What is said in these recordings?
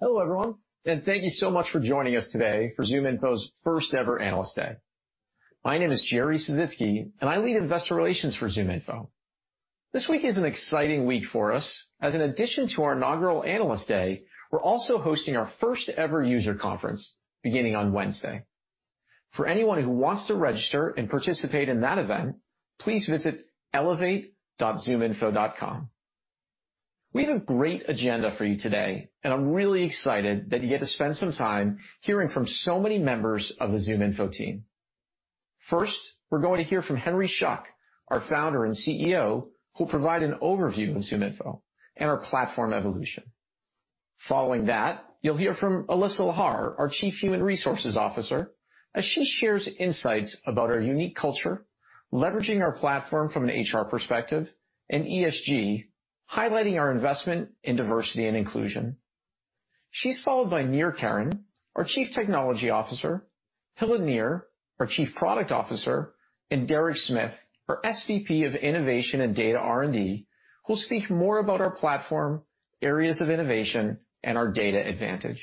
Hello, everyone, thank you so much for joining us today for ZoomInfo's first-ever Analyst Day. My name is Jerry Sisitsky, and I lead investor relations for ZoomInfo. This week is an exciting week for us. As an addition to our inaugural Analyst Day, we're also hosting our first ever user conference beginning on Wednesday. For anyone who wants to register and participate in that event, please visit elevate.zoominfo.com. We have a great agenda for you today, and I'm really excited that you get to spend some time hearing from so many members of the ZoomInfo team. First, we're going to hear from Henry Schuck, our Founder and CEO, who'll provide an overview of ZoomInfo and our platform evolution. Following that, you'll hear from Alyssa Lahar, our Chief Human Resources Officer, as she shares insights about our unique culture, leveraging our platform from an HR perspective, and ESG, highlighting our investment in diversity and inclusion. She's followed by Nir Keren, our Chief Technology Officer, Hila Nir, our Chief Product Officer, and Derek Schmidt, our SVP of Innovation and Data R&D, who'll speak more about our platform, areas of innovation, and our data advantage.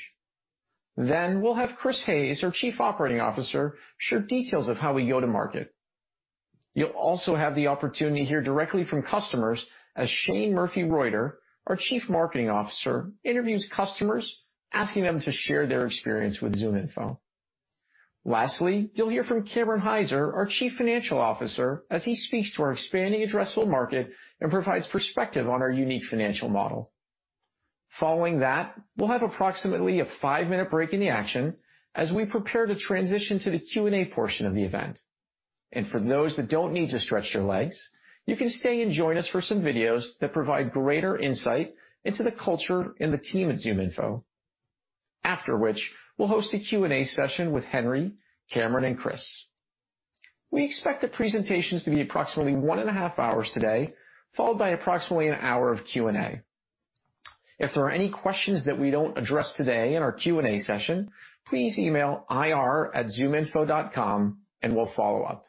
We'll have Chris Hays, our Chief Operating Officer, share details of how we go to market. You'll also have the opportunity to hear directly from customers as Shane Murphy-Reuter, our Chief Marketing Officer, interviews customers, asking them to share their experience with ZoomInfo. Lastly, you'll hear from Cameron Hyzer, our Chief Financial Officer, as he speaks to our expanding addressable market and provides perspective on our unique financial model. Following that, we'll have approximately a 5-minute break in the action as we prepare to transition to the Q&A portion of the event. For those that don't need to stretch their legs, you can stay and join us for some videos that provide greater insight into the culture and the team at ZoomInfo, after which we'll host a Q&A session with Henry, Cameron, and Chris. We expect the presentations to be approximately one and a half hours today, followed by approximately an hour of Q&A. If there are any questions that we don't address today in our Q&A session, please email ir@zoominfo.com and we'll follow up.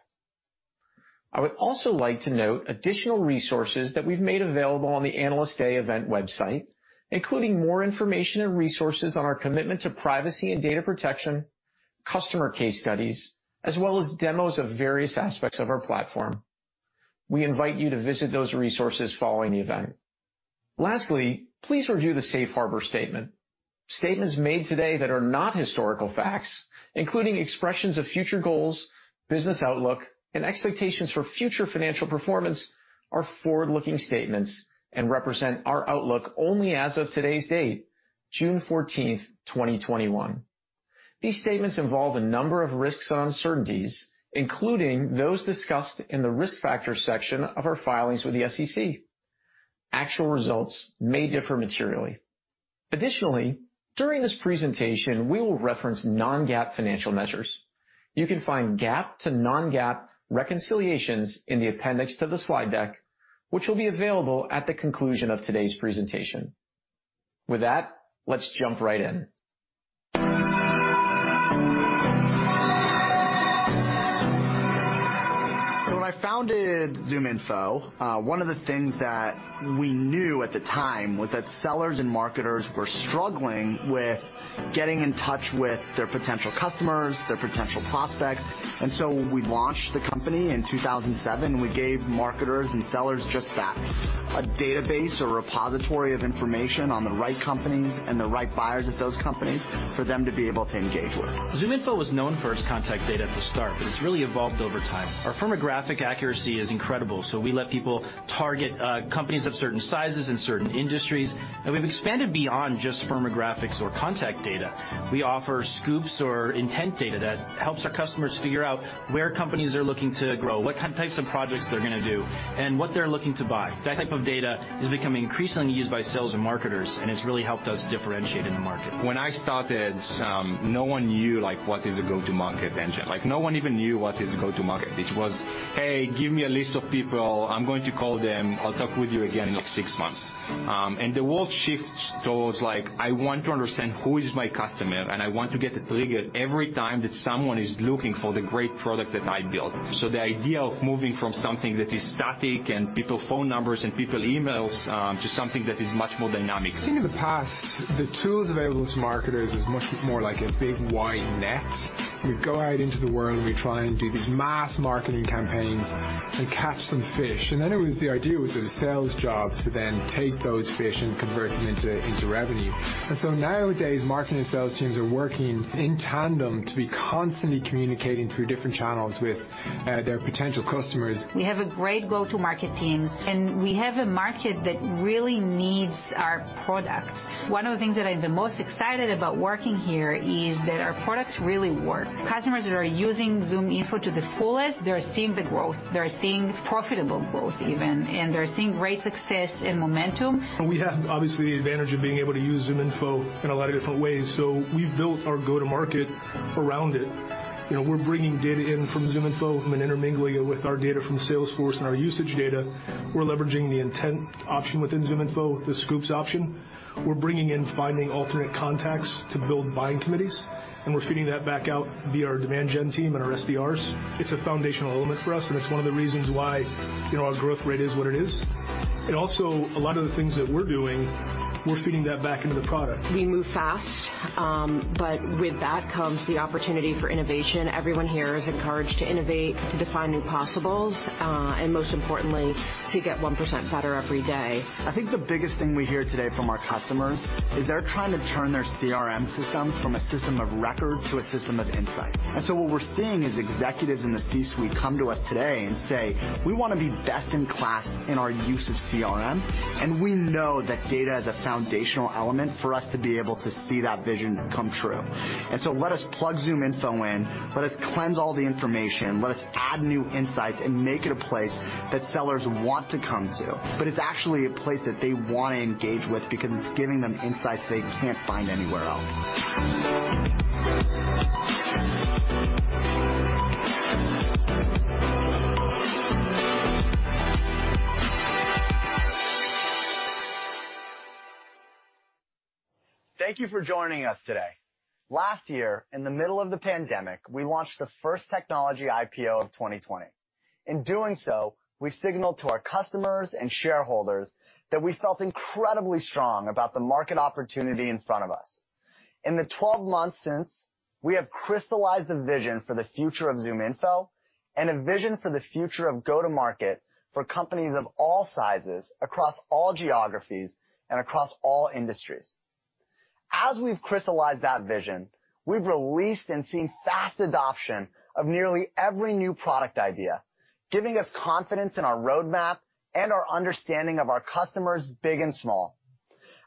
I would also like to note additional resources that we've made available on the Analyst Day event website, including more information and resources on our commitment to privacy and data protection, customer case studies, as well as demos of various aspects of our platform. We invite you to visit those resources following the event. Lastly, please review the safe harbor statement. Statements made today that are not historical facts, including expressions of future goals, business outlook, and expectations for future financial performance, are forward-looking statements and represent our outlook only as of today's date, June 14th, 2021. These statements involve a number of risks and uncertainties, including those discussed in the risk factors section of our filings with the SEC. Actual results may differ materially. Additionally, during this presentation, we will reference non-GAAP financial measures. You can find GAAP to non-GAAP reconciliations in the appendix to the slide deck, which will be available at the conclusion of today's presentation. With that, let's jump right in. When I founded ZoomInfo, one of the things that we knew at the time was that sellers and marketers were struggling with getting in touch with their potential customers, their potential prospects. When we launched the company in 2007, we gave marketers and sellers just that. A database, a repository of information on the right companies and the right buyers at those companies for them to be able to Engage with. ZoomInfo was known for its contact data at the start, but it's really evolved over time. Our firmographic accuracy is incredible. We let people target companies of certain sizes in certain industries, and we've expanded beyond just firmographics or contact data. We offer Scoops or intent data that helps our customers figure out where companies are looking to grow, what types of projects they're going to do, and what they're looking to buy. That type of data is becoming increasingly used by sales and marketers, and it's really helped us differentiate in the market. When I started, no one knew, like, what is a go-to-market engine? No one even knew what is a go-to-market. It was, "Hey, give me a list of people. I'm going to call them. I'll talk with you again in, like, six months." The world shift towards, like, I want to understand who is my customer, and I want to get a trigger every time that someone is looking for the great product that I built. The idea of moving from something that is static and people phone numbers and people emails, to something that is much more dynamic. In the past, the tools available to marketers was much more like a big wide net. We'd go out into the world, and we'd try and do these mass marketing campaigns to catch some fish. Then it was the idea it was a sales job to then take those fish and convert them into revenue. Nowadays, marketing sales teams are working in tandem to be constantly communicating through different channels with their potential customers. We have a great go-to-market teams, and we have a market that really needs our products. One of the things that I'm the most excited about working here is that our products really work. Customers that are using ZoomInfo to the fullest, they are seeing the growth. They are seeing profitable growth even, and they're seeing great success and momentum. We have obviously the advantage of being able to use ZoomInfo in a lot of different ways. We've built our go-to-market around it. We're bringing data in from ZoomInfo and then intermingling it with our data from Salesforce and our usage data. We're leveraging the intent option within ZoomInfo with the Scoops option. We're bringing in finding alternate contacts to build buying committees, and we're feeding that back out via our demand gen team, our SDRs. It's a foundational element for us, and it's one of the reasons why our growth rate is what it is. Also a lot of the things that we're doing, we're feeding that back into the product. We move fast. With that comes the opportunity for innovation. Everyone here is encouraged to innovate, to define new possibles, and most importantly, to get 1% better every day. I think the biggest thing we hear today from our customers is they're trying to turn their CRM systems from a system of record to a system of insight. What we're seeing is executives in the C-suite come to us today and say, "We want to be best in class in our use of CRM, and we know that data is a foundational element for us to be able to see that vision come true. Let us plug ZoomInfo in, let us cleanse all the information, let us add new insights, and make it a place that sellers want to come to. It's actually a place that they want to Engage with because it's giving them insights they can't find anywhere else. Thank you for joining us today. Last year, in the middle of the pandemic, we launched the first technology IPO of 2020. In doing so, we signaled to our customers and shareholders that we felt incredibly strong about the market opportunity in front of us. In the 12-months since, we have crystallized a vision for the future of ZoomInfo, and a vision for the future of go-to-market for companies of all sizes, across all geographies, and across all industries. As we've crystallized that vision, we've released and seen fast adoption of nearly every new product idea, giving us confidence in our roadmap and our understanding of our customers, big and small.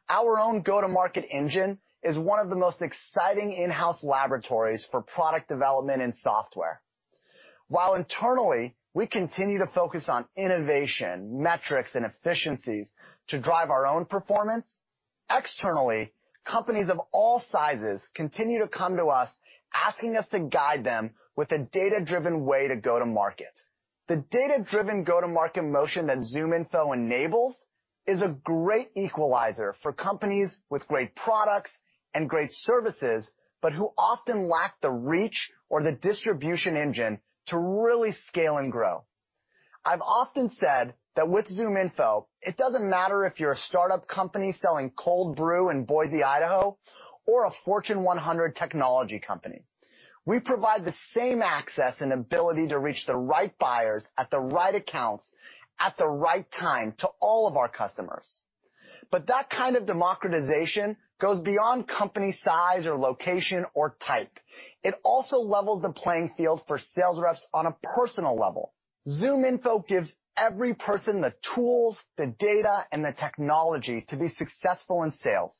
Our own go-to-market engine is one of the most exciting in-house laboratories for product development and software. While internally, we continue to focus on innovation, metrics, and efficiencies to drive our own performance, externally, companies of all sizes continue to come to us asking us to guide them with a data-driven way to go to market. The data-driven go-to-market motion that ZoomInfo enables is a great equalizer for companies with great products and great services, but who often lack the reach or the distribution engine to really scale and grow. I've often said that with ZoomInfo, it doesn't matter if you're a startup company selling cold brew in Boise, Idaho, or a Fortune 100 technology company. We provide the same access and ability to reach the right buyers at the right accounts at the right time to all of our customers. That kind of democratization goes beyond company size or location or type. It also levels the playing field for sales reps on a personal level. ZoomInfo gives every person the tools, the data, and the technology to be successful in sales.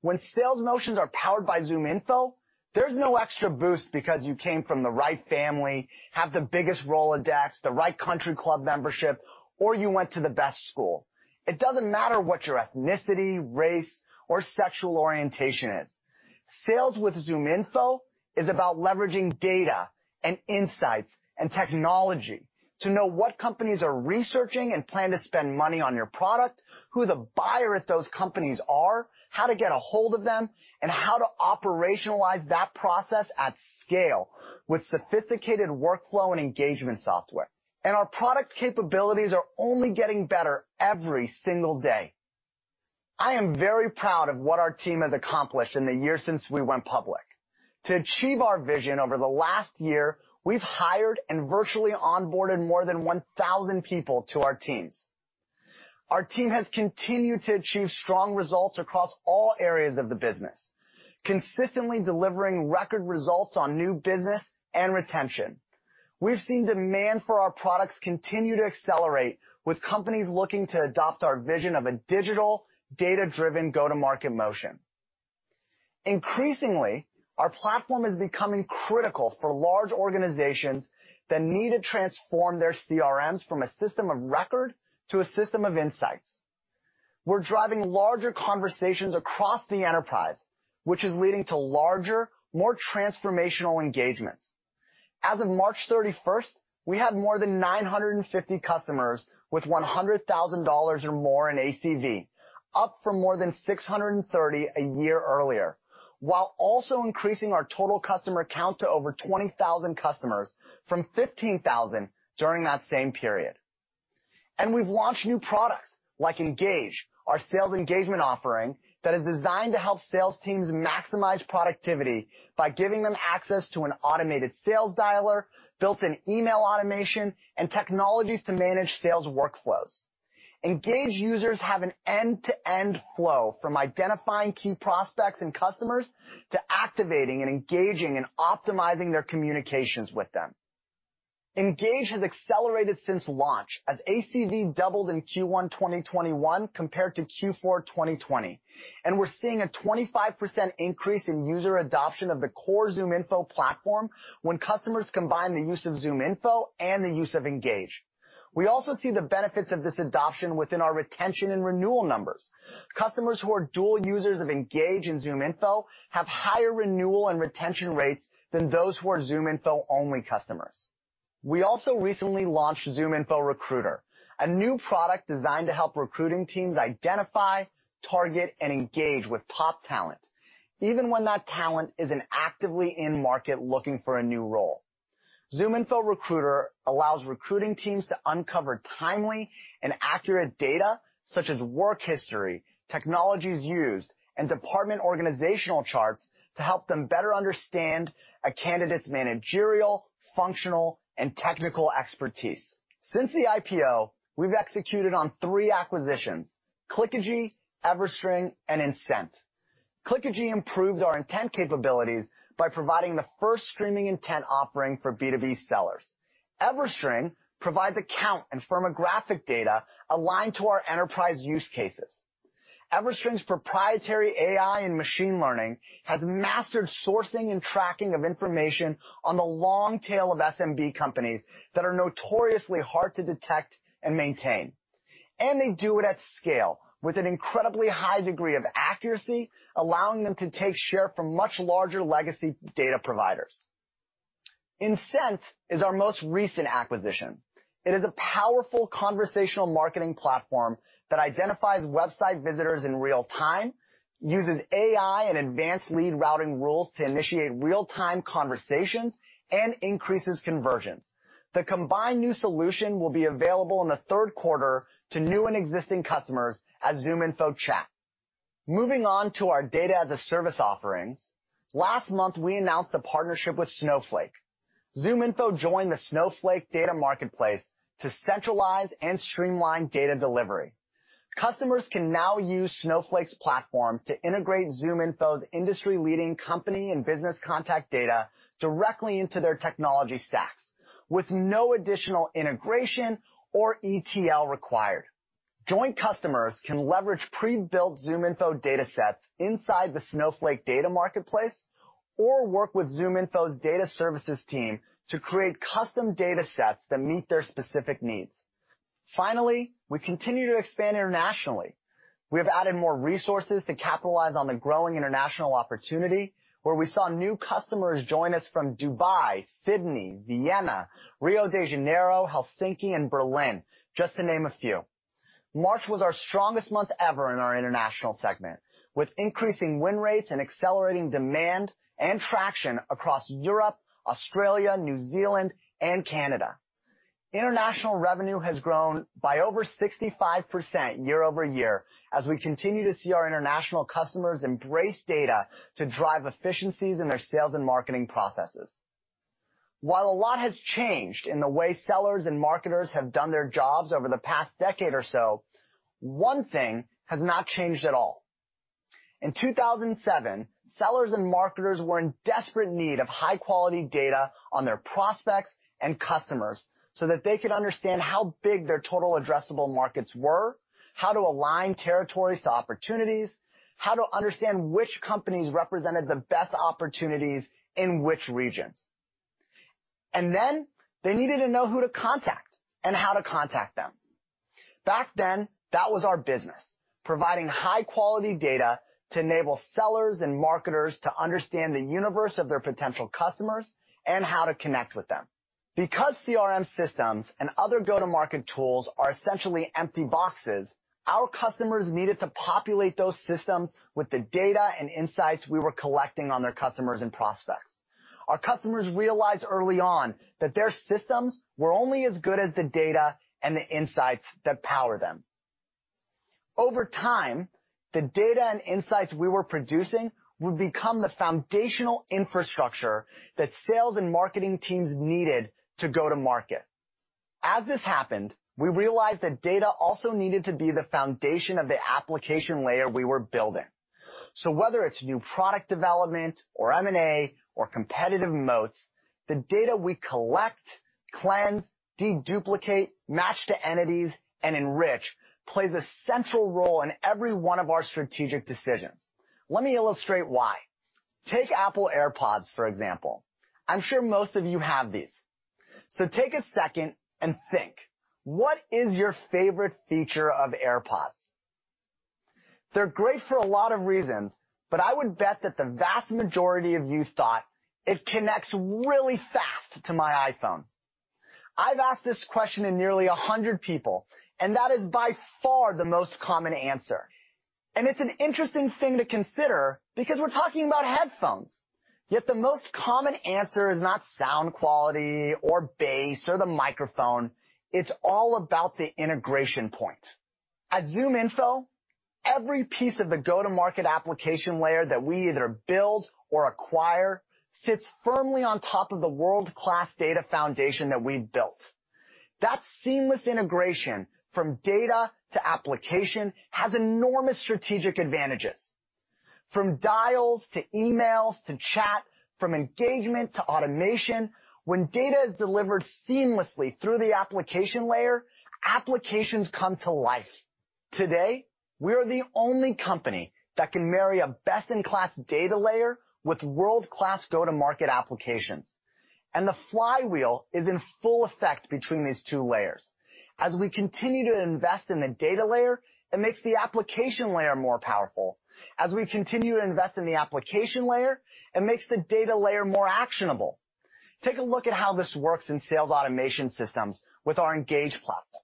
When sales motions are powered by ZoomInfo, there's no extra boost because you came from the right family, have the biggest Rolodex, the right country club membership, or you went to the best school. It doesn't matter what your ethnicity, race, or sexual orientation is. Sales with ZoomInfo is about leveraging data and insights and technology to know what companies are researching and plan to spend money on your product, who the buyer at those companies are, how to get ahold of them, and how to operationalize that process at scale with sophisticated workflow and engagement software. Our product capabilities are only getting better every single day. I am very proud of what our team has accomplished in the year since we went public. To achieve our vision over the last year, we've hired and virtually onboarded more than 1,000 people to our teams. Our team has continued to achieve strong results across all areas of the business, consistently delivering record results on new business and retention. We've seen demand for our products continue to accelerate with companies looking to adopt our vision of a digital, data-driven go-to-market motion. Increasingly, our platform is becoming critical for large organizations that need to transform their CRMs from a system of record to a system of insights. We're driving larger conversations across the enterprise, which is leading to larger, more transformational engagements. As of March 31st, we had more than 950 customers with $100,000 or more in ACV, up from more than 630 a year earlier, while also increasing our total customer count to over 20,000 customers from 15,000 during that same period. We've launched new products, like Engage, our sales engagement offering that is designed to help sales teams maximize productivity by giving them access to an automated sales dialer, built-in email automation, and technologies to manage sales Workflows. Engage users have an end-to-end flow from identifying key prospects and customers to activating and engaging and optimizing their communications with them. Engage has accelerated since launch, as ACV doubled in Q1 2021 compared to Q4 2020, and we're seeing a 25% increase in user adoption of the core ZoomInfo platform when customers combine the use of ZoomInfo and the use of Engage. We also see the benefits of this adoption within our retention and renewal numbers. Customers who are dual users of Engage and ZoomInfo have higher renewal and retention rates than those who are ZoomInfo-only customers. We also recently launched ZoomInfo Recruiter, a new product designed to help recruiting teams identify, target, and Engage with top talent, even when that talent isn't actively in market looking for a new role. ZoomInfo Recruiter allows recruiting teams to uncover timely and accurate data such as work history, technologies used, and department organizational charts to help them better understand a candidate's managerial, functional, and technical expertise. Since the IPO, we've executed on three acquisitions, Clickagy, EverString, and Insent. Clickagy improves our intent capabilities by providing the first Streaming Intent offering for B2B sellers. EverString provides account and firmographic data aligned to our enterprise use cases. EverString's proprietary AI and machine learning has mastered sourcing and tracking of information on the long tail of SMB companies that are notoriously hard to detect and maintain. They do it at scale with an incredibly high degree of accuracy, allowing them to take share from much larger legacy data providers. Insent is our most recent acquisition. It is a powerful conversational marketing platform that identifies website visitors in real time, uses AI and advanced lead routing rules to initiate real-time conversations, and increases conversions. The combined new solution will be available in the third quarter to new and existing customers as ZoomInfo Chat. Moving on to our data as a service offerings. Last month, we announced a partnership with Snowflake. ZoomInfo joined the Snowflake Data Marketplace to centralize and streamline data delivery. Customers can now use Snowflake's platform to integrate ZoomInfo's industry-leading company and business contact data directly into their technology stacks with no additional integration or ETL required. Joint customers can leverage pre-built ZoomInfo data sets inside the Snowflake Data Marketplace or work with ZoomInfo's data services team to create custom data sets that meet their specific needs. Finally, we continue to expand internationally. We've added more resources to capitalize on the growing international opportunity, where we saw new customers join us from Dubai, Sydney, Vienna, Rio de Janeiro, Helsinki, and Berlin, just to name a few. March was our strongest month ever in our international segment, with increasing win rates and accelerating demand and traction across Europe, Australia, New Zealand, and Canada. International revenue has grown by over 65% year-over-year as we continue to see our international customers embrace data to drive efficiencies in their sales and marketing processes. While a lot has changed in the way sellers and marketers have done their jobs over the past decade or so, one thing has not changed at all. In 2007, sellers and marketers were in desperate need of high-quality data on their prospects and customers so that they could understand how big their total addressable markets were, how to align territories to opportunities, how to understand which companies represented the best opportunities in which regions. Then they needed to know who to contact and how to contact them. Back then, that was our business, providing high-quality data to enable sellers and marketers to understand the universe of their potential customers and how to connect with them. Because CRM systems and other go-to-market tools are essentially empty boxes, our customers needed to populate those systems with the data and insights we were collecting on their customers and prospects. Our customers realized early on that their systems were only as good as the data and the insights that power them. Over time, the data and insights we were producing would become the foundational infrastructure that sales and marketing teams needed to go to market. As this happened, we realized that data also needed to be the foundation of the application layer we were building. Whether it's new product development or M&A or competitive moats, the data we collect, cleanse, de-duplicate, match to entities, and enrich plays a central role in every one of our strategic decisions. Let me illustrate why. Take Apple AirPods, for example. I'm sure most of you have these. Take a second and think, what is your favorite feature of AirPods? They're great for a lot of reasons, but I would bet that the vast majority of you thought, "It connects really fast to my iPhone." I've asked this question to nearly 100 people, That is by far the most common answer. It's an interesting thing to consider because we're talking about headphones. Yet the most common answer is not sound quality or bass or the microphone. It's all about the integration point. At ZoomInfo, every piece of the go-to-market application layer that we either build or acquire sits firmly on top of the world-class data foundation that we've built. That seamless integration from data to application has enormous strategic advantages. From dials to emails to chat, from engagement to automation, when data is delivered seamlessly through the application layer, applications come to life. Today, we are the only company that can marry a best-in-class data layer with world-class go-to-market applications. The flywheel is in full effect between these two layers. As we continue to invest in the data layer, it makes the application layer more powerful. As we continue to invest in the application layer, it makes the data layer more actionable. Take a look at how this works in sales automation systems with our Engage platform.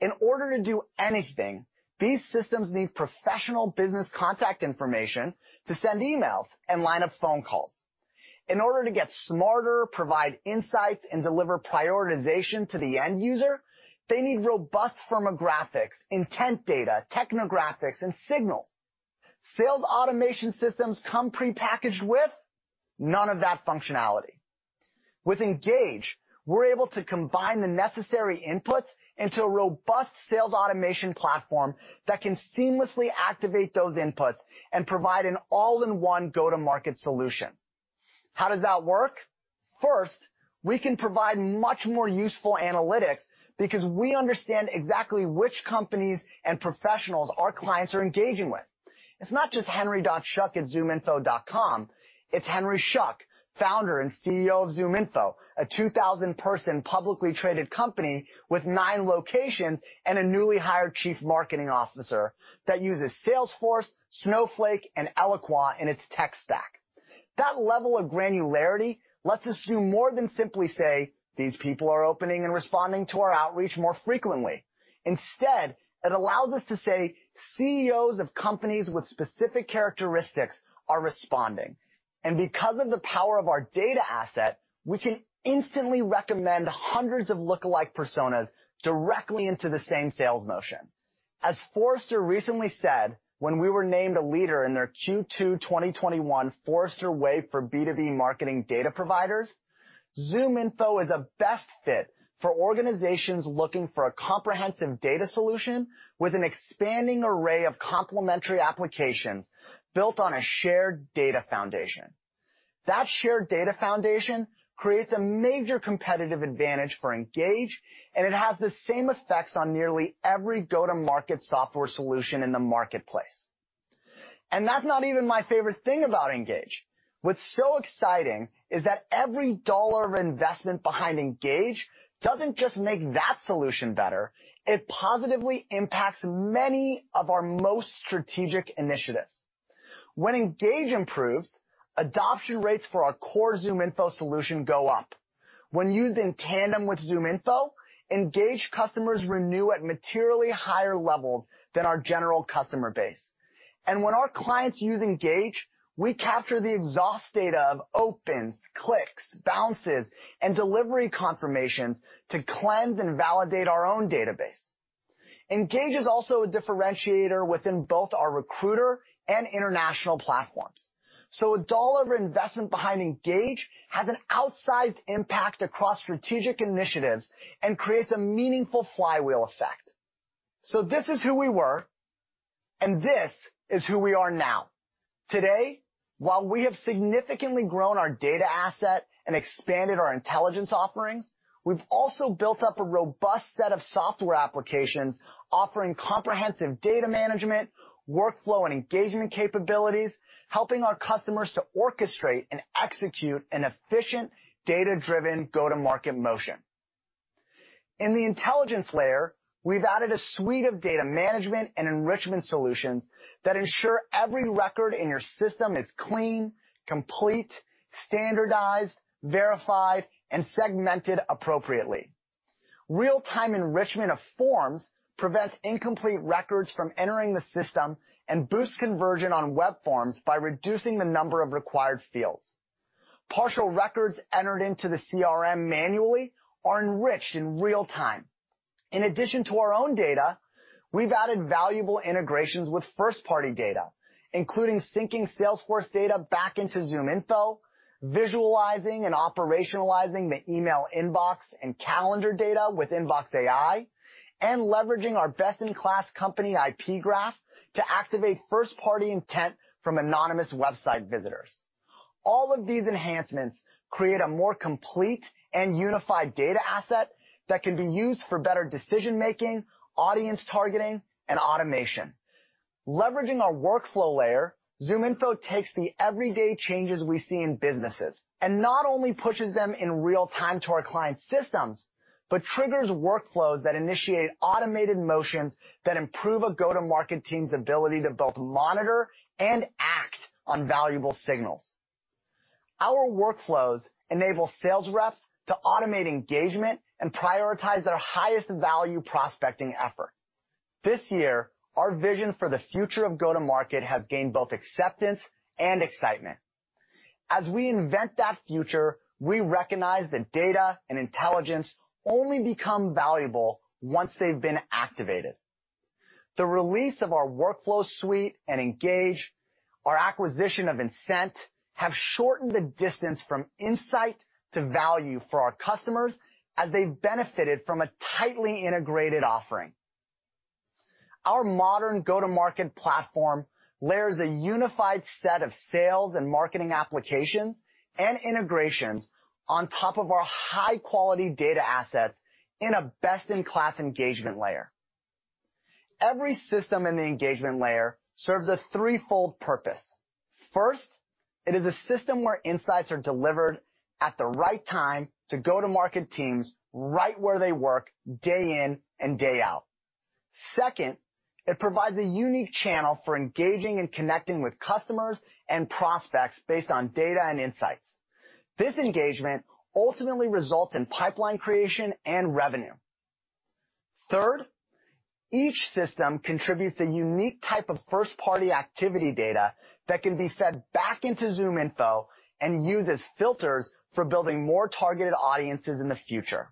In order to do anything, these systems need professional business contact information to send emails and line up phone calls. In order to get smarter, provide insights, and deliver prioritization to the end user, they need robust firmographics, intent data, technographics, and signals. Sales automation systems come prepackaged with none of that functionality. With Engage, we're able to combine the necessary inputs into a robust sales automation platform that can seamlessly activate those inputs and provide an all-in-one go-to-market solution. How does that work? First, we can provide much more useful analytics because we understand exactly which companies and professionals our clients are engaging with. It's not just henry.schuck@zoominfo.com. It's Henry Schuck, Founder and CEO of ZoomInfo, a 2,000-person publicly traded company with nine locations and a newly hired Chief Marketing Officer that uses Salesforce, Snowflake, and Eloqua in its tech stack. That level of granularity lets us do more than simply say, "These people are opening and responding to our Outreach more frequently." Instead, it allows us to say, "CEOs of companies with specific characteristics are responding." Because of the power of our data asset, we can instantly recommend hundreds of lookalike personas directly into the same sales motion. As Forrester recently said when we were named a leader in their Q2 2021 Forrester Wave for B2B Marketing Data Providers, ZoomInfo is a best fit for organizations looking for a comprehensive data solution with an expanding array of complementary applications built on a shared data foundation. That shared data foundation creates a major competitive advantage for Engage, and it has the same effects on nearly every go-to-market software solution in the marketplace. That's not even my favorite thing about Engage. What's so exciting is that every dollar of investment behind Engage doesn't just make that solution better, it positively impacts many of our most strategic initiatives. When Engage improves, adoption rates for our core ZoomInfo solution go up. When used in tandem with ZoomInfo, Engage customers renew at materially higher levels than our general customer base. When our clients use Engage, we capture the exhaust data of opens, clicks, bounces, and delivery confirmations to cleanse and validate our own database. Engage is also a differentiator within both our Recruiter and international platforms. A $1 of investment behind Engage has an outsized impact across strategic initiatives and creates a meaningful flywheel effect. This is who we were, and this is who we are now. Today, while we have significantly grown our data asset and expanded our intelligence offerings, we've also built up a robust set of software applications offering comprehensive data management, workflow, and engagement capabilities, helping our customers to orchestrate and execute an efficient, data-driven go-to-market motion. In the intelligence layer, we've added a suite of data management and enrichment solutions that ensure every record in your system is clean, complete, standardized, verified, and segmented appropriately. Real-time enrichment of forms prevents incomplete records from entering the system and boosts conversion on web forms by reducing the number of required fields. Partial records entered into the CRM manually are enriched in real time. In addition to our own data, we've added valuable integrations with first-party data, including syncing Salesforce data back into ZoomInfo, visualizing and operationalizing the email inbox and calendar data with InboxAI, and leveraging our best-in-class company IP graph to activate first-party intent from anonymous website visitors. All of these enhancements create a more complete and unified data asset that can be used for better decision-making, audience targeting, and automation. Leveraging our workflow layer, ZoomInfo takes the everyday changes we see in businesses and not only pushes them in real time to our clients' systems, but triggers Workflows that initiate automated motions that improve a go-to-market team's ability to both monitor and act on valuable signals. Our Workflows enable sales reps to automate engagement and prioritize their highest value prospecting efforts. This year, our vision for the future of go-to-market has gained both acceptance and excitement. As we invent that future, we recognize that data and intelligence only become valuable once they've been activated. The release of our workflow suite and Engage, our acquisition of Insent, have shortened the distance from insight to value for our customers as they benefited from a tightly integrated offering. Our modern go-to-market platform layers a unified set of sales and marketing applications and integrations on top of our high-quality data assets in a best-in-class engagement layer. Every system in the engagement layer serves a threefold purpose. First, it is a system where insights are delivered at the right time to go-to-market teams right where they work day in and day out. Second, it provides a unique channel for engaging and connecting with customers and prospects based on data and insights. This engagement ultimately results in pipeline creation and revenue. Third, each system contributes a unique type of first-party activity data that can be fed back into ZoomInfo and used as filters for building more targeted audiences in the future.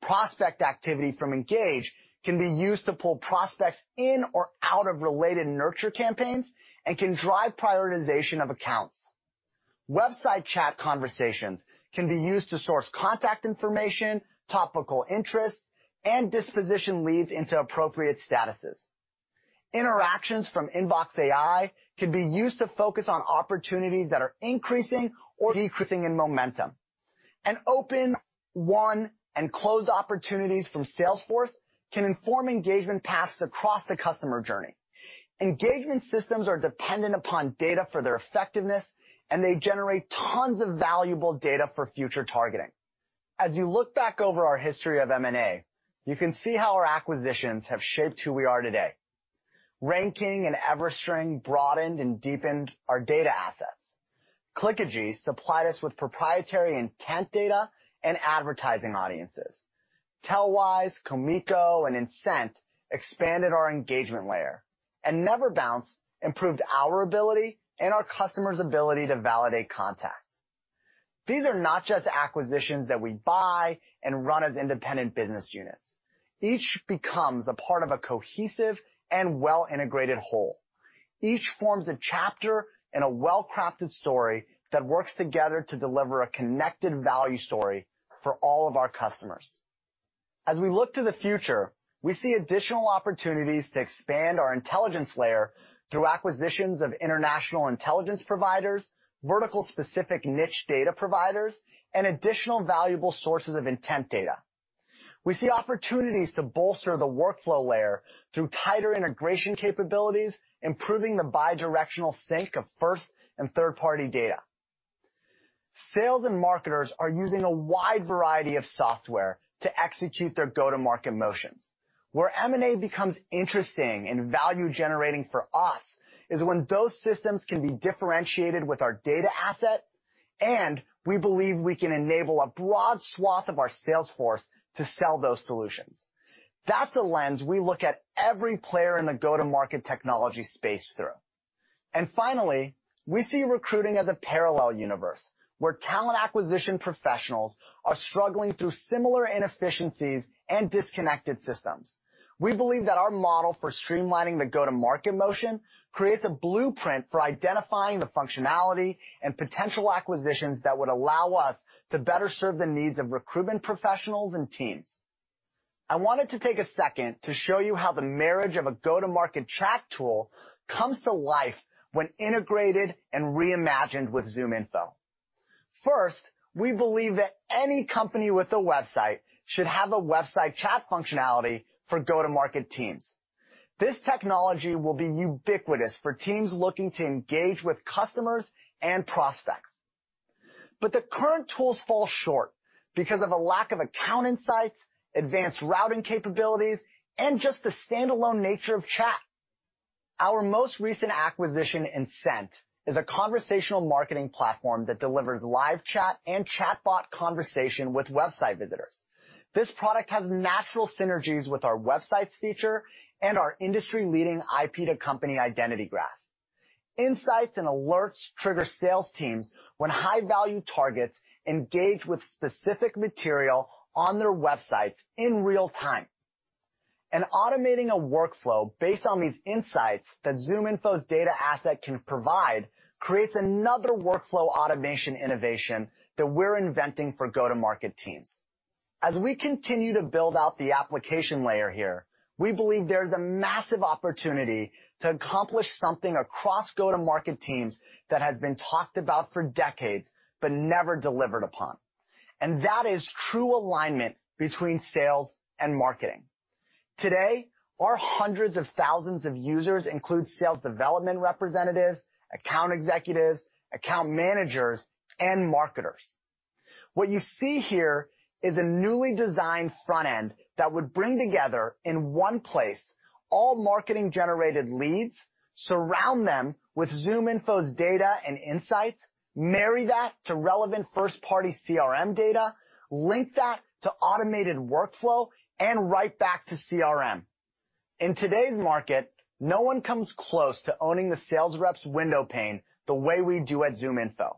Prospect activity from Engage can be used to pull prospects in or out of related nurture campaigns and can drive prioritization of accounts. Website chat conversations can be used to source contact information, topical interests, and disposition leads into appropriate statuses. Interactions from InboxAI can be used to focus on opportunities that are increasing or decreasing in momentum. Open, won, and closed opportunities from Salesforce can inform engagement paths across the customer journey. Engagement systems are dependent upon data for their effectiveness, and they generate tons of valuable data for future targeting. As you look back over our history of M&A, you can see how our acquisitions have shaped who we are today. RainKing and EverString broadened and deepened our data assets. Clickagy supplied us with proprietary intent data and advertising audiences. Tellwise, Komiko, and Insent expanded our engagement layer, and NeverBounce improved our ability and our customers' ability to validate contacts. These are not just acquisitions that we buy and run as independent business units. Each becomes a part of a cohesive and well-integrated whole. Each forms a chapter in a well-crafted story that works together to deliver a connected value story for all of our customers. As we look to the future, we see additional opportunities to expand our intelligence layer through acquisitions of international intelligence providers, vertical-specific niche data providers, and additional valuable sources of intent data. We see opportunities to bolster the workflow layer through tighter integration capabilities, improving the bidirectional sync of first and third-party data. Sales and marketers are using a wide variety of software to execute their go-to-market motions. Where M&A becomes interesting and value-generating for us is when those systems can be differentiated with our data asset, and we believe we can enable a broad swath of our sales force to sell those solutions. That's the lens we look at every player in the go-to-market technology space through. Finally, we see recruiting as a parallel universe where talent acquisition professionals are struggling through similar inefficiencies and disconnected systems. We believe that our model for streamlining the go-to-market motion creates a blueprint for identifying the functionality and potential acquisitions that would allow us to better serve the needs of recruitment professionals and teams. I wanted to take a second to show you how the marriage of a go-to-market chat tool comes to life when integrated and reimagined with ZoomInfo. First, we believe that any company with a website should have a website chat functionality for go-to-market teams. This technology will be ubiquitous for teams looking to Engage with customers and prospects. The current tools fall short because of a lack of account insights, advanced routing capabilities, and just the standalone nature of chat. Our most recent acquisition, Insent, is a conversational marketing platform that delivers live chat and chatbot conversation with website visitors. This product has natural synergies with our WebSights feature and our industry-leading IP-to-company identity graph. Insights and alerts trigger sales teams when high-value targets Engage with specific material on their websites in real time. Automating a workflow based on these insights that ZoomInfo's data asset can provide creates another workflow automation innovation that we're inventing for go-to-market teams. As we continue to build out the application layer here, we believe there's a massive opportunity to accomplish something across go-to-market teams that has been talked about for decades but never delivered upon. That is true alignment between sales and marketing. Today, our hundreds of thousands of users include sales development representatives, account executives, account managers, and marketers. What you see here is a newly designed front end that would bring together in one place all marketing-generated leads, surround them with ZoomInfo's data and insights, marry that to relevant first-party CRM data, link that to automated workflow, and right back to CRM. In today's market, no one comes close to owning the sales rep's window pane the way we do at ZoomInfo.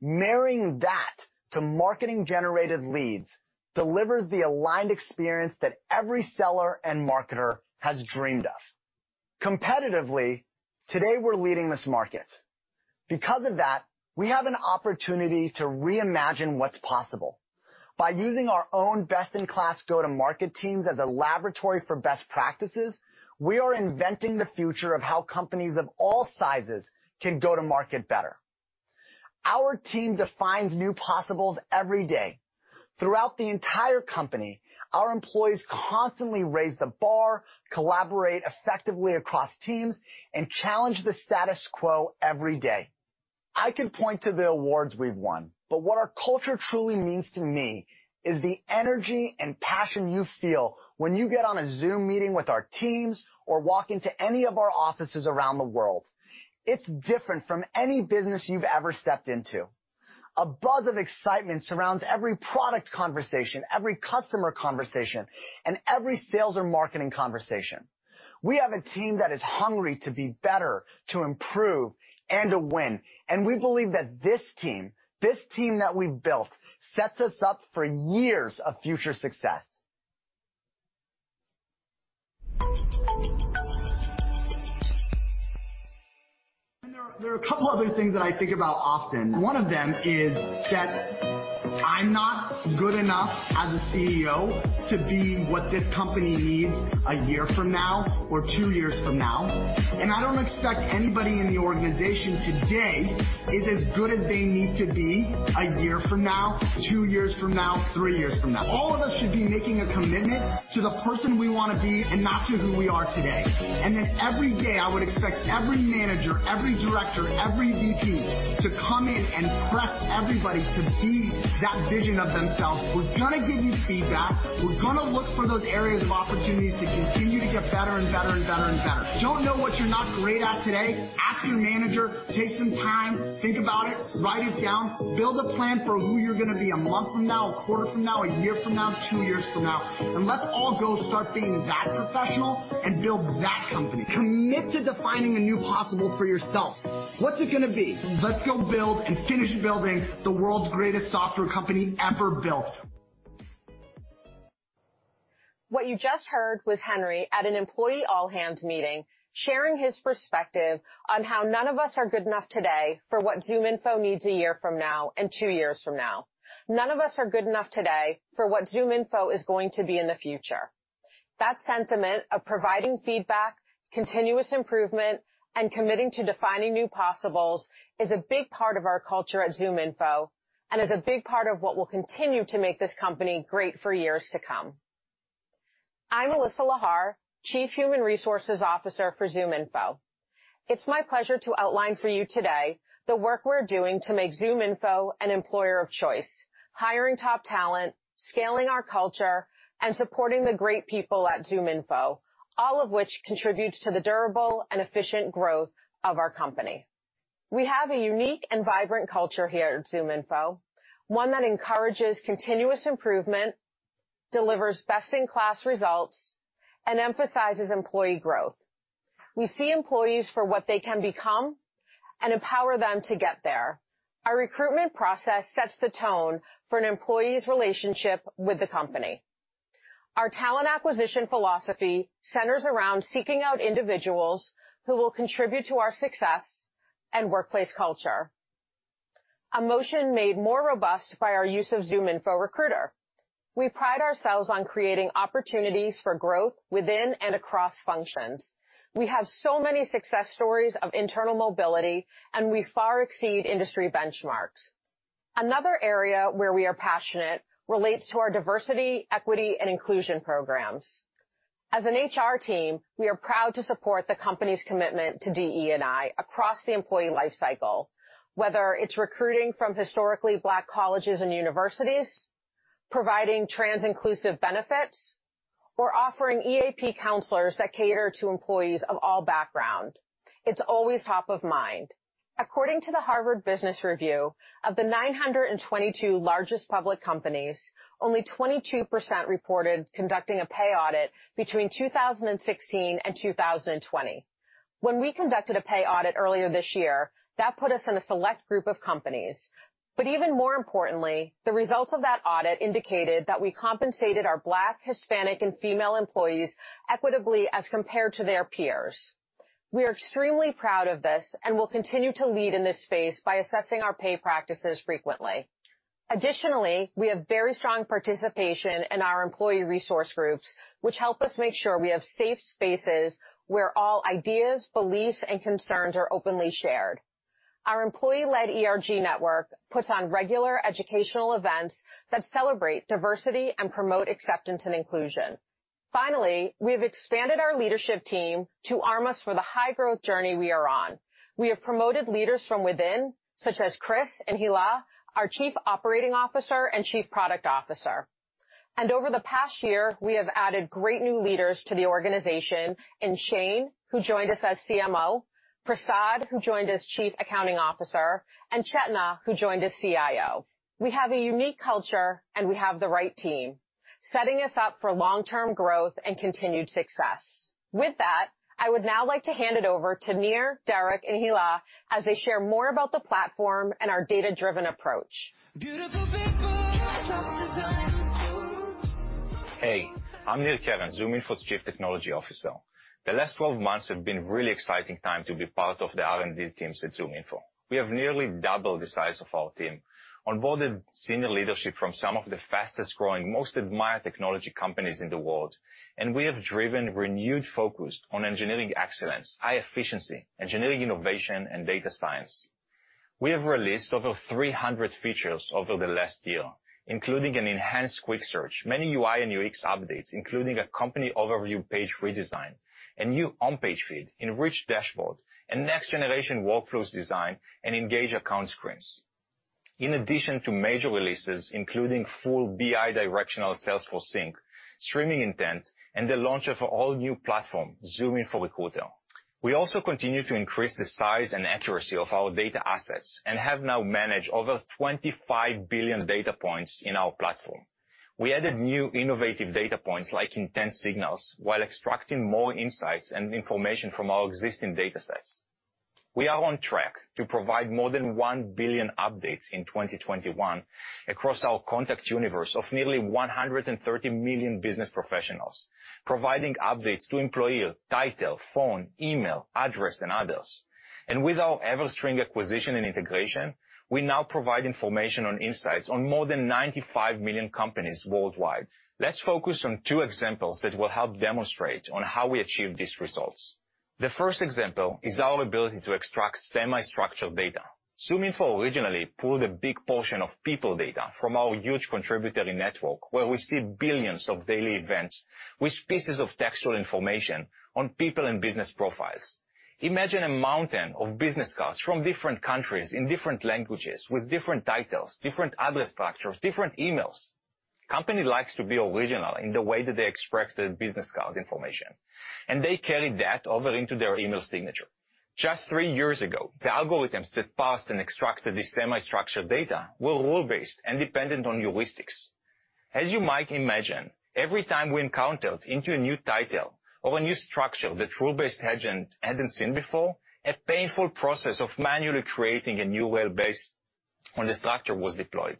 Marrying that to marketing-generated leads delivers the aligned experience that every seller and marketer has dreamed of. Competitively, today we're leading this market. Because of that, we have an opportunity to reimagine what's possible. By using our own best-in-class go-to-market teams as a laboratory for best practices, we are inventing the future of how companies of all sizes can go to market better. Our team defines new possibles every day. Throughout the entire company, our employees constantly raise the bar, collaborate effectively across teams, and challenge the status quo every day. I could point to the awards we've won, but what our culture truly means to me is the energy and passion you feel when you get on a Zoom meeting with our teams or walk into any of our offices around the world. It's different from any business you've ever stepped into. A buzz of excitement surrounds every product conversation, every customer conversation, and every sales or marketing conversation. We have a team that is hungry to be better, to improve, and to win, and we believe that this team, this team that we've built, sets us up for years of future success. There are a couple other things that I think about often. One of them is that I'm not good enough as a CEO To be what this company needs a year from now or two years from now. I don't expect anybody in the organization today is as good as they need to be a year from now, two years from now, three years from now. All of us should be making a commitment to the person we want to be and not to who we are today. Every day, I would expect every manager, every director, every VP to come in and prep everybody to be that vision of themselves. We're going to give you feedback. We're going to look for those areas of opportunities to continue to get better and better. If you don't know what you're not great at today, ask your manager, take some time, think about it, write it down. Build a plan for who you're going to be a month from now, a quarter from now, a year from now, two years from now. Let's all go start being that professional and build that company. Committed to finding the new possible for yourself. What's it going to be? Let's go build and finish building the world's greatest software company ever built. What you just heard was Henry at an employee all-hands meeting, sharing his perspective on how none of us are good enough today for what ZoomInfo needs a year from now and two years from now. None of us are good enough today for what ZoomInfo is going to be in the future. That sentiment of providing feedback, continuous improvement, and committing to defining new possibles is a big part of our culture at ZoomInfo, is a big part of what will continue to make this company great for years to come. I'm Alyssa Lahar, Chief Human Resources Officer for ZoomInfo. It's my pleasure to outline for you today the work we're doing to make ZoomInfo an employer of choice, hiring top talent, scaling our culture, and supporting the great people at ZoomInfo, all of which contributes to the durable and efficient growth of our company. We have a unique and vibrant culture here at ZoomInfo, one that encourages continuous improvement, delivers best-in-class results, and emphasizes employee growth. We see employees for what they can become and empower them to get there. Our recruitment process sets the tone for an employee's relationship with the company. Our talent acquisition philosophy centers around seeking out individuals who will contribute to our success and workplace culture. A motion made more robust by our use of ZoomInfo Recruiter. We pride ourselves on creating opportunities for growth within and across functions. We have so many success stories of internal mobility, and we far exceed industry benchmarks. Another area where we are passionate relates to our diversity, equity, and inclusion programs. As an HR team, we are proud to support the company's commitment to DE&I across the employee lifecycle, whether it's recruiting from historically Black colleges and universities, providing trans-inclusive benefits, or offering EAP counselors that cater to employees of all background. It's always top of mind. According to the Harvard Business Review, of the 922 largest public companies, only 22% reported conducting a pay audit between 2016 and 2020. When we conducted a pay audit earlier this year, that put us in a select group of companies. Even more importantly, the results of that audit indicated that we compensated our Black, Hispanic, and female employees equitably as compared to their peers. We are extremely proud of this and will continue to lead in this space by assessing our pay practices frequently. Additionally, we have very strong participation in our employee resource groups, which help us make sure we have safe spaces where all ideas, beliefs, and concerns are openly shared. Our employee-led ERG network puts on regular educational events that celebrate diversity and promote acceptance and inclusion. Finally, we have expanded our leadership team to arm us for the high-growth journey we are on. We have promoted leaders from within, such as Chris Hays and Hila Nir, our Chief Operating Officer and Chief Product Officer. Over the past year, we have added great new leaders to the organization in Shane, who joined us as CMO, Prasad, who joined as Chief Accounting Officer, and Chetna, who joined as CIO. We have a unique culture and we have the right team, setting us up for long-term growth and continued success. With that, I would now like to hand it over to Nir, Derek, and Hila as they share more about the platform and our data-driven approach. Hey, I'm Nir Keren, ZoomInfo's Chief Technology Officer. The last 12-months have been really exciting time to be part of the R&D team at ZoomInfo. We have nearly doubled the size of our team, onboarded senior leadership from some of the fastest-growing, most admired technology companies in the world, and we have driven renewed focus on engineering excellence, high efficiency, engineering innovation, and data science. We have released over 300 features over the last year, including an enhanced quick search, many UI and UX updates, including a company overview page redesign, a new on-page feed, enriched dashboard, a next-generation Workflows design, and engaged accounts screens. In addition to major releases, including full bi-directional Salesforce Sync, Streaming Intent, and the launch of our all-new platform, ZoomInfo Recruiter. We also continue to increase the size and accuracy of our data assets and have now managed over 25 billion data points in our platform. We added new innovative data points like intent signals while extracting more insights and information from our existing datasets. We are on track to provide more than 1 billion updates in 2021 across our contact universe of nearly 130 million business professionals, providing updates to employer, title, phone, email, address, and others. With our EverString acquisition and integration, we now provide information on insights on more than 95 million companies worldwide. Let's focus on two examples that will help demonstrate on how we achieve these results. The first example is our ability to extract semi-structured data. ZoomInfo originally pulled a big portion of people data from our huge contributory network, where we see billions of daily events with pieces of textual information on people and business profiles. Imagine a mountain of business cards from different countries in different languages with different titles, different address structures, different emails. Companies likes to be original in the way that they express their business card information, and they carry that over into their email signature. Just three years ago, the algorithms that parsed and extracted this semi-structured data were rule-based and dependent on heuristics. As you might imagine, every time we encountered into a new title or a new structure that rule-based hadn't seen before, a painful process of manually creating a new rule base when the structure was deployed.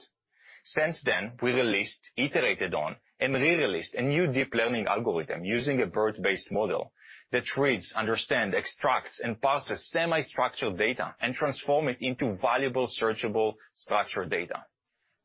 Since then, we released, iterated on, and released a new deep learning algorithm using a BERT-based model that reads, understands, extracts, and parses semi-structured data and transforms it into valuable, searchable structured data.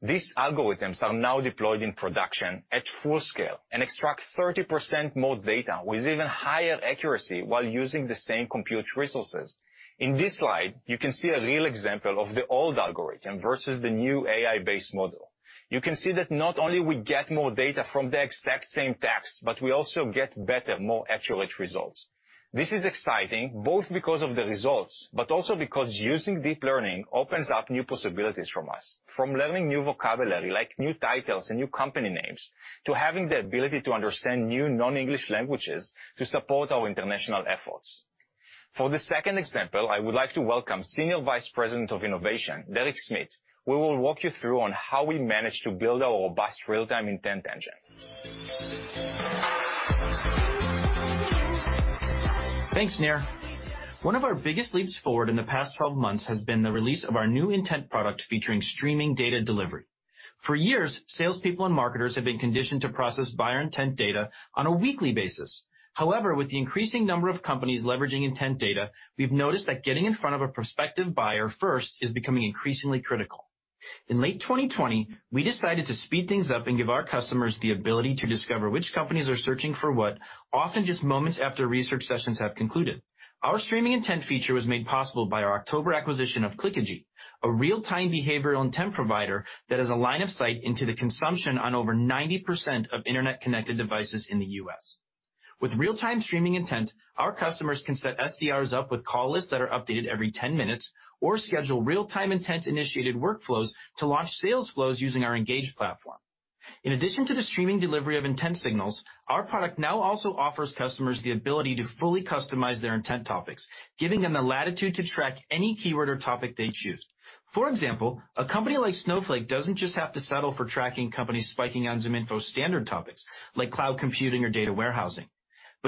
These algorithms are now deployed in production at full scale and extract 30% more data with even higher accuracy while using the same compute resources. In this slide, you can see a real example of the old algorithm versus the new AI-based model. You can see that not only we get more data from the exact same text, but we also get better, more accurate results. This is exciting both because of the results, but also because using deep learning opens up new possibilities from us. From learning new vocabulary like new titles and new company names, to having the ability to understand new non-English languages to support our international efforts. For the second example, I would like to welcome Senior Vice President of Innovation, Derek Schmidt, who will walk you through on how we managed to build our robust real-time intent engine. Thanks, Nir. One of our biggest leaps forward in the past 12-months has been the release of our new intent product featuring streaming data delivery. For years, salespeople and marketers have been conditioned to process buyer intent data on a weekly basis. However, with the increasing number of companies leveraging intent data, we've noticed that getting in front of a prospective buyer first is becoming increasingly critical. In late 2020, we decided to speed things up and give our customers the ability to discover which companies are searching for what, often just moments after research sessions have concluded. Our Streaming Intent feature was made possible by our October acquisition of Clickagy, a real-time behavioral intent provider that has a line of sight into the consumption on over 90% of internet-connected devices in the U.S. With real-time Streaming Intent, our customers can set SDRs up with call lists that are updated every 10-minutes or schedule real-time intent-initiated Workflows to launch sales flows using our Engage platform. In addition to the streaming delivery of intent signals, our product now also offers customers the ability to fully customize their intent topics, giving them the latitude to track any keyword or topic they choose. A company like Snowflake doesn't just have to settle for tracking companies spiking on ZoomInfo standard topics like cloud computing or data warehousing.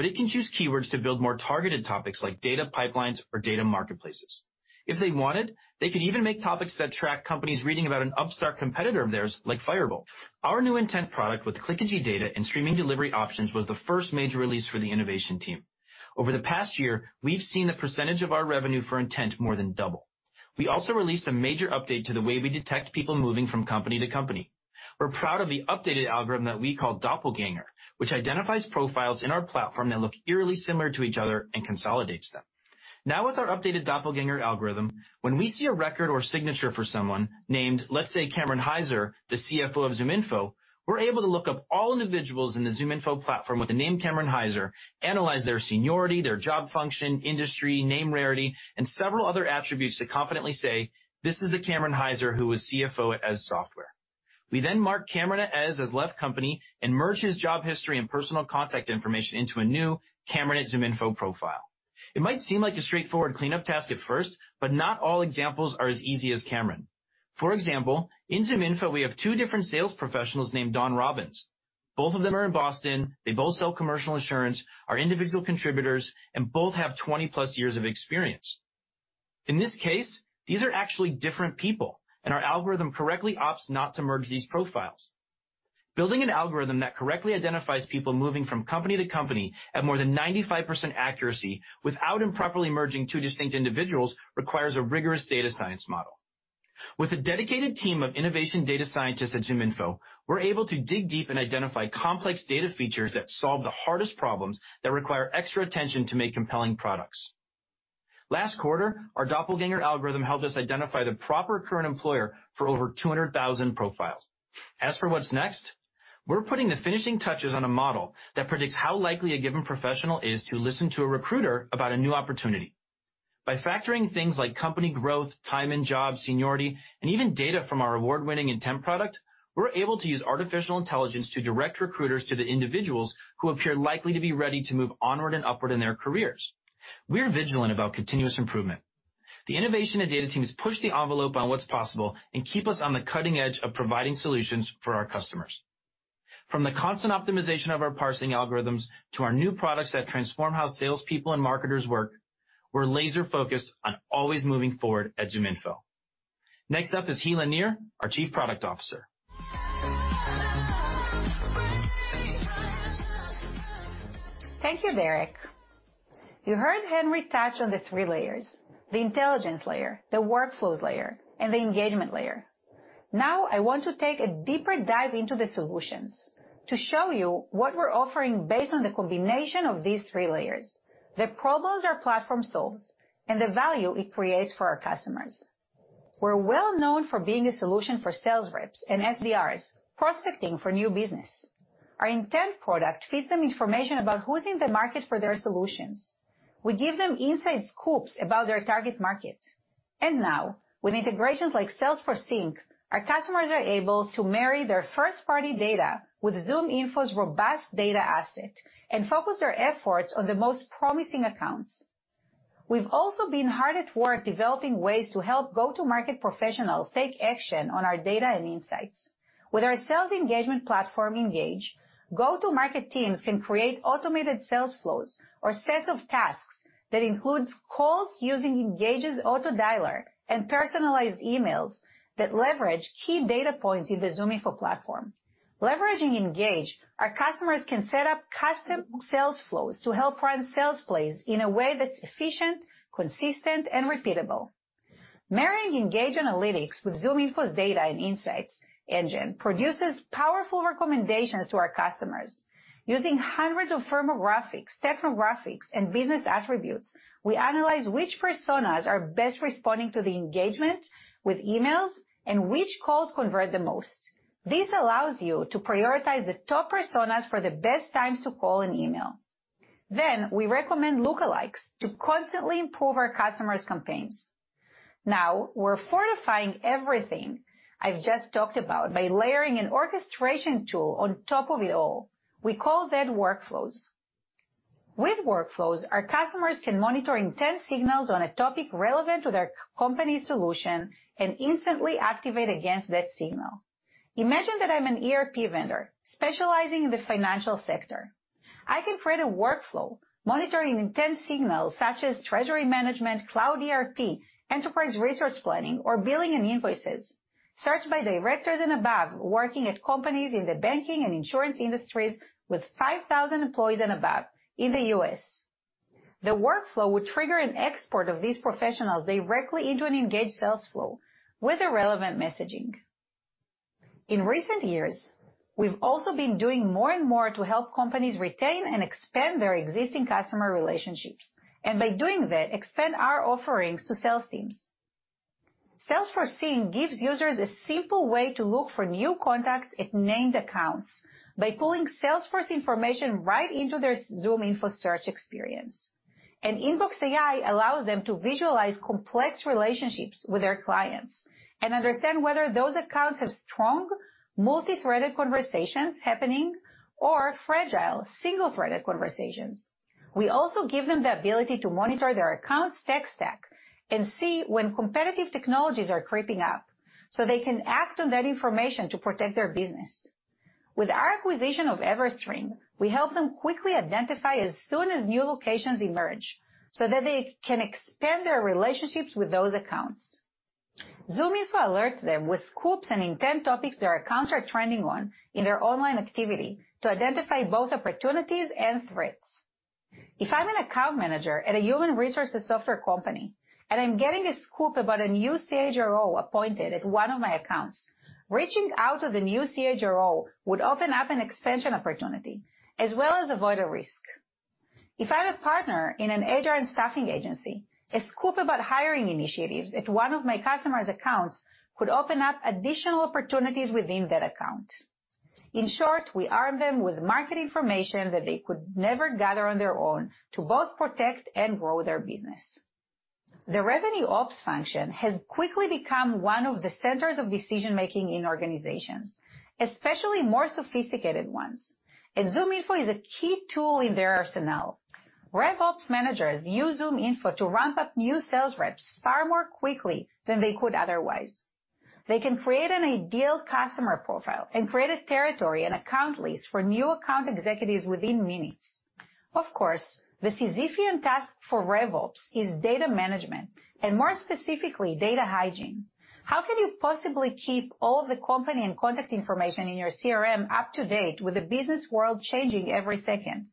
It can choose keywords to build more targeted topics like data pipelines or data marketplaces. If they wanted, they could even make topics that track companies reading about an upstart competitor of theirs like Firebolt. Our new intent product with Clickagy data and streaming delivery options was the first major release for the innovation team. Over the past year, we've seen the percentage of our revenue for intent more than double. We also released a major update to the way we detect people moving from company to company. We're proud of the updated algorithm that we call Doppelganger, which identifies profiles in our platform that look eerily similar to each other and consolidates them. Now with our updated Doppelganger algorithm, when we see a record or signature for someone named, let's say, Cameron Hyzer, the CFO of ZoomInfo, we're able to look up all individuals in the ZoomInfo platform with the name Cameron Hyzer, analyze their seniority, their job function, industry, name rarity, and several other attributes to confidently say, "This is the Cameron Hyzer who was CFO at Eze Software." We then mark Cameron at Eze as left company and merge his job history and personal contact information into a new Cameron at ZoomInfo profile. It might seem like a straightforward cleanup task at first, but not all examples are as easy as Cameron. For example, in ZoomInfo we have two different sales professionals named Don Robins. Both of them are in Boston. They both sell commercial insurance, are individual contributors, and both have 20+ years of experience. In this case, these are actually different people, and our algorithm correctly opts not to merge these profiles. Building an algorithm that correctly identifies people moving from company to company at more than 95% accuracy without improperly merging two distinct individuals requires a rigorous data science model. With a dedicated team of innovation data scientists at ZoomInfo, we're able to dig deep and identify complex data features that solve the hardest problems that require extra attention to make compelling products. Last quarter, our Doppelganger algorithm helped us identify the proper current employer for over 200,000 profiles. As for what's next, we're putting the finishing touches on a model that predicts how likely a given professional is to listen to a recruiter about a new opportunity. By factoring things like company growth, time in job, seniority, and even data from our award-winning intent product, we're able to use artificial intelligence to direct recruiters to the individuals who appear likely to be ready to move onward and upward in their careers. We are vigilant about continuous improvement. The innovation and data teams push the envelope on what's possible and keep us on the cutting edge of providing solutions for our customers. From the constant optimization of our parsing algorithms to our new products that transform how salespeople and marketers work, we're laser-focused on always moving forward at ZoomInfo. Next up is Hila Nir, our Chief Product Officer. Thank you, Derek. You heard Henry touch on the three layers, the intelligence layer, the Workflows layer, and the engagement layer. Now I want to take a deeper dive into the solutions to show you what we're offering based on the combination of these three layers, the problems our platform solves, and the value it creates for our customers. We're well known for being a solution for sales reps and SDRs prospecting for new business. Our intent product feeds them information about who's in the market for their solutions. We give them inside Scoops about their target market. Now, with integrations like Salesforce Sync, our customers are able to marry their first-party data with ZoomInfo's robust data asset and focus their efforts on the most promising accounts. We've also been hard at work developing ways to help go-to-market professionals take action on our data and insights. With our sales engagement platform, Engage, go-to-market teams can create automated sales flows or sets of tasks that include calls using Engage's auto dialer and personalized emails that leverage key data points in the ZoomInfo platform. Leveraging Engage, our customers can set up custom sales flows to help run sales plays in a way that's efficient, consistent, and repeatable. Marrying Engage analytics with ZoomInfo's data and insights engine produces powerful recommendations to our customers. Using hundreds of firmographics, technographics, and business attributes, we analyze which personas are best responding to the engagement with emails and which calls convert the most. This allows you to prioritize the top personas for the best times to call and email. We recommend lookalikes to constantly improve our customers' campaigns. Now, we're fortifying everything I just talked about by layering an orchestration tool on top of it all. We call that Workflows. With Workflows, our customers can monitor intent signals on a topic relevant to their company solution and instantly activate against that signal. Imagine that I'm an ERP vendor specializing in the financial sector. I can create a workflow monitoring intent signals such as treasury management, cloud ERP, enterprise resource planning, or billing and invoices searched by directors and above working at companies in the banking and insurance industries with 5,000 employees and above in the U.S. The workflow would trigger an export of these professionals directly into an Engage sales flow with the relevant messaging. In recent years, we've also been doing more and more to help companies retain and expand their existing customer relationships, and by doing that, expand our offerings to sales teams. Salesforce Sync gives users a simple way to look for new contacts at named accounts by pulling Salesforce information right into their ZoomInfo search experience. ZoomInfo InboxAI allows them to visualize complex relationships with their clients and understand whether those accounts have strong multi-threaded conversations happening or fragile single-threaded conversations. We also give them the ability to monitor their account's tech stack and see when competitive technologies are creeping up, so they can act on that information to protect their business. With our acquisition of EverString, we help them quickly identify as soon as new locations emerge so that they can expand their relationships with those accounts. ZoomInfo alerts them with Scoops and intent topics their accounts are trending on in their online activity to identify both opportunities and threats. If I'm an account manager at a human resources software company and I'm getting a Scoop about a new CHRO appointed at one of my accounts, reaching out to the new CHRO would open up an expansion opportunity as well as avoid a risk. If I'm a partner in an HR and staffing agency, a Scoops about hiring initiatives at one of my customer's accounts could open up additional opportunities within that account. In short, we arm them with market information that they could never gather on their own to both protect and grow their business. The RevOps function has quickly become one of the centers of decision-making in organizations, especially more sophisticated ones, and ZoomInfo is a key tool in their arsenal. RevOps managers use ZoomInfo to ramp up new sales reps far more quickly than they could otherwise. They can create an ideal customer profile and create a territory and account list for new account executives within minutes. Of course, the significant task for RevOps is data management, and more specifically, data hygiene. How can you possibly keep all the company and contact information in your CRM up to date with the business world changing every second?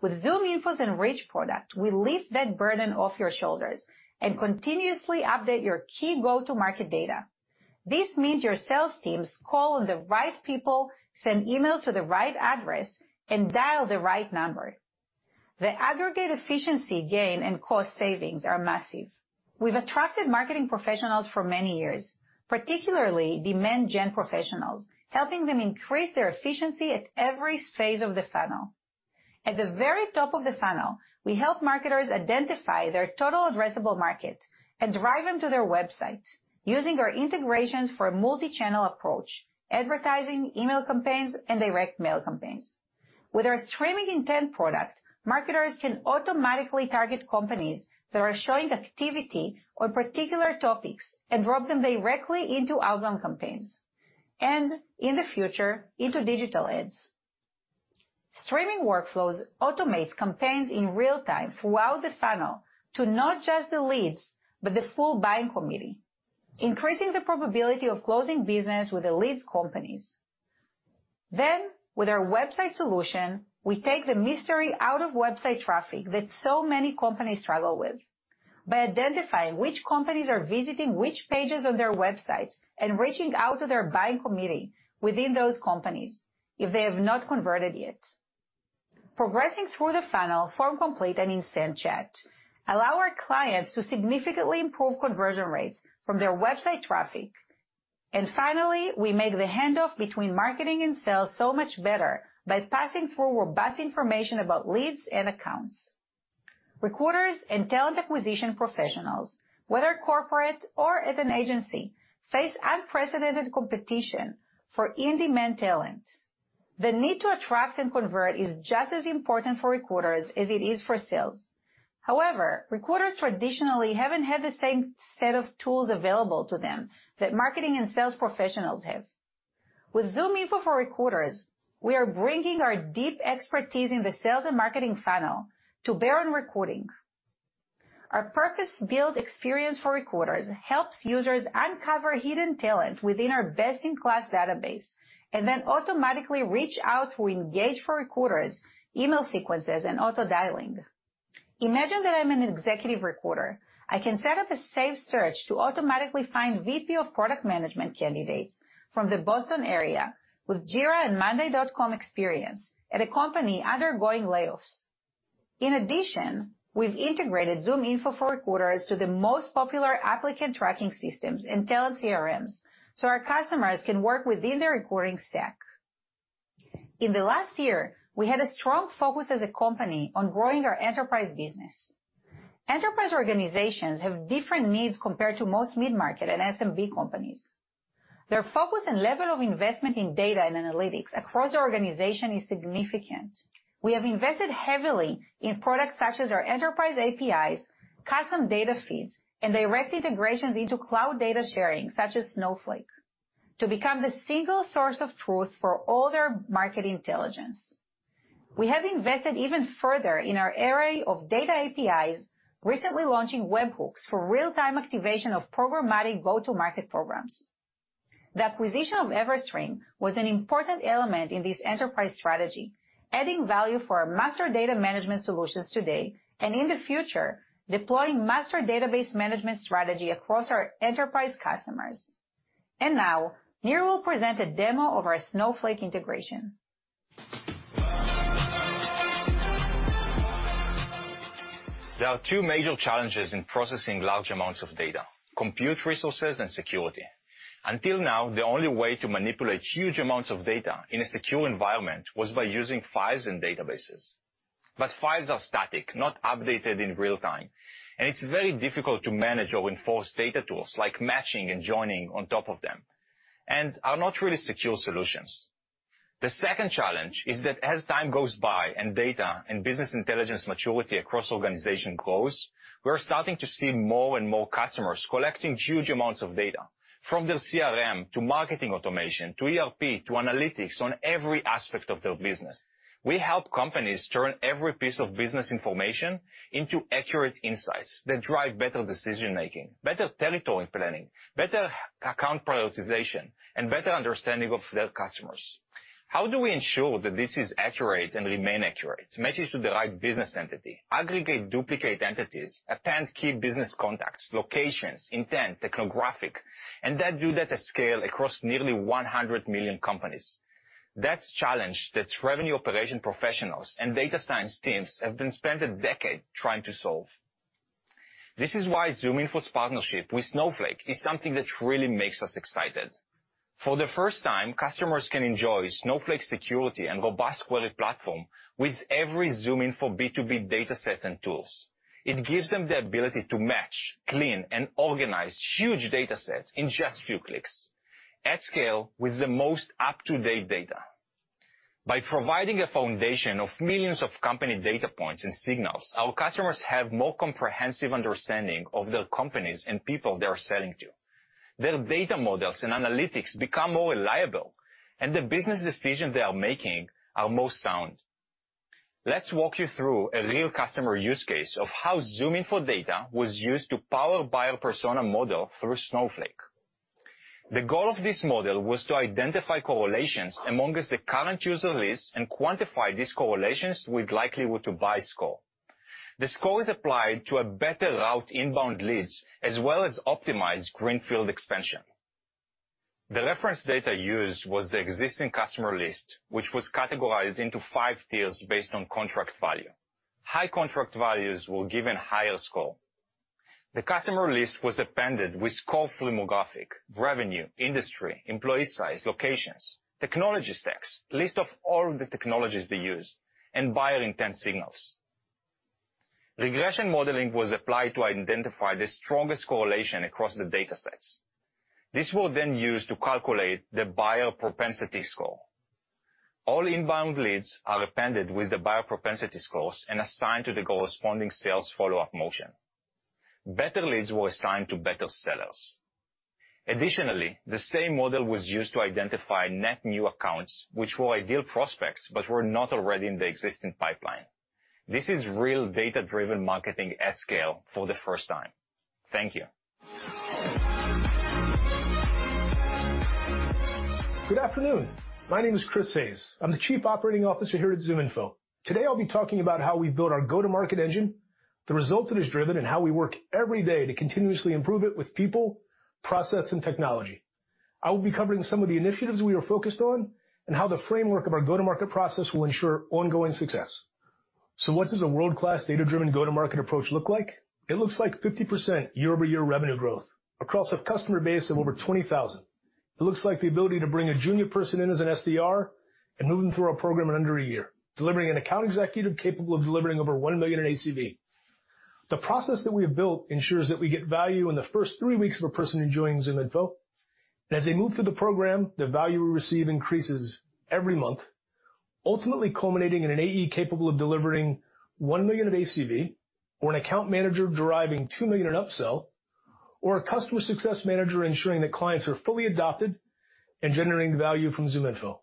With ZoomInfo's Enrich product, we lift that burden off your shoulders and continuously update your key go-to-market data. This means your sales teams call the right people, send emails to the right address, and dial the right number. The aggregate efficiency gain and cost savings are massive. We've attracted marketing professionals for many years, particularly demand gen professionals, helping them increase their efficiency at every stage of the funnel. At the very top of the funnel, we help marketers identify their total addressable market and drive them to their websites using our integrations for a multi-channel approach, advertising, email campaigns, and direct mail campaigns. With our Streaming Intent, marketers can automatically target companies that are showing activity on particular topics and drop them directly into outbound campaigns, and in the future, into digital ads. Streaming Workflows automates campaigns in real time throughout the funnel to not just the leads, but the full buying committee, increasing the probability of closing business with the lead's companies. With our WebSights solution, we take the mystery out of website traffic that so many companies struggle with. By identifying which companies are visiting which pages on their websites, and reaching out to their buying committee within those companies if they have not converted yet. Progressing through the funnel, FormComplete and Insent chat allow our clients to significantly improve conversion rates from their website traffic. Finally, we make the handoff between marketing and sales so much better by passing forward vast information about leads and accounts. Recruiters and talent acquisition professionals, whether corporate or as an agency, face unprecedented competition for in-demand talent. The need to attract and convert is just as important for recruiters as it is for sales. Recruiters traditionally haven't had the same set of tools available to them that marketing and sales professionals have. With ZoomInfo for Recruiters, we are bringing our deep expertise in the sales and marketing funnel to bear on recruiting. Our purpose-built experience for recruiters helps users uncover hidden talent within our best-in-class database and then automatically reach out through Engage for Recruiters email sequences and auto-dialing. Imagine that I'm an executive recruiter. I can set up a saved search to automatically find VP of product management candidates from the Boston area with Jira and monday.com experience at a company undergoing layoffs. In addition, we've integrated ZoomInfo Recruiter to the most popular applicant tracking systems and talent CRMs so our customers can work within their recruiting stack. In the last year, we had a strong focus as a company on growing our enterprise business. Enterprise organizations have different needs compared to most mid-market and SMB companies. Their focus and level of investment in data and analytics across the organization is significant. We have invested heavily in products such as our enterprise APIs, custom data feeds, and direct integrations into cloud data sharing such as Snowflake to become the single source of truth for all their market intelligence. We have invested even further in our array of data APIs, recently launching webhooks for real-time activation of programmatic go-to-market programs. The acquisition of EverString was an important element in this enterprise strategy, adding value for our master data management solutions today and in the future, deploying master database management strategy across our enterprise customers. Now, Nir will present a demo of our Snowflake integration. There are two major challenges in processing large amounts of data, compute resources and security. Until now, the only way to manipulate huge amounts of data in a secure environment was by using files and databases. Files are static, not updated in real-time, and it's very difficult to manage or enforce data tools like matching and joining on top of them and are not really secure solutions. The second challenge is that as time goes by and data and business intelligence maturity across organization grows, we're starting to see more and more customers collecting huge amounts of data. From their CRM to marketing automation, to ERP, to analytics on every aspect of their business. We help companies turn every piece of business information into accurate insights that drive better decision-making, better territory planning, better account prioritization, and better understanding of their customers. How do we ensure that this is accurate and remain accurate, matches to the right business entity, aggregate duplicate entities, append key business contacts, locations, intent, technographic, and then do that at scale across nearly 100 million companies? That's a challenge that revenue operation professionals and data science teams have been spending decades trying to solve. This is why ZoomInfo's partnership with Snowflake is something that really makes us excited. For the first time, customers can enjoy Snowflake security and robust query platform with every ZoomInfo B2B dataset and tools. It gives them the ability to match, clean, and organize huge datasets in just a few clicks at scale with the most up-to-date data. By providing a foundation of millions of company data points and signals, our customers have more comprehensive understanding of the companies and people they are selling to. Their data models and analytics become more reliable, and the business decisions they are making are more sound. Let's walk you through a real customer use case of how ZoomInfo data was used to power buyer persona model through Snowflake. The goal of this model was to identify correlations amongst the current user list and quantify these correlations with likelihood to buy score. The score is applied to better route inbound leads, as well as optimize greenfield expansion. The reference data used was the existing customer list, which was categorized into five tiers based on contract value. High contract values were given higher score. The customer list was appended with score filmographic, revenue, industry, employee size, locations, technology stacks, list of all the technologies they use, and buyer intent signals. Regression modeling was applied to identify the strongest correlation across the datasets. This was used to calculate the buyer propensity score. All inbound leads are appended with the buyer propensity scores and assigned to the corresponding sales follow-up motion. Better leads were assigned to better sellers. The same model was used to identify net new accounts, which were ideal prospects but were not already in the existing pipeline. This is real data-driven marketing at scale for the first time. Thank you. Good afternoon. My name is Chris Hays. I'm the Chief Operating Officer here at ZoomInfo. Today, I'll be talking about how we build our go-to-market engine, the results that it's driven, and how we work every day to continuously improve it with people, process, and technology. I'll be covering some of the initiatives we are focused on and how the framework of our go-to-market process will ensure ongoing success. What does a world-class data-driven go-to-market approach look like? It looks like 50% year-over-year revenue growth across a customer base of over 20,000. It looks like the ability to bring a junior person in as an SDR and move them through our program in under a year, delivering an account executive capable of delivering over $1 million in ACV. The process that we have built ensures that we get value in the first three weeks of a person who joins ZoomInfo. As they move through the program, the value we receive increases every month, ultimately culminating in an AE capable of delivering $1 million of ACV or an account manager deriving $2 million in upsell or a customer success manager ensuring that clients are fully adopted and generating value from ZoomInfo.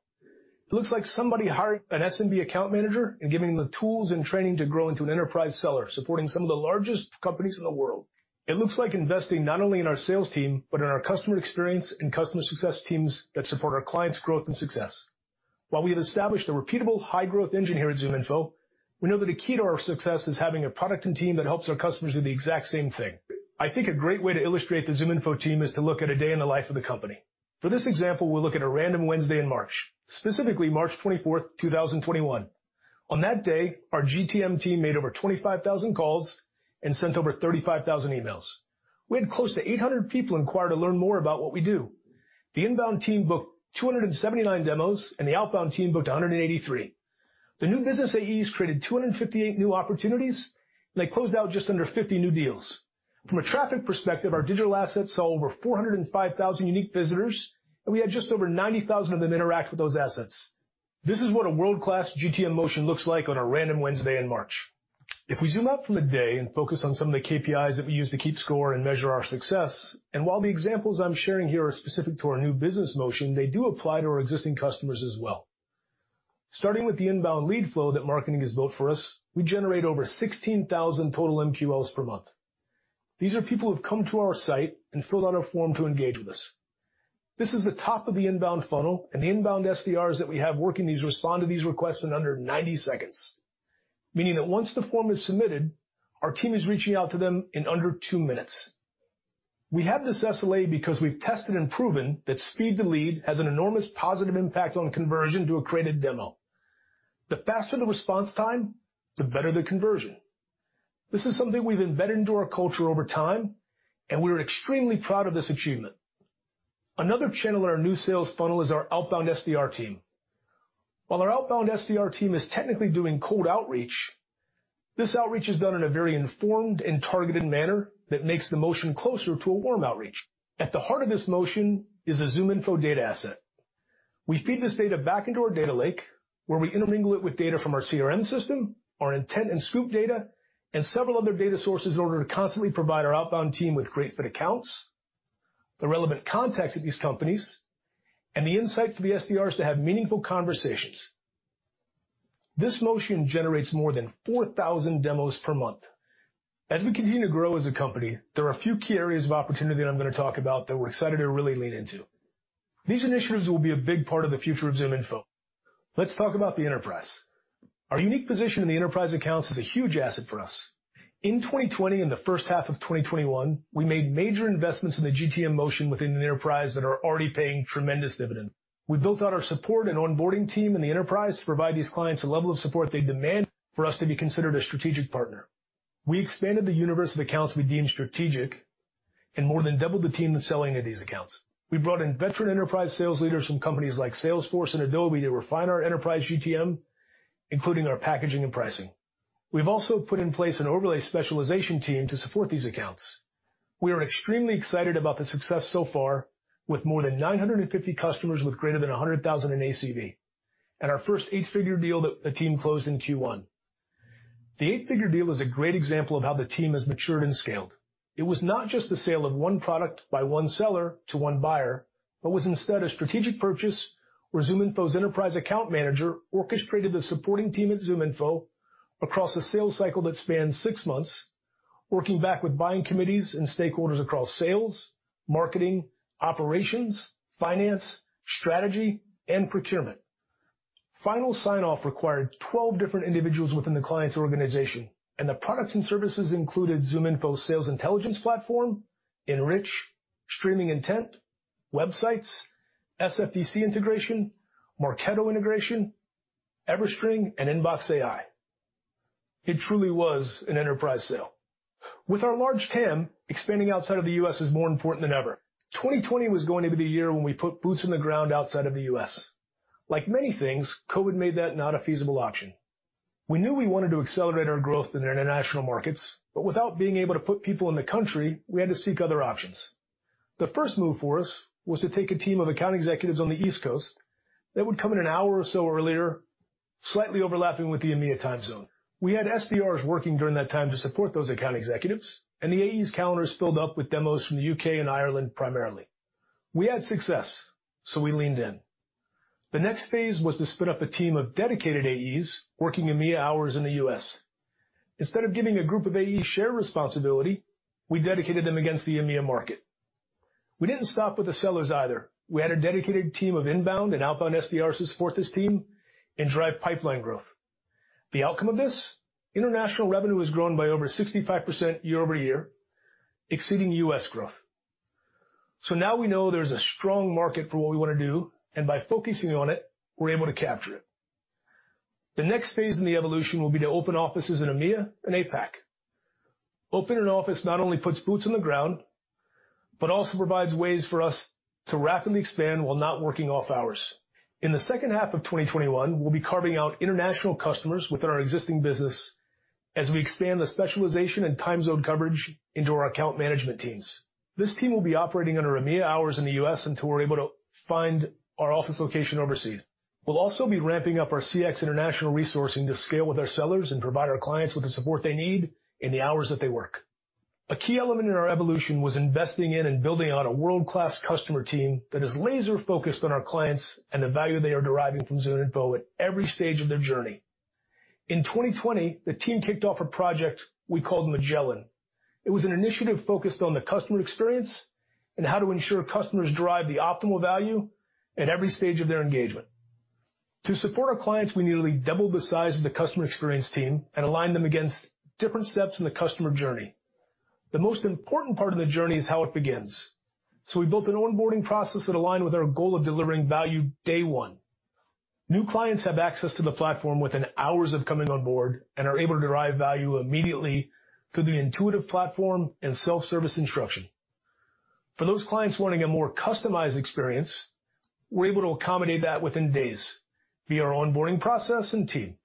It looks like somebody hiring an SMB account manager and giving them the tools and training to grow into an enterprise seller, supporting some of the largest companies in the world. It looks like investing not only in our sales team, but in our customer experience and customer success teams that support our clients' growth and success. While we have established a repeatable high-growth engine here at ZoomInfo, we know that the key to our success is having a product and team that helps our customers do the exact same thing. I think a great way to illustrate the ZoomInfo team is to look at a day in the life of the company. For this example, we'll look at a random Wednesday in March, specifically March 24th, 2021. On that day, our GTM team made over 25,000 calls and sent over 35,000 emails. We had close to 800 people inquire to learn more about what we do. The inbound team booked 279 demos, and the outbound team booked 183. The new business AEs created 258 new opportunities, and they closed out just under 50 new deals. From a traffic perspective, our digital assets saw over 405,000 unique visitors. We had just over 90,000 of them interact with those assets. This is what a world-class GTM motion looks like on a random Wednesday in March. If we zoom out from the day and focus on some of the KPIs that we use to keep score and measure our success. While the examples I'm sharing here are specific to our new business motion, they do apply to our existing customers as well. Starting with the inbound lead flow that marketing has built for us, we generate over 16,000 total MQLs per month. These are people who have come to our site and filled out a form to Engage with us. This is the top of the inbound funnel, and the inbound SDRs that we have working these respond to these requests in under 90-seconds, meaning that once the form is submitted, our team is reaching out to them in under 2-minutes. We have this SLA because we've tested and proven that speed to lead has an enormous positive impact on conversion to a created demo. The faster the response time, the better the conversion. This is something we've embedded into our culture over time, and we're extremely proud of this achievement. Another channel in our new sales funnel is our outbound SDR team. While our outbound SDR team is technically doing cold Outreach, this Outreach is done in a very informed and targeted manner that makes the motion closer to a warm Outreach. At the heart of this motion is a ZoomInfo data asset. We feed this data back into our data lake, where we intermingle it with data from our CRM system, our intent and Scoops data, and several other data sources in order to constantly provide our outbound team with great fit accounts, the relevant contacts at these companies, and the insight for the SDRs to have meaningful conversations. This motion generates more than 4,000 demos per month. As we continue to grow as a company, there are a few key areas of opportunity that I'm going to talk about that we're excited to really lean into. These initiatives will be a big part of the future of ZoomInfo. Let's talk about the enterprise. Our unique position in the enterprise accounts is a huge asset for us. In 2020 and the first half of 2021, we made major investments in the GTM motion within the enterprise and are already paying tremendous dividend. We built out our support and onboarding team in the enterprise to provide these clients a level of support they demand for us to be considered a strategic partner. We expanded the universe of accounts we deemed strategic and more than doubled the team selling in these accounts. We brought in veteran enterprise sales leaders from companies like Salesforce and Adobe to refine our enterprise GTM, including our packaging and pricing. We've also put in place an overlay specialization team to support these accounts. We are extremely excited about the success so far with more than 950 customers with greater than $100,000 in ACV and our first eight-figure deal that the team closed in Q1. The eight-figure deal is a great example of how the team has matured and scaled. It was not just the sale of one product by one seller to one buyer, but was instead a strategic purchase where ZoomInfo's enterprise account manager orchestrated the supporting team at ZoomInfo across a sales cycle that spanned six months, working back with buying committees and stakeholders across sales, marketing, operations, finance, strategy, and procurement. Final sign-off required 12 different individuals within the client's organization, and the products and services included ZoomInfo Sales Intelligence Platform, Enrich, Streaming Intent, WebSights, SFDC integration, Marketo integration, EverString, and ZoomInfo InboxAI. It truly was an enterprise sale. With our large TAM, expanding outside of the U.S. is more important than ever. 2020 was going to be the year when we put boots on the ground outside of the U.S. Like many things, COVID made that not a feasible option. We knew we wanted to accelerate our growth in international markets, but without being able to put people in the country, we had to seek other options. The first move for us was to take a team of account executives on the East Coast that would come in an hour or so earlier, slightly overlapping with the EMEA time zone. We had SDRs working during that time to support those account executives, The AEs calendars filled up with demos from the U.K. and Ireland primarily. We had success, we leaned in. The next phase was to spin up a team of dedicated AEs working EMEA hours in the U.S. Instead of giving a group of AEs shared responsibility, we dedicated them against the EMEA market. We didn't stop with the sellers either. We had a dedicated team of inbound and outbound SDRs to support this team and drive pipeline growth. The outcome of this? International revenue has grown by over 65% year-over-year, exceeding U.S. growth. Now we know there's a strong market for what we want to do, and by focusing on it, we're able to capture it. The next phase in the evolution will be to open offices in EMEA and APAC. Opening an office not only puts boots on the ground but also provides ways for us to rapidly expand while not working off hours. In the second half of 2021, we'll be carving out international customers with our existing business as we expand the specialization and time zone coverage into our account management teams. This team will be operating under EMEA hours in the U.S. until we're able to find our office location overseas. We'll also be ramping up our CX international resourcing to scale with our sellers and provide our clients with the support they need in the hours that they work. A key element in our evolution was investing in and building out a world-class customer team that is laser-focused on our clients and the value they are deriving from ZoomInfo at every stage of their journey. In 2020, the team kicked off a project we called Magellan. It was an initiative focused on the customer experience and how to ensure customers derive the optimal value at every stage of their engagement. To support our clients, we nearly doubled the size of the customer experience team and aligned them against different steps in the customer journey. The most important part of the journey is how it begins, so we built an onboarding process that aligned with our goal of delivering value day one. New clients have access to the platform within hours of coming on board and are able to derive value immediately through the intuitive platform and self-service instruction. For those clients wanting a more customized experience, we're able to accommodate that within days via our onboarding process and team.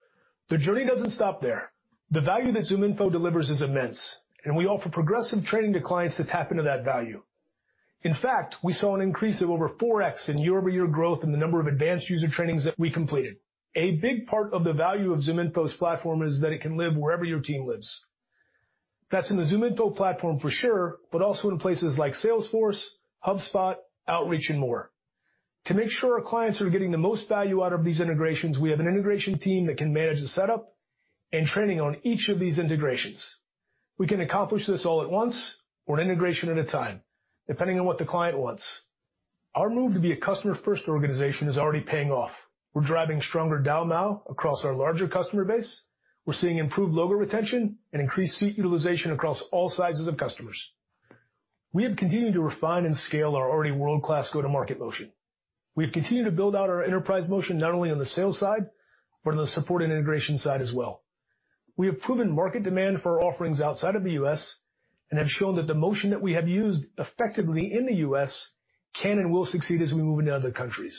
The journey doesn't stop there. The value that ZoomInfo delivers is immense, and we offer progressive training to clients to tap into that value. In fact, we saw an increase of over 4x in year-over-year growth in the number of advanced user trainings that we completed. A big part of the value of ZoomInfo's platform is that it can live wherever your team lives. That's in the ZoomInfo platform for sure, but also in places like Salesforce, HubSpot, Outreach, and more. To make sure our clients are getting the most value out of these integrations, we have an integration team that can manage the setup and training on each of these integrations. We can accomplish this all at once or an integration at a time, depending on what the client wants. Our move to be a customer-first organization is already paying off. We're driving stronger down now across our larger customer base. We're seeing improved logo retention and increased seat utilization across all sizes of customers. We have continued to refine and scale our already world-class go-to-market motion. We've continued to build out our enterprise motion not only on the sales side but on the support and integration side as well. We have proven market demand for our offerings outside of the U.S. and have shown that the motion that we have used effectively in the U.S. can and will succeed as we move into other countries.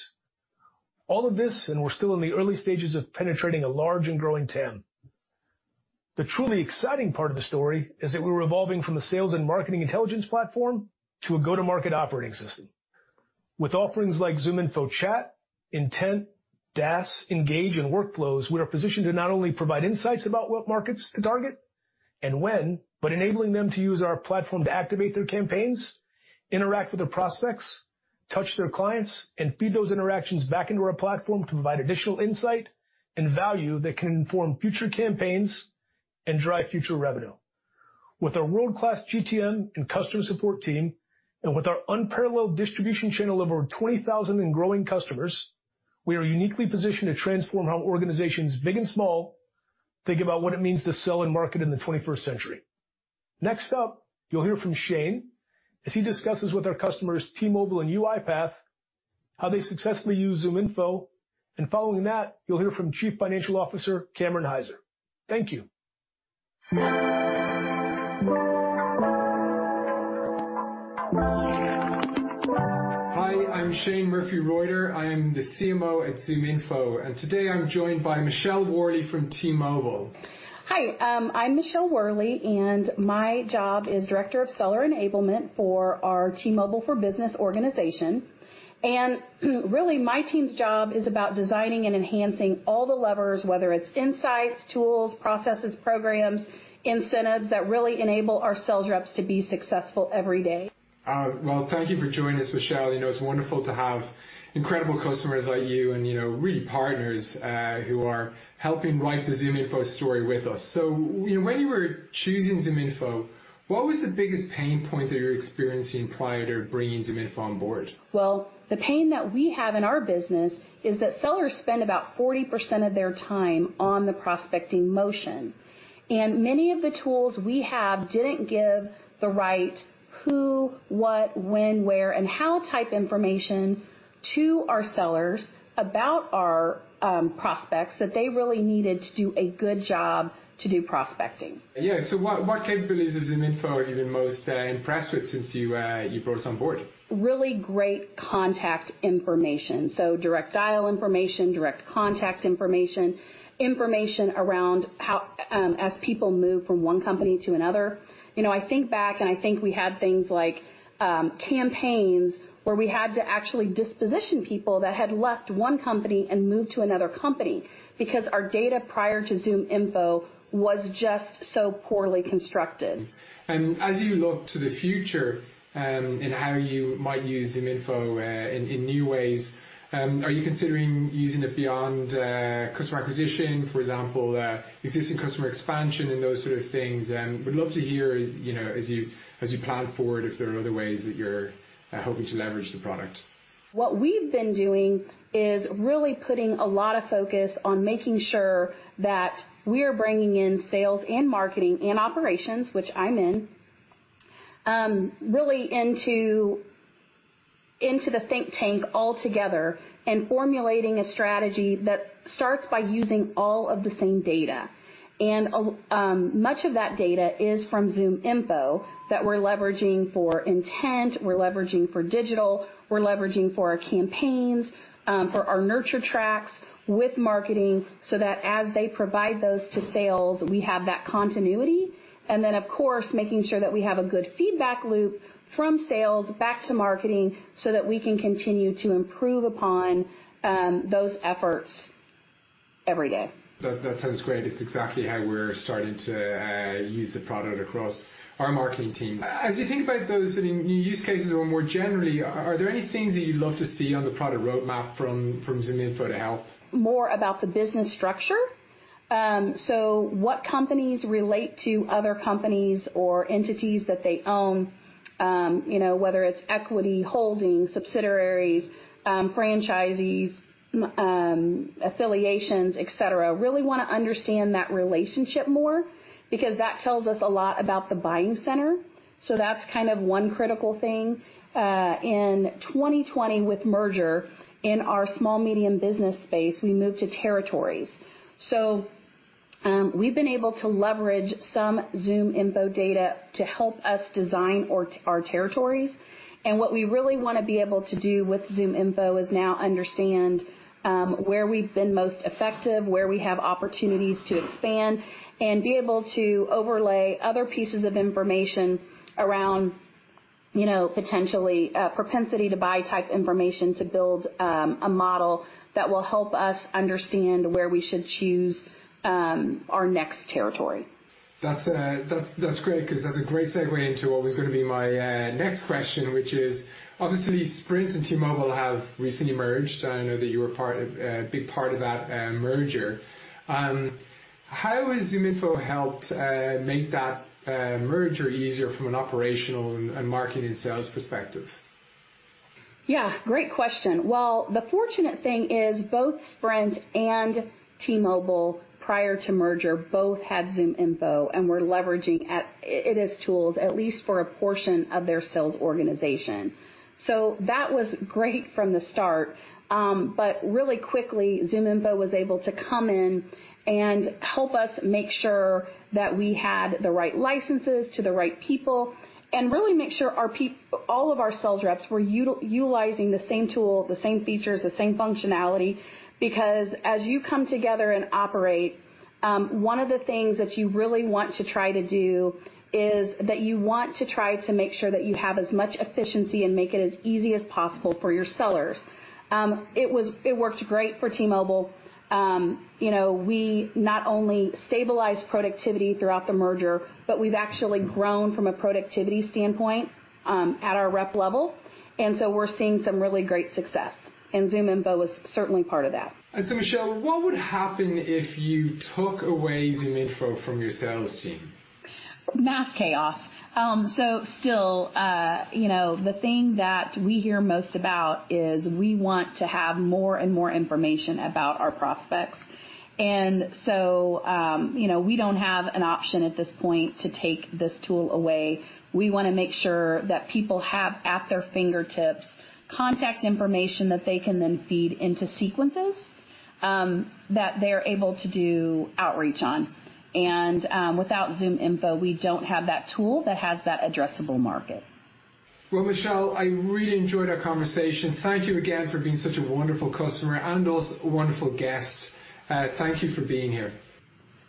All of this, and we're still in the early stages of penetrating a large and growing TAM. The truly exciting part of the story is that we're evolving from a sales and marketing intelligence platform to a go-to-market operating system. With offerings like ZoomInfo Chat, Insent, DaaS, Engage, and Workflows, we are positioned to not only provide insights about what markets to target and when, but enabling them to use our platform to activate their campaigns, interact with their prospects, touch their clients, and feed those interactions back into our platform to provide additional insight and value that can inform future campaigns and drive future revenue. With our world-class GTM and customer support team, with our unparalleled distribution channel of over 20,000 and growing customers, we are uniquely positioned to transform how organizations big and small think about what it means to sell and market in the 21st century. Next up, you'll hear from Shane as he discusses with our customers, T-Mobile and UiPath, how they successfully use ZoomInfo, and following that, you'll hear from Chief Financial Officer Cameron Hyzer. Thank you. Hi, I'm Shane Murphy-Reuter. I am the CMO at ZoomInfo, and today I'm joined by Michelle Worley from T-Mobile. Hi, I'm Michelle Worley, and my job is director of seller enablement for our T-Mobile for Business organization. And really, my team's job is about designing and enhancing all the levers, whether it's insights, tools, processes, programs, incentives that really enable our sales reps to be successful every day. Well, thank you for joining us, Michelle. It's wonderful to have incredible customers like you and really partners who are helping write the ZoomInfo story with us. When you were choosing ZoomInfo, what was the biggest pain point that you were experiencing prior to bringing ZoomInfo on board? The pain that we have in our business is that sellers spend about 40% of their time on the prospecting motion, and many of the tools we have didn't give the right who, what, when, where, and how type information to our sellers about our prospects that they really needed to do a good job to do prospecting. Yeah. What capabilities in ZoomInfo are you the most impressed with since you folks onboard? Really great contact information. Direct dial information, direct contact information around as people move from one company to another. I think back and I think we had things like campaigns where we had to actually disposition people that had left one company and moved to another company because our data prior to ZoomInfo was just so poorly constructed. As you look to the future in how you might use ZoomInfo in new ways, are you considering using it beyond customer acquisition, for example, existing customer expansion and those sort of things? We'd love to hear as you plan forward, if there are other ways that you're hoping to leverage the product. What we've been doing is really putting a lot of focus on making sure that we are bringing in sales and marketing and operations, which I'm really into the think tank altogether and formulating a strategy that starts by using all of the same data. Much of that data is from ZoomInfo that we're leveraging for intent, we're leveraging for digital, we're leveraging for our campaigns, for our nurture tracks with marketing, so that as they provide those to sales, we have that continuity. Of course, making sure that we have a good feedback loop from sales back to marketing so that we can continue to improve upon those efforts every day. That sounds great. That's exactly how we're starting to use the product across our marketing team. As you think about those use cases more generally, are there any things that you'd love to see on the product roadmap from ZoomInfo to help? More about the business structure. What companies relate to other companies or entities that they own, whether it's equity holdings, subsidiaries, franchisees, affiliations, et cetera. Really want to understand that relationship more because that tells us a lot about the buying center. That's one critical thing. In 2020 with merger, in our small medium business space, we moved to territories. We've been able to leverage some ZoomInfo data to help us design our territories. What we really want to be able to do with ZoomInfo is now understand where we've been most effective, where we have opportunities to expand, and be able to overlay other pieces of information around potentially propensity to buy type information to build a model that will help us understand where we should choose our next territory. That's great because that's a great segue into what was going to be my next question, which is, obviously, Sprint and T-Mobile have recently merged. I know that you were a big part of that merger. How has ZoomInfo helped make that merger easier from an operational and marketing sales perspective? Yeah, great question. Well, the fortunate thing is both Sprint and T-Mobile, prior to merger, both had ZoomInfo and were leveraging it as tools, at least for a portion of their sales organization. That was great from the start, but really quickly, ZoomInfo was able to come in and help us make sure that we had the right licenses to the right people and really make sure all of our sales reps were utilizing the same tool, the same features, the same functionality. As you come together and operate, one of the things that you really want to try to do is that you want to try to make sure that you have as much efficiency and make it as easy as possible for your sellers. It worked great for T-Mobile. We not only stabilized productivity throughout the merger, but we've actually grown from a productivity standpoint at our rep level, and so we're seeing some really great success. ZoomInfo is certainly part of that. Michelle, what would happen if you took away ZoomInfo from your sales team? Mass chaos. Still, the thing that we hear most about is we want to have more and more information about our prospects. We don't have an option at this point to take this tool away. We want to make sure that people have, at their fingertips, contact information that they can then feed into sequences that they're able to do Outreach on. Without ZoomInfo, we don't have that tool that has that addressable market. Well, Michelle, I really enjoyed our conversation. Thank you again for being such a wonderful customer and also a wonderful guest. Thank you for being here.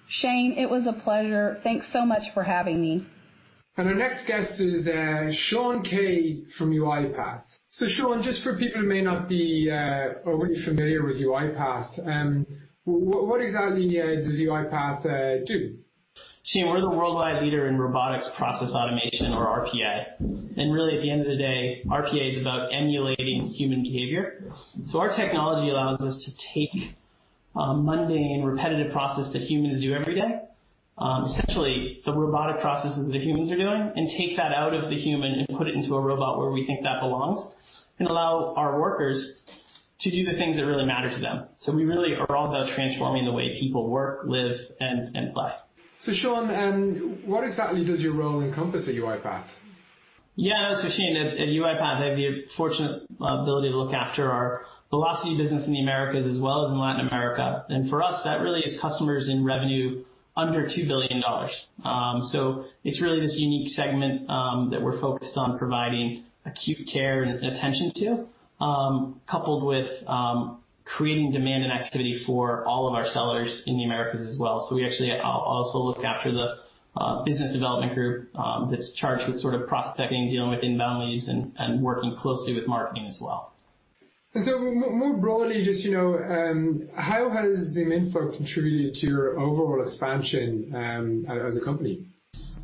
Shane, it was a pleasure. Thanks so much for having me. Our next guest is Sean Kay from UiPath. Sean, just for people who may not be familiar with UiPath, what exactly does UiPath do? Shane, we're the worldwide leader in robotics process automation, or RPA. Really, at the end of the day, RPA is about emulating human behavior. Our technology allows us to take a mundane, repetitive process that humans do every day, essentially the robotic processes that humans are doing, and take that out of the human and put it into a robot where we think that belongs and allow our workers to do the things that really matter to them. We really are all about transforming the way people work, live, and play. Sean, and what exactly does your role encompass at UiPath? Sean Kay, at UiPath, I have the fortunate ability to look after our velocity business in the Americas as well as in Latin America. For us, that really is customers in revenue under $2 billion. It's really this unique segment that we're focused on providing acute care and attention to, coupled with creating demand and activity for all of our sellers in the Americas as well. We actually also look after the business development group that's charged with sort of prospecting, dealing with inbound leads, and working closely with marketing as well. More broadly, just how has ZoomInfo contributed to your overall expansion as a company?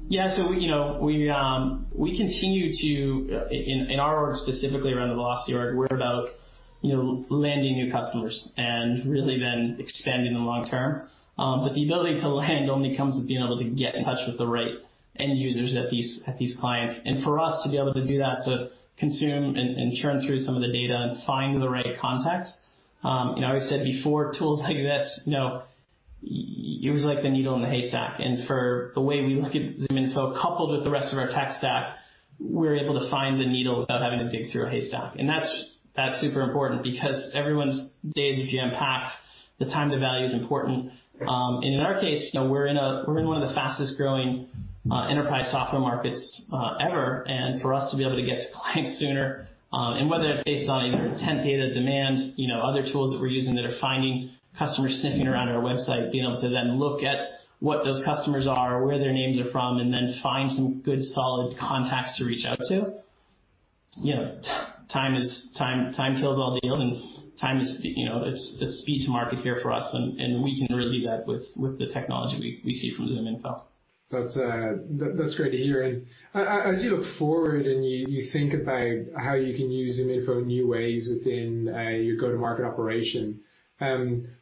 Yeah. We continue to, in our work specifically around velocity, we're about landing new customers and really then expanding the long term. The ability to land only comes with being able to get in touch with the right end users at these clients. For us to be able to do that, to consume and churn through some of the data and find the right contacts, and I said before, tools like this, it was like the needle in the haystack. For the way we look at ZoomInfo, coupled with the rest of our tech stack, we're able to find the needle without having to dig through a haystack. That's super important because everyone's days are getting packed, the time to value is important. In our case, we're in one of the fastest-growing enterprise software markets ever. For us to be able to get to clients sooner, and whether that's based on intent data demand, other tools that we're using that are finding customers sitting here on our website being able to then look at what those customers are or where their names are from, and then find some good solid contacts to reach out to. Time kills all deals, and time is speed to market here for us, and we can really do that with the technology we see through ZoomInfo. That's great to hear. As you look forward and you think about how you can use ZoomInfo in new ways within your go-to-market operation,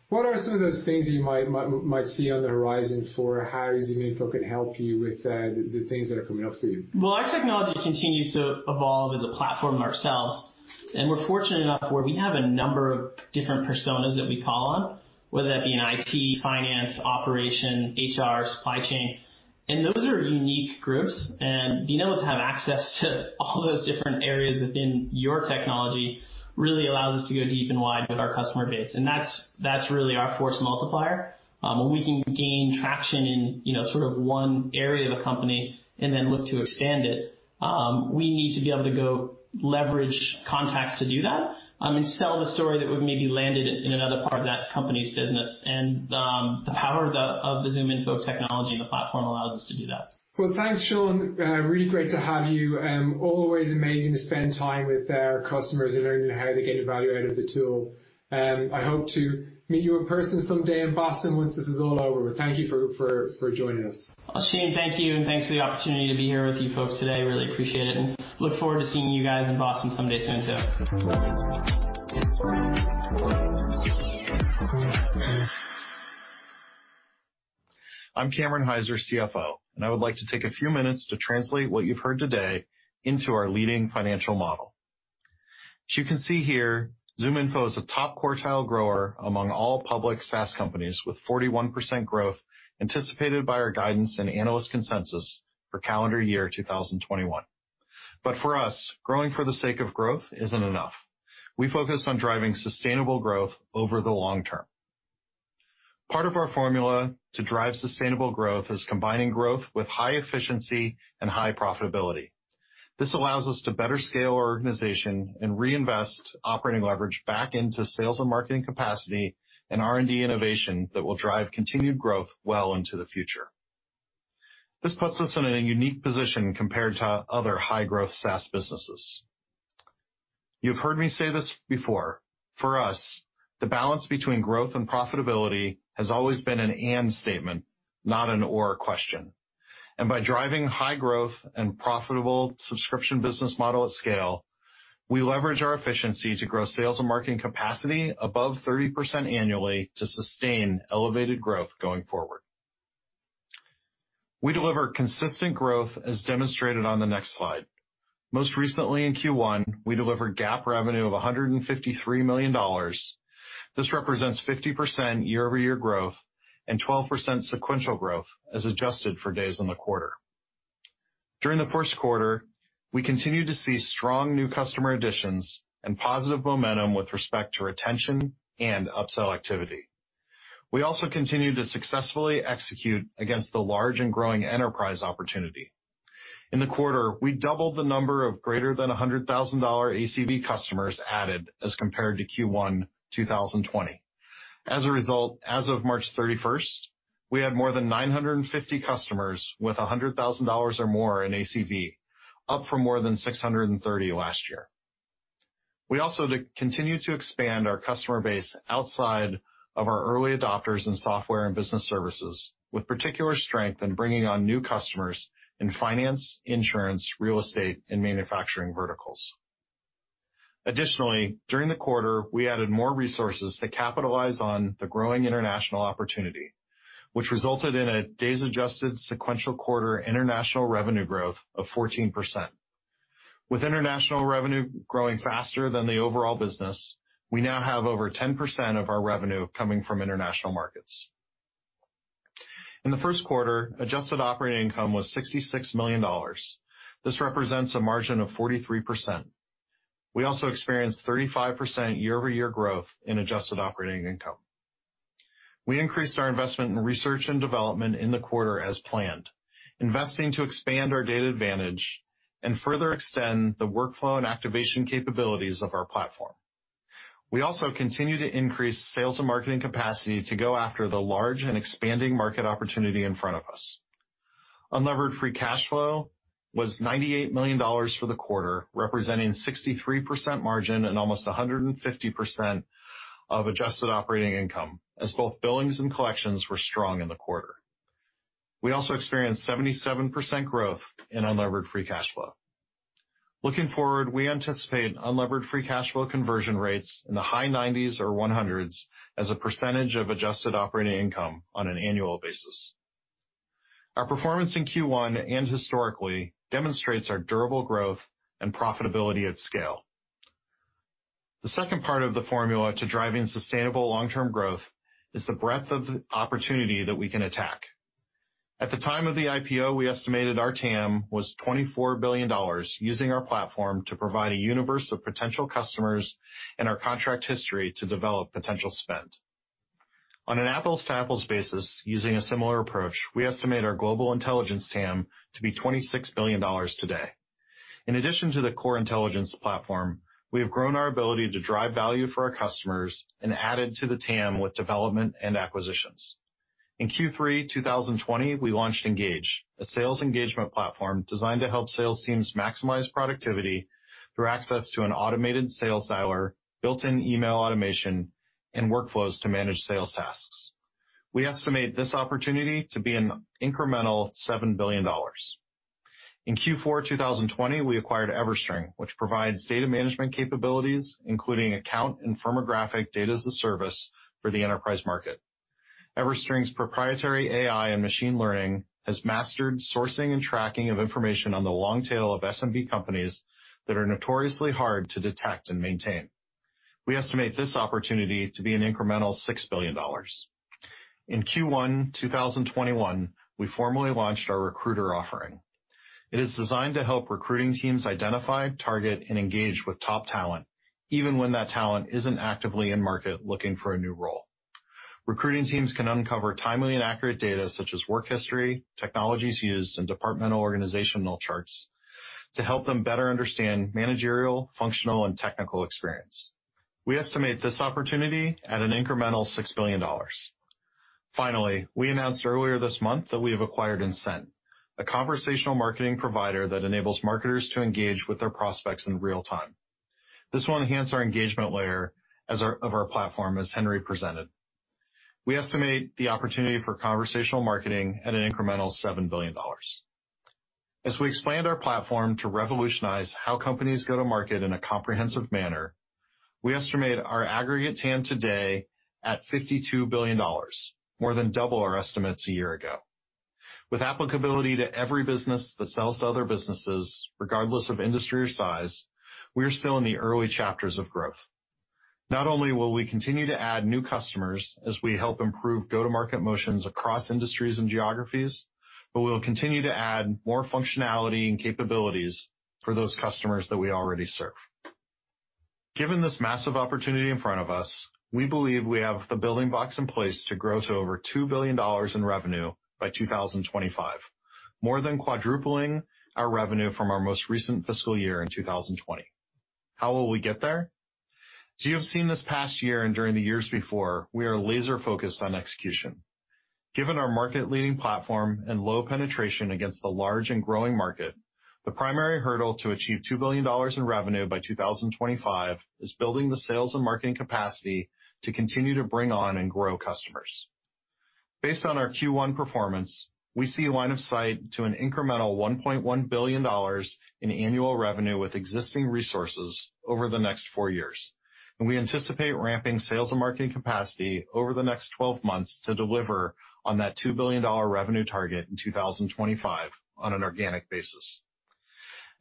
what are some of those things you might see on the horizon for how ZoomInfo could help you with the things that are coming up for you? Our technology continues to evolve as a platform ourselves, and we're fortunate enough where we have a number of different personas that we call on, whether that be in IT, finance, operation, HR, supply chain, and those are unique groups. Being able to have access to all those different areas within your technology really allows us to go deep and wide with our customer base, and that's really our force multiplier. When we can gain traction in one area of the company and then look to expand it, we need to be able to go leverage contacts to do that and sell the story that would maybe land it in another part of that company's business. The power of the ZoomInfo technology and the platform allows us to do that. Well, thanks, Sean. Really great to have you. Always amazing to spend time with our customers and learning how they get value out of the tool. I hope to meet you in person someday in Boston once this is all over. Thank you for joining us. Shane, thank you, and thanks for the opportunity to be here with you folks today. Really appreciate it, and look forward to seeing you guys in Boston someday soon, too. I'm Cameron Hyzer, CFO. I would like to take a few minutes to translate what you've heard today into our leading financial model. As you can see here, ZoomInfo is a top quartile grower among all public SaaS companies, with 41% growth anticipated by our guidance and analyst consensus for calendar year 2021. For us, growing for the sake of growth isn't enough. We focus on driving sustainable growth over the long term. Part of our formula to drive sustainable growth is combining growth with high efficiency and high profitability. This allows us to better scale our organization and reinvest operating leverage back into sales and marketing capacity and R&D innovation that will drive continued growth well into the future. This puts us in a unique position compared to other high-growth SaaS businesses. You've heard me say this before. For us, the balance between growth and profitability has always been an and statement, not an or question. By driving high growth and profitable subscription business model at scale, we leverage our efficiency to grow sales and marketing capacity above 30% annually to sustain elevated growth going forward. We deliver consistent growth, as demonstrated on the next slide. Most recently in Q1, we delivered GAAP revenue of $153 million. This represents 50% year-over-year growth and 12% sequential growth as adjusted for days in the quarter. During the first quarter, we continued to see strong new customer additions and positive momentum with respect to retention and upsell activity. We also continued to successfully execute against the large and growing enterprise opportunity. In the quarter, we doubled the number of greater than $100,000 ACV customers added as compared to Q1 2020. As a result, as of March 31st, we had more than 950 customers with $100,000 or more in ACV, up from more than 630 last year. We also continued to expand our customer base outside of our early adopters in software and business services, with particular strength in bringing on new customers in finance, insurance, real estate, and manufacturing verticals. Additionally, during the quarter, we added more resources to capitalize on the growing international opportunity, which resulted in a days-adjusted sequential quarter international revenue growth of 14%. With international revenue growing faster than the overall business, we now have over 10% of our revenue coming from international markets. In the first quarter, adjusted operating income was $66 million. This represents a margin of 43%. We also experienced 35% year-over-year growth in adjusted operating income. We increased our investment in research and development in the quarter as planned, investing to expand our data advantage and further extend the workflow and activation capabilities of our platform. We also continued to increase sales and marketing capacity to go after the large and expanding market opportunity in front of us. Unlevered free cash flow was $98 million for the quarter, representing 63% margin and almost 150% of adjusted operating income, as both billings and collections were strong in the quarter. We also experienced 77% growth in unlevered free cash flow. Looking forward, we anticipate unlevered free cash flow conversion rates in the high 90s or 100s as a percentage of adjusted operating income on an annual basis. Our performance in Q1 and historically demonstrates our durable growth and profitability at scale. The second part of the formula to driving sustainable long-term growth is the breadth of opportunity that we can attack. At the time of the IPO, we estimated our TAM was $24 billion using our platform to provide a universe of potential customers and our contract history to develop potential spend. On an apples-to-apples basis using a similar approach, we estimate our global intelligence TAM to be $26 billion today. In addition to the core intelligence platform, we have grown our ability to drive value for our customers and added to the TAM with development and acquisitions. In Q3 2020, we launched Engage, a sales engagement platform designed to help sales teams maximize productivity through access to an automated sales dialer, built-in email automation, and Workflows to manage sales tasks. We estimate this opportunity to be an incremental $7 billion. In Q4 2020, we acquired EverString, which provides data management capabilities, including account and firmographic data as a service for the enterprise market. EverString's proprietary AI and machine learning has mastered sourcing and tracking of information on the long tail of SMB companies that are notoriously hard to detect and maintain. We estimate this opportunity to be an incremental $6 billion. In Q1 2021, we formally launched our Recruiter offering. It is designed to help recruiting teams identify, target, and Engage with top talent, even when that talent isn't actively in market looking for a new role. Recruiting teams can uncover timely and accurate data, such as work history, technologies used, and departmental organizational charts to help them better understand managerial, functional, and technical experience. We estimate this opportunity at an incremental $6 billion. Finally, we announced earlier this month that we have acquired Insent, a conversational marketing provider that enables marketers to Engage with their prospects in real time. This will enhance our engagement layer of our platform as Henry presented. We estimate the opportunity for conversational marketing at an incremental $7 billion. As we explained our platform to revolutionize how companies go to market in a comprehensive manner, we estimate our aggregate TAM today at $52 billion, more than double our estimates a year ago. With applicability to every business that sells to other businesses, regardless of industry or size, we are still in the early chapters of growth. Not only will we continue to add new customers as we help improve go-to-market motions across industries and geographies, but we will continue to add more functionality and capabilities for those customers that we already serve. Given this massive opportunity in front of us, we believe we have the building blocks in place to grow to over $2 billion in revenue by 2025, more than quadrupling our revenue from our most recent fiscal year in 2020. How will we get there? As you have seen this past year and during the years before, we are laser-focused on execution. Given our market-leading platform and low penetration against the large and growing market, the primary hurdle to achieve $2 billion in revenue by 2025 is building the sales and marketing capacity to continue to bring on and grow customers. Based on our Q1 performance, we see line of sight to an incremental $1.1 billion in annual revenue with existing resources over the next four years, and we anticipate ramping sales and marketing capacity over the next 12-months to deliver on that $2 billion revenue target in 2025 on an organic basis.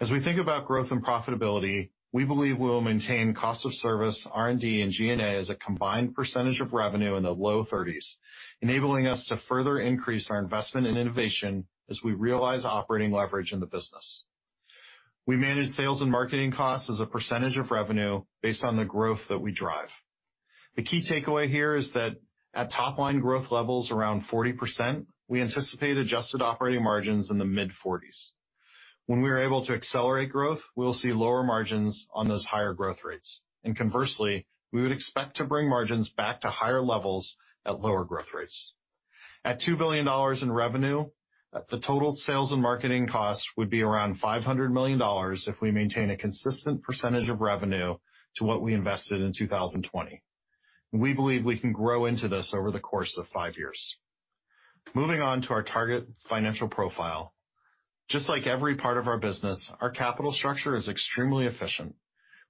As we think about growth and profitability, we believe we'll maintain cost of service, R&D, and G&A as a combined percentage of revenue in the low 30s, enabling us to further increase our investment in innovation as we realize operating leverage in the business. We manage sales and marketing costs as a percentage of revenue based on the growth that we drive. The key takeaway here is that at top-line growth levels around 40%, we anticipate adjusted operating margins in the mid-40s. When we are able to accelerate growth, we'll see lower margins on those higher growth rates, and conversely, we would expect to bring margins back to higher levels at lower growth rates. At $2 billion in revenue, the total sales and marketing cost would be around $500 million if we maintain a consistent percentage of revenue to what we invested in 2020, and we believe we can grow into this over the course of five years. Moving on to our target financial profile. Just like every part of our business, our capital structure is extremely efficient.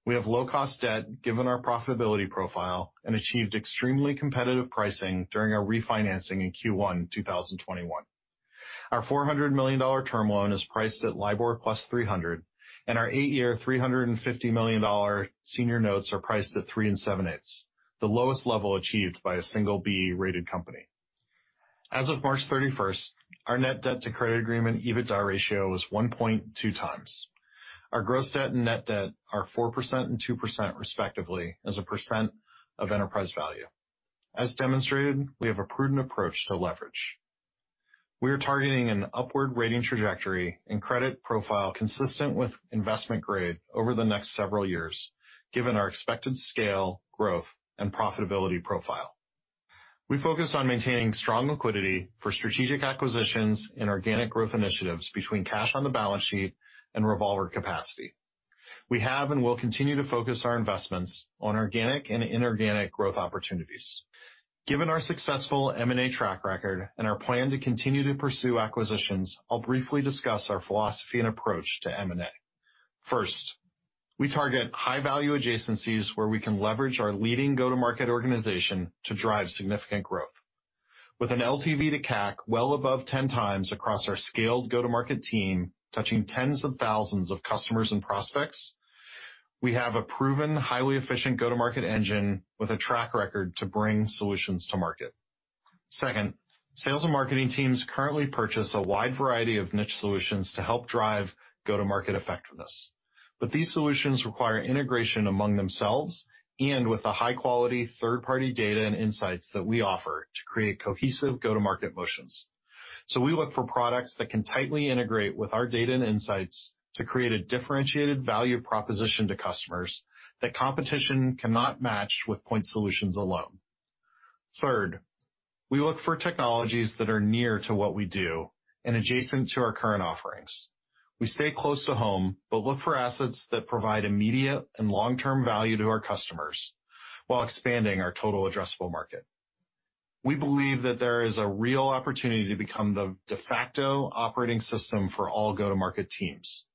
We have low-cost debt given our profitability profile and achieved extremely competitive pricing during our refinancing in Q1 2021. Our $400 million term loan is priced at LIBOR plus 300, and our eight year, $350 million senior notes are priced at three and seven-eighths, the lowest level achieved by a single B-rated company. As of March 31st, our net debt to credit agreement EBITDA ratio was 1.2x. Our gross debt and net debt are 4% and 2% respectively as a percent of enterprise value. As demonstrated, we have a prudent approach to leverage. We are targeting an upward rating trajectory and credit profile consistent with investment grade over the next several years, given our expected scale, growth, and profitability profile. We focus on maintaining strong liquidity for strategic acquisitions and organic growth initiatives between cash on the balance sheet and revolver capacity. We have and will continue to focus our investments on organic and inorganic growth opportunities. Given our successful M&A track record and our plan to continue to pursue acquisitions, I'll briefly discuss our philosophy and approach to M&A. We target high-value adjacencies where we can leverage our leading go-to-market organization to drive significant growth. With an LTV to CAC well above 10 times across our scaled go-to-market team, touching tens of thousands of customers and prospects, we have a proven, highly efficient go-to-market engine with a track record to bring solutions to market. Sales and marketing teams currently purchase a wide variety of niche solutions to help drive go-to-market effectiveness. These solutions require integration among themselves and with the high-quality third-party data and insights that we offer to create cohesive go-to-market motions. We look for products that can tightly integrate with our data and insights to create a differentiated value proposition to customers that competition cannot match with point solutions alone. We look for technologies that are near to what we do and adjacent to our current offerings. We stay close to home, but look for assets that provide immediate and long-term value to our customers while expanding our total addressable market. We believe that there is a real opportunity to become the de facto operating system for all go-to-market teams.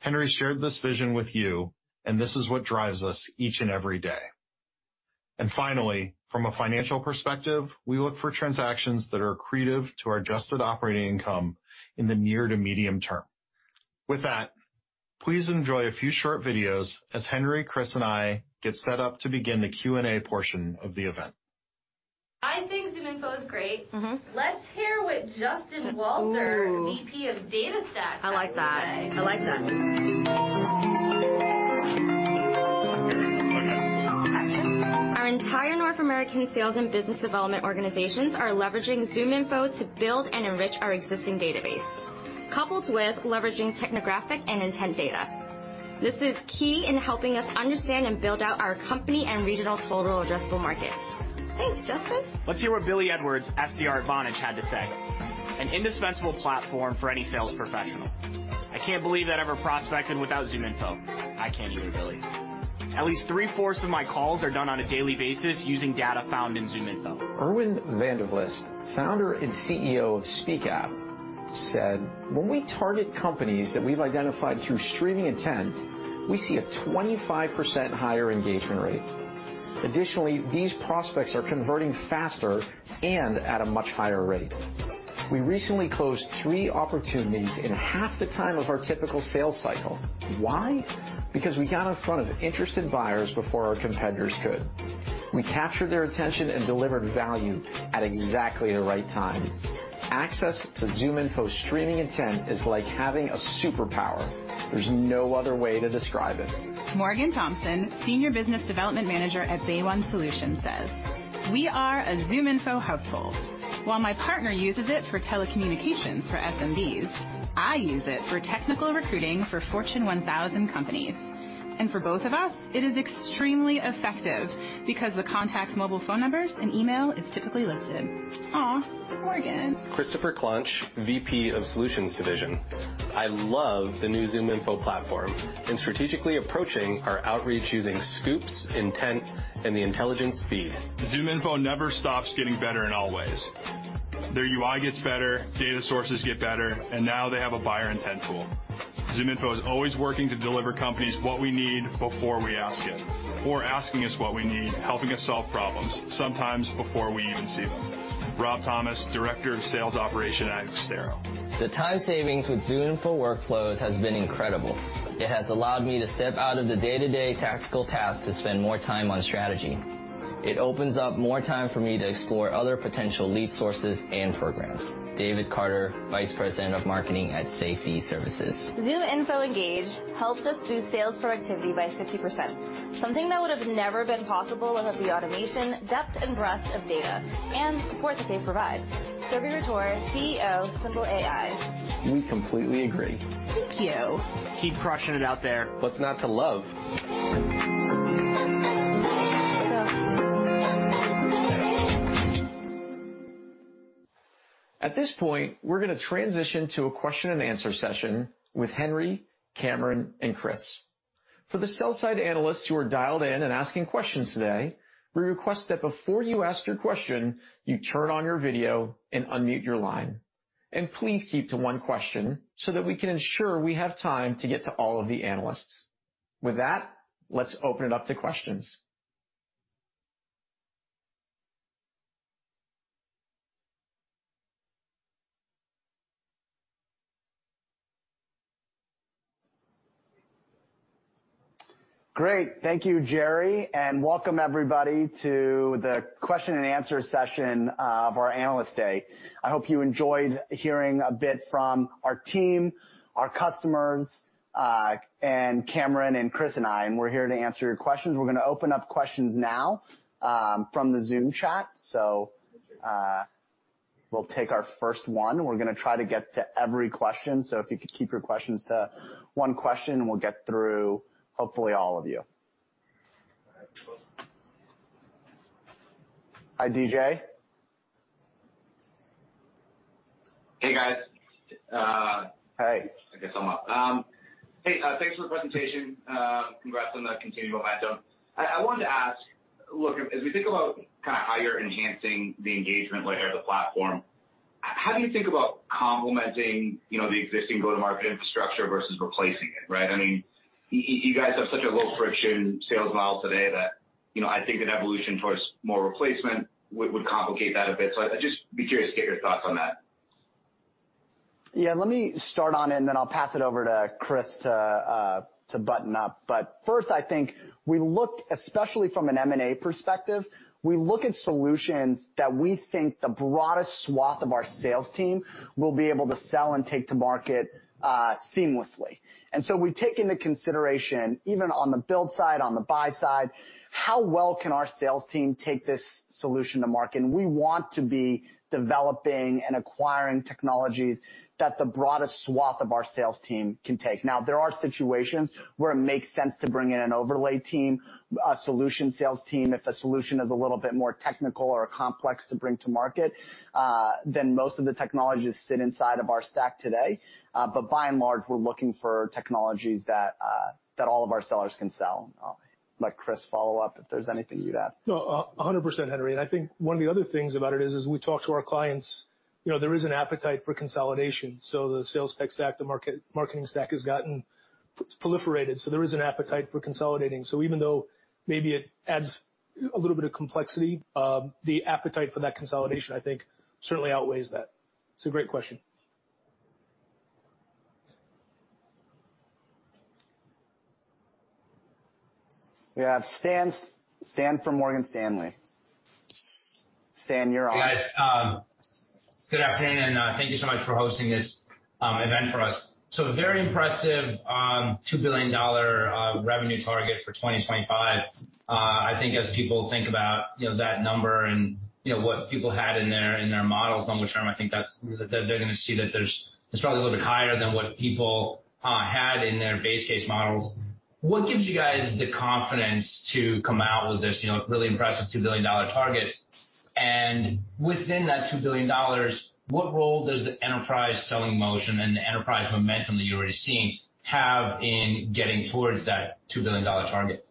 Henry shared this vision with you. This is what drives us each and every day. Finally, from a financial perspective, we look for transactions that are accretive to our adjusted operating income in the near to medium term. With that, please enjoy a few short videos as Henry, Chris, and I get set up to begin the Q&A portion of the event. I think ZoomInfo is great. Let's hear what Justin Walter, VP of DataStax, has to say. I like that. Our entire North American sales and business development organizations are leveraging ZoomInfo to build and Enrich our existing database, coupled with leveraging technographic and intent data. This is key in helping us understand and build out our company and regional total addressable market. Thanks, Justin. Let's hear what Billy Edwards, SDR at Vonage, had to say. "An indispensable platform for any sales professional. I can't believe I ever prospected without ZoomInfo." I can't either, Billy. "At least three-fourths of my calls are done on a daily basis using data found in ZoomInfo." Erwin van der Vlist, founder and CEO of Speakap, said, "When we target companies that we've identified through Streaming Intent, we see a 25% higher engagement rate. Additionally, these prospects are converting faster and at a much higher rate. We recently closed three opportunities in half the time of our typical sales cycle. Why? Because we got in front of interested buyers before our competitors could. We captured their attention and delivered value at exactly the right time. Access to ZoomInfo Streaming Intent is like having a superpower. There's no other way to describe it. Morgan Thompson, Senior Business Development Manager at BayOne Solutions, says, "We are a ZoomInfo household. While my partner uses it for telecommunications for SMBs, I use it for technical recruiting for Fortune 1000 companies. For both of us, it is extremely effective because the contact mobile phone numbers and email is typically listed." Aw, Morgan. Christopher Klunch, VP of Solutions Division: "I love the new ZoomInfo platform and strategically approaching our Outreach using Scoops, Insent, and the intelligence feed. ZoomInfo never stops getting better in all ways. Their UI gets better, data sources get better, and now they have a buyer intent tool. ZoomInfo is always working to deliver companies what we need before we ask it or asking us what we need, helping us solve problems, sometimes before we even see them." Rob Thomas, Director of Sales Operations at Xero. The time savings with ZoomInfo Workflows has been incredible. It has allowed me to step out of the day-to-day tactical tasks to spend more time on strategy. It opens up more time for me to explore other potential lead sources and programs. David Carter, Vice President of Marketing at Safety Services. ZoomInfo Engage helped us boost sales productivity by 50%, something that would have never been possible without the automation, depth, and breadth of data and support they provide. Surya Torra, CEO of SimpleAI. We completely agree. Thank you. Keep crushing it out there. What's not to love? At this point, we're going to transition to a question-and-answer session with Henry Schuck, Cameron Hyzer, and Chris Hays. For the sell-side analysts who are dialed in and asking questions today, we request that before you ask your question, you turn on your video and unmute your line. Please keep to one question so that we can ensure we have time to get to all of the analysts. With that, let's open it up to questions. Great. Thank you, Jerry. Welcome everybody to the question and answer session of our Analyst Day. I hope you enjoyed hearing a bit from our team, our customers, and Cameron Hyzer and Chris Hays and I. We're here to answer your questions. We're going to open up questions now from the Zoom chat. We'll take our first one. We're going to try to get to every question, so if you could keep your questions to one question, we'll get through, hopefully, all of you. Hi, DJ. Hey, guys. Hey. I guess I'm up. Hey, thanks for the presentation. Congrats on the continued momentum. I wanted to ask, as we think about how you're enhancing the engagement layer of the platform. How do you think about complementing the existing go-to-market infrastructure versus replacing it, right? You guys have such a low-friction sales model today that I think an evolution towards more replacement would complicate that a bit. I'd just be curious to get your thoughts on that. Yeah, let me start on it, and then I'll pass it over to Chris to button up. First, I think, especially from an M&A perspective, we look at solutions that we think the broadest swath of our sales team will be able to sell and take to market seamlessly. We take into consideration, even on the build side, on the buy side, how well can our sales team take this solution to market? We want to be developing and acquiring technologies that the broadest swath of our sales team can take. Now, there are situations where it makes sense to bring in an overlay team, a solution sales team, if a solution is a little bit more technical or complex to bring to market than most of the technologies sit inside of our stack today. By and large, we're looking for technologies that all of our sellers can sell. I'll let Chris follow up if there's anything to that. 100%, Henry. I think one of the other things about it is as we talk to our clients, there is an appetite for consolidation. The sales tech stack, the marketing stack has gotten proliferated. There is an appetite for consolidating. Even though maybe it adds a little bit of complexity, the appetite for that consolidation, I think, certainly outweighs that. It's a great question. We have Stan from Morgan Stanley. Stan, you're on. Hey, guys. Good afternoon. Thank you so much for hosting this event for us. Very impressive, $2 billion revenue target for 2025. I think as people think about that number and what people had in their models, long term, I think they're going to see that it's probably a little bit higher than what people had in their base case models. What gives you guys the confidence to come out with this really impressive $2 billion target? Within that $2 billion, what role does the enterprise selling motion and the enterprise momentum that you're already seeing have in getting towards that $2 billion target?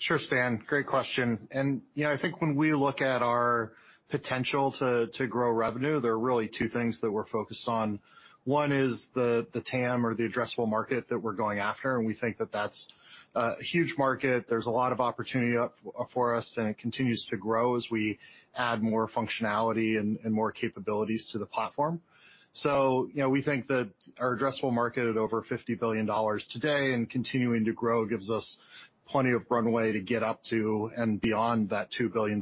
Sure, Stan. Great question. I think when we look at our potential to grow revenue, there are really two things that we're focused on. One is the TAM or the addressable market that we're going after. We think that that's a huge market. There's a lot of opportunity for us, and it continues to grow as we add more functionality and more capabilities to the platform. We think that our addressable market at over $50 billion today and continuing to grow gives us plenty of runway to get up to and beyond that $2 billion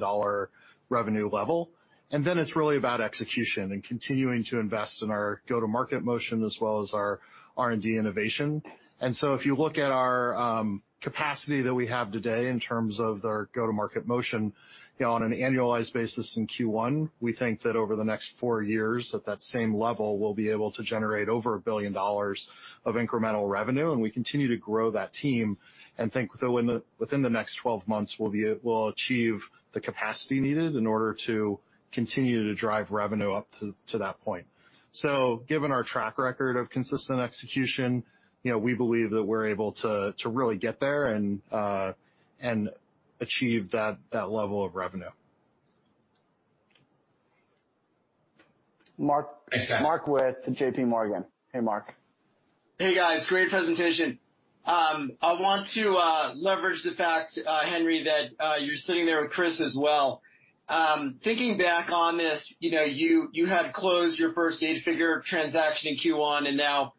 revenue level. It's really about execution and continuing to invest in our go-to-market motion as well as our R&D innovation. If you look at our capacity that we have today in terms of our go-to-market motion on an annualized basis in Q1, we think that over the next four years at that same level, we'll be able to generate over $1 billion of incremental revenue, and we continue to grow that team and think within the next 12-months we'll achieve the capacity needed in order to continue to drive revenue up to that point. Given our track record of consistent execution, we believe that we're able to really get there and achieve that level of revenue. Mark with JP Morgan. Hey, Mark. Hey, guys. Great presentation. I want to leverage the fact, Henry, that you're sitting there with Chris as well. Thinking back on this, you had closed your first eight-figure transaction in Q1. Now,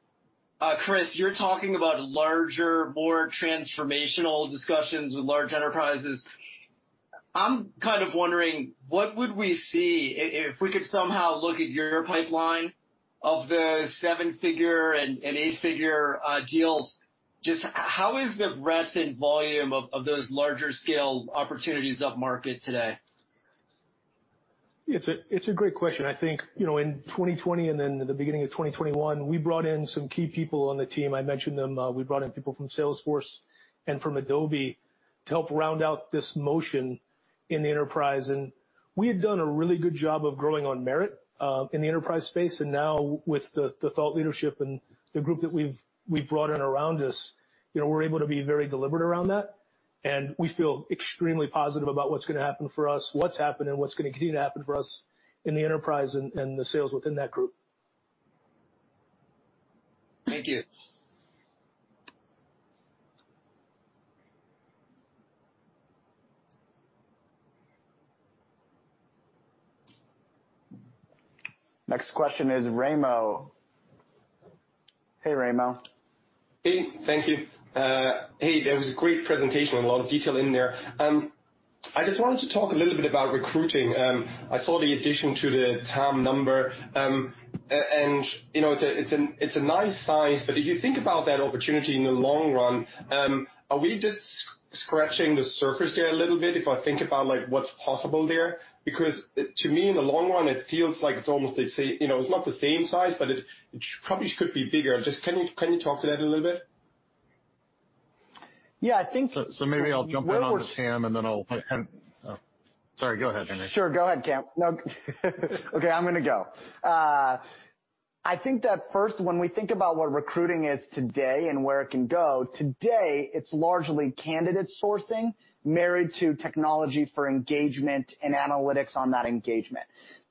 Chris, you're talking about larger, more transformational discussions with large enterprises. I'm wondering what would we see if we could somehow look at your pipeline of those seven-figure and eight-figure deals. Just how is the breadth and volume of those larger scale opportunities upmarket today? It's a great question. I think in 2020 and then the beginning of 2021, we brought in some key people on the team. I mentioned them. We brought in people from Salesforce and from Adobe to help round out this motion in the enterprise. We had done a really good job of growing on merit in the enterprise space. Now with the thought leadership and the group that we've brought in around us, we're able to be very deliberate around that. We feel extremely positive about what's going to happen for us, what's happened, and what's going to continue to happen for us in the enterprise and the sales within that group. Thank you. Next question is Raimo. Hey, Raimo. Hey, thank you. Hey, that was a great presentation. A lot of detail in there. I just wanted to talk a little bit about recruiting. I saw the addition to the TAM number, and it's a nice size. If you think about that opportunity in the long run, are we just scratching the surface there a little bit if I think about what's possible there? To me, in the long run, it feels like it's almost the same. It's not the same size, but it probably could be bigger. Just can you talk to that a little bit? Yeah. Maybe I'll jump in on TAM, and then I'll Sorry, go ahead, Henry. Sure, go ahead, Cameron. Okay, I'm going to go. I think that first, when we think about what recruiting is today and where it can go, today, it's largely candidate sourcing married to technology for engagement and analytics on that engagement.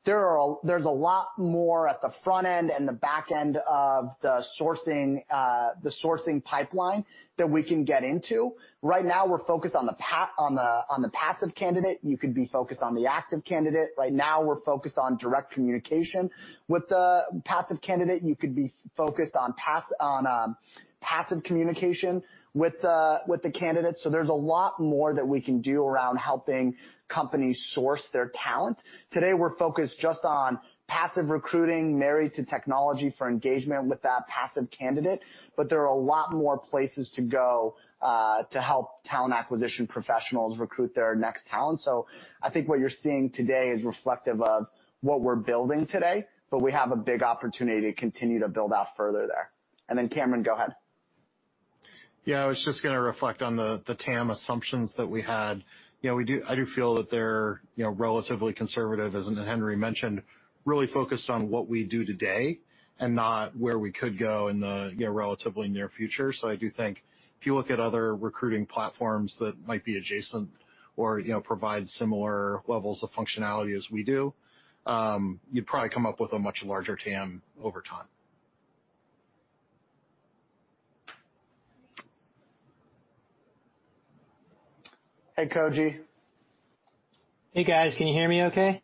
There's a lot more at the front end and the back end of the sourcing pipeline that we can get into. Right now, we're focused on the passive candidate. You could be focused on the active candidate. Right now, we're focused on direct communication with the passive candidate. You could be focused on passive communication with the candidate. There's a lot more that we can do around helping companies source their talent. Today, we're focused just on passive recruiting married to technology for engagement with that passive candidate, but there are a lot more places to go to help talent acquisition professionals recruit their next talent. I think what you're seeing today is reflective of what we're building today, but we have a big opportunity to continue to build out further there. Cameron, go ahead. Yeah, I was just going to reflect on the TAM assumptions that we had. I do feel that they're relatively conservative, as Henry mentioned, really focused on what we do today and not where we could go in the relatively near future. I do think if you look at other recruiting platforms that might be adjacent or provide similar levels of functionality as we do, you'd probably come up with a much larger TAM over time. Hey, Koji. Hey, guys. Can you hear me okay?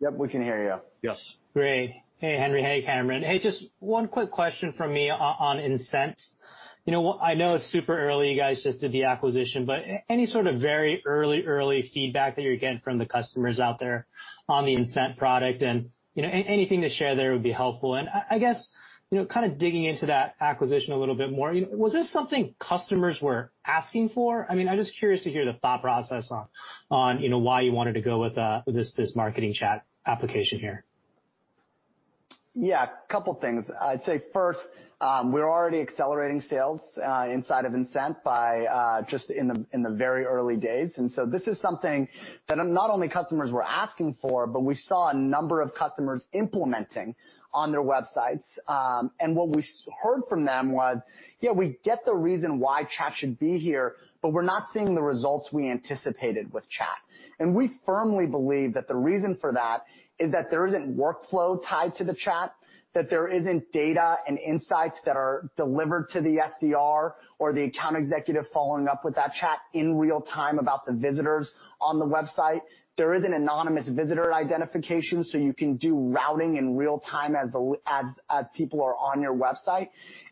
Yep, we can hear you. Yes. Great. Hey, Henry. Hey, Cameron. Hey, just one quick question from me on Insent. I know it's super early, you guys just did the acquisition, any sort of very early feedback that you're getting from the customers out there on the Insent product and anything to share there would be helpful. I guess, kind of digging into that acquisition a little bit more, was this something customers were asking for? I'm just curious to hear the thought process on why you wanted to go with this marketing chat application here. Yeah, a couple things. I'd say first, we're already accelerating sales inside of Insent by just in the very early days. This is something that not only customers were asking for, but we saw a number of customers implementing on their websites. What we heard from them was, "Yeah, we get the reason why chat should be here, but we're not seeing the results we anticipated with chat." We firmly believe that the reason for that is that there isn't workflow tied to the chat, that there isn't data and insights that are delivered to the SDR or the account executive following up with that chat in real time about the visitors on the website. There isn't anonymous visitor identification, so you can do routing in real time as people are on your website.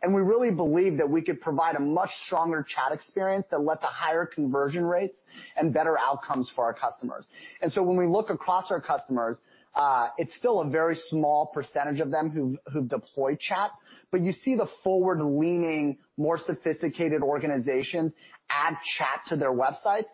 We really believe that we could provide a much stronger chat experience that led to higher conversion rates and better outcomes for our customers. When we look across our customers, it's still a very small percentage of them who've deployed chat, but you see the forward-leaning, more sophisticated organizations add chat to their websites.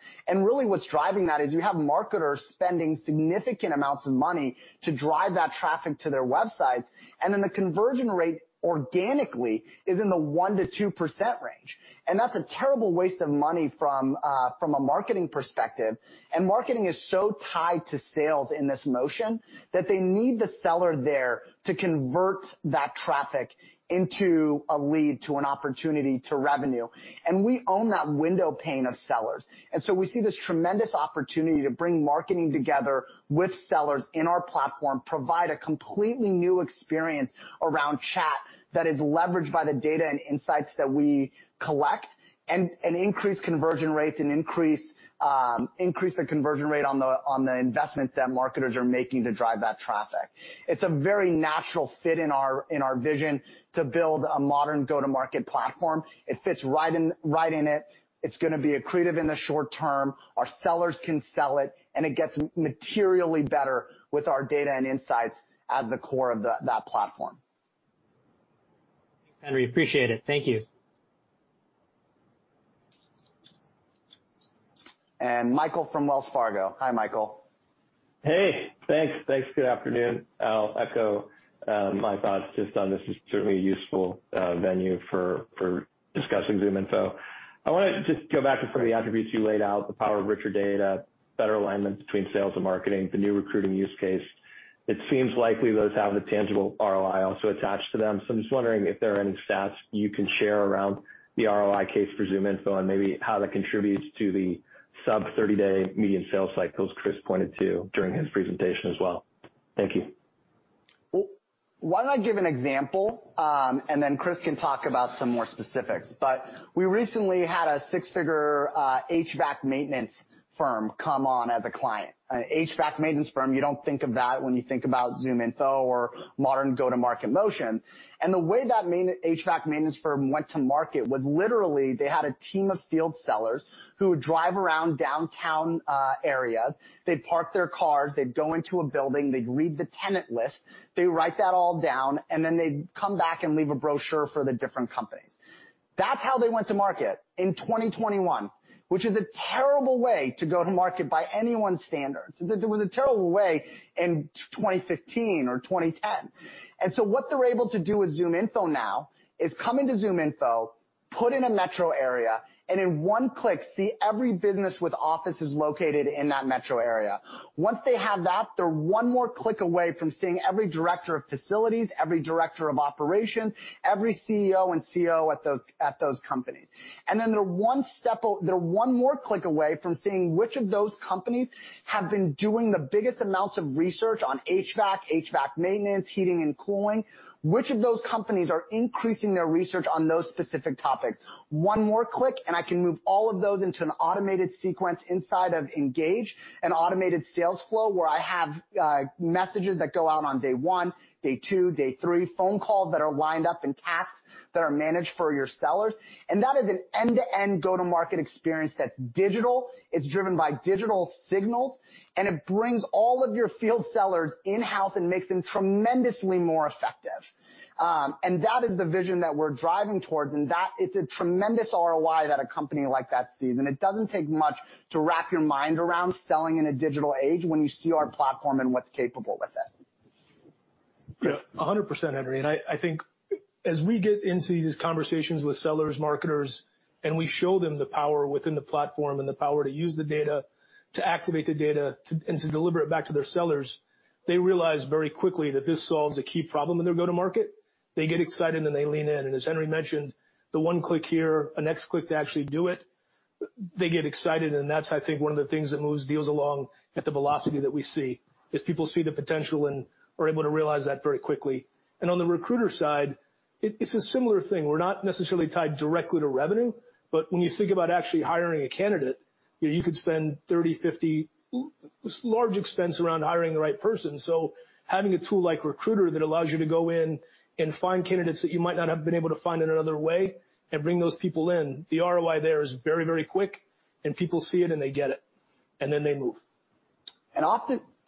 What's driving that is you have marketers spending significant amounts of money to drive that traffic to their websites, then the conversion rate organically is in the 1%-2% range. That's a terrible waste of money from a marketing perspective, and marketing is so tied to sales in this motion that they need the seller there to convert that traffic into a lead to an opportunity to revenue. We own that window pane of sellers. We see this tremendous opportunity to bring marketing together with sellers in our platform, provide a completely new experience around chat that is leveraged by the data and insights that we collect, and increase conversion rates and increase the conversion rate on the investment that marketers are making to drive that traffic. It's a very natural fit in our vision to build a modern go-to-market platform. It fits right in it. It's going to be accretive in the short term. Our sellers can sell it, and it gets materially better with our data and insights at the core of that platform. Henry, appreciate it. Thank you. Michael from Wells Fargo. Hi, Michael. Hey, thanks. Good afternoon. I'll echo my thoughts just on this extremely useful venue for discussing ZoomInfo. I want to just go back to some of the attributes you laid out, the power of richer data, better alignment between sales and marketing, the new recruiting use case. It seems likely those have a tangible ROI also attached to them. I'm just wondering if there are any stats you can share around the ROI case for ZoomInfo and maybe how that contributes to the sub 30-day median sales cycles Chris pointed to during his presentation as well. Thank you. Why don't I give an example, and then Chris can talk about some more specifics. We recently had a six-figure HVAC maintenance firm come on as a client. An HVAC maintenance firm, you don't think of that when you think about ZoomInfo or modern go-to-market motion. The way that HVAC maintenance firm went to market was literally they had a team of field sellers who would drive around downtown areas. They'd park their cars. They'd go into a building. They'd read the tenant list. They write that all down, and then they'd come back and leave a brochure for the different companies. That's how they went to market in 2021, which is a terrible way to go to market by anyone's standards. It was a terrible way in 2015 or 2010. What they're able to do with ZoomInfo now is come into ZoomInfo. Put in a metro area and in one click see every business with offices located in that metro area. Once they have that, they're one more click away from seeing every director of facilities, every director of operations, every CEO and COO at those companies. They're one more click away from seeing which of those companies have been doing the biggest amounts of research on HVAC maintenance, heating and cooling, which of those companies are increasing their research on those specific topics. One more click and I can move all of those into an automated sequence inside of Engage, an automated sales flow where I have messages that go out on day one, day two, day three, phone calls that are lined up and tasks that are managed for your sellers. That is an end-to-end go-to-market experience that's digital, it's driven by digital signals, and it brings all of your field sellers in-house and makes them tremendously more effective. That is the vision that we're driving towards, and it's a tremendous ROI at a company like that, Steven. It doesn't take much to wrap your mind around selling in a digital age when you see our platform and what's capable with it. Yeah, 100%, Henry, I think as we get into these conversations with sellers, marketers, and we show them the power within the platform and the power to use the data, to activate the data, and to deliver it back to their sellers, they realize very quickly that this solves a key problem in their go-to-market. They get excited and they lean in. As Henry mentioned, the one click here, the next click to actually do it, they get excited and that's, I think, one of the things that moves deals along at the velocity that we see, is people see the potential and are able to realize that very quickly. On the Recruiter side, it's a similar thing. We're not necessarily tied directly to revenue, but when you think about actually hiring a candidate, you could spend $30, $50, large expense around hiring the right person. Having a tool like Recruiter that allows you to go in and find candidates that you might not have been able to find another way and bring those people in, the ROI there is very, very quick and people see it and they get it, and then they move.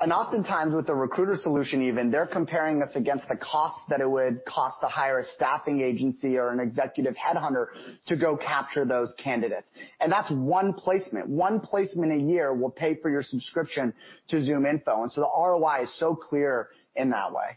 Oftentimes with the Recruiter solution even, they're comparing us against the cost that it would cost to hire a staffing agency or an executive headhunter to go capture those candidates. That's one placement. One placement a year will pay for your subscription to ZoomInfo, and so the ROI is so clear in that way.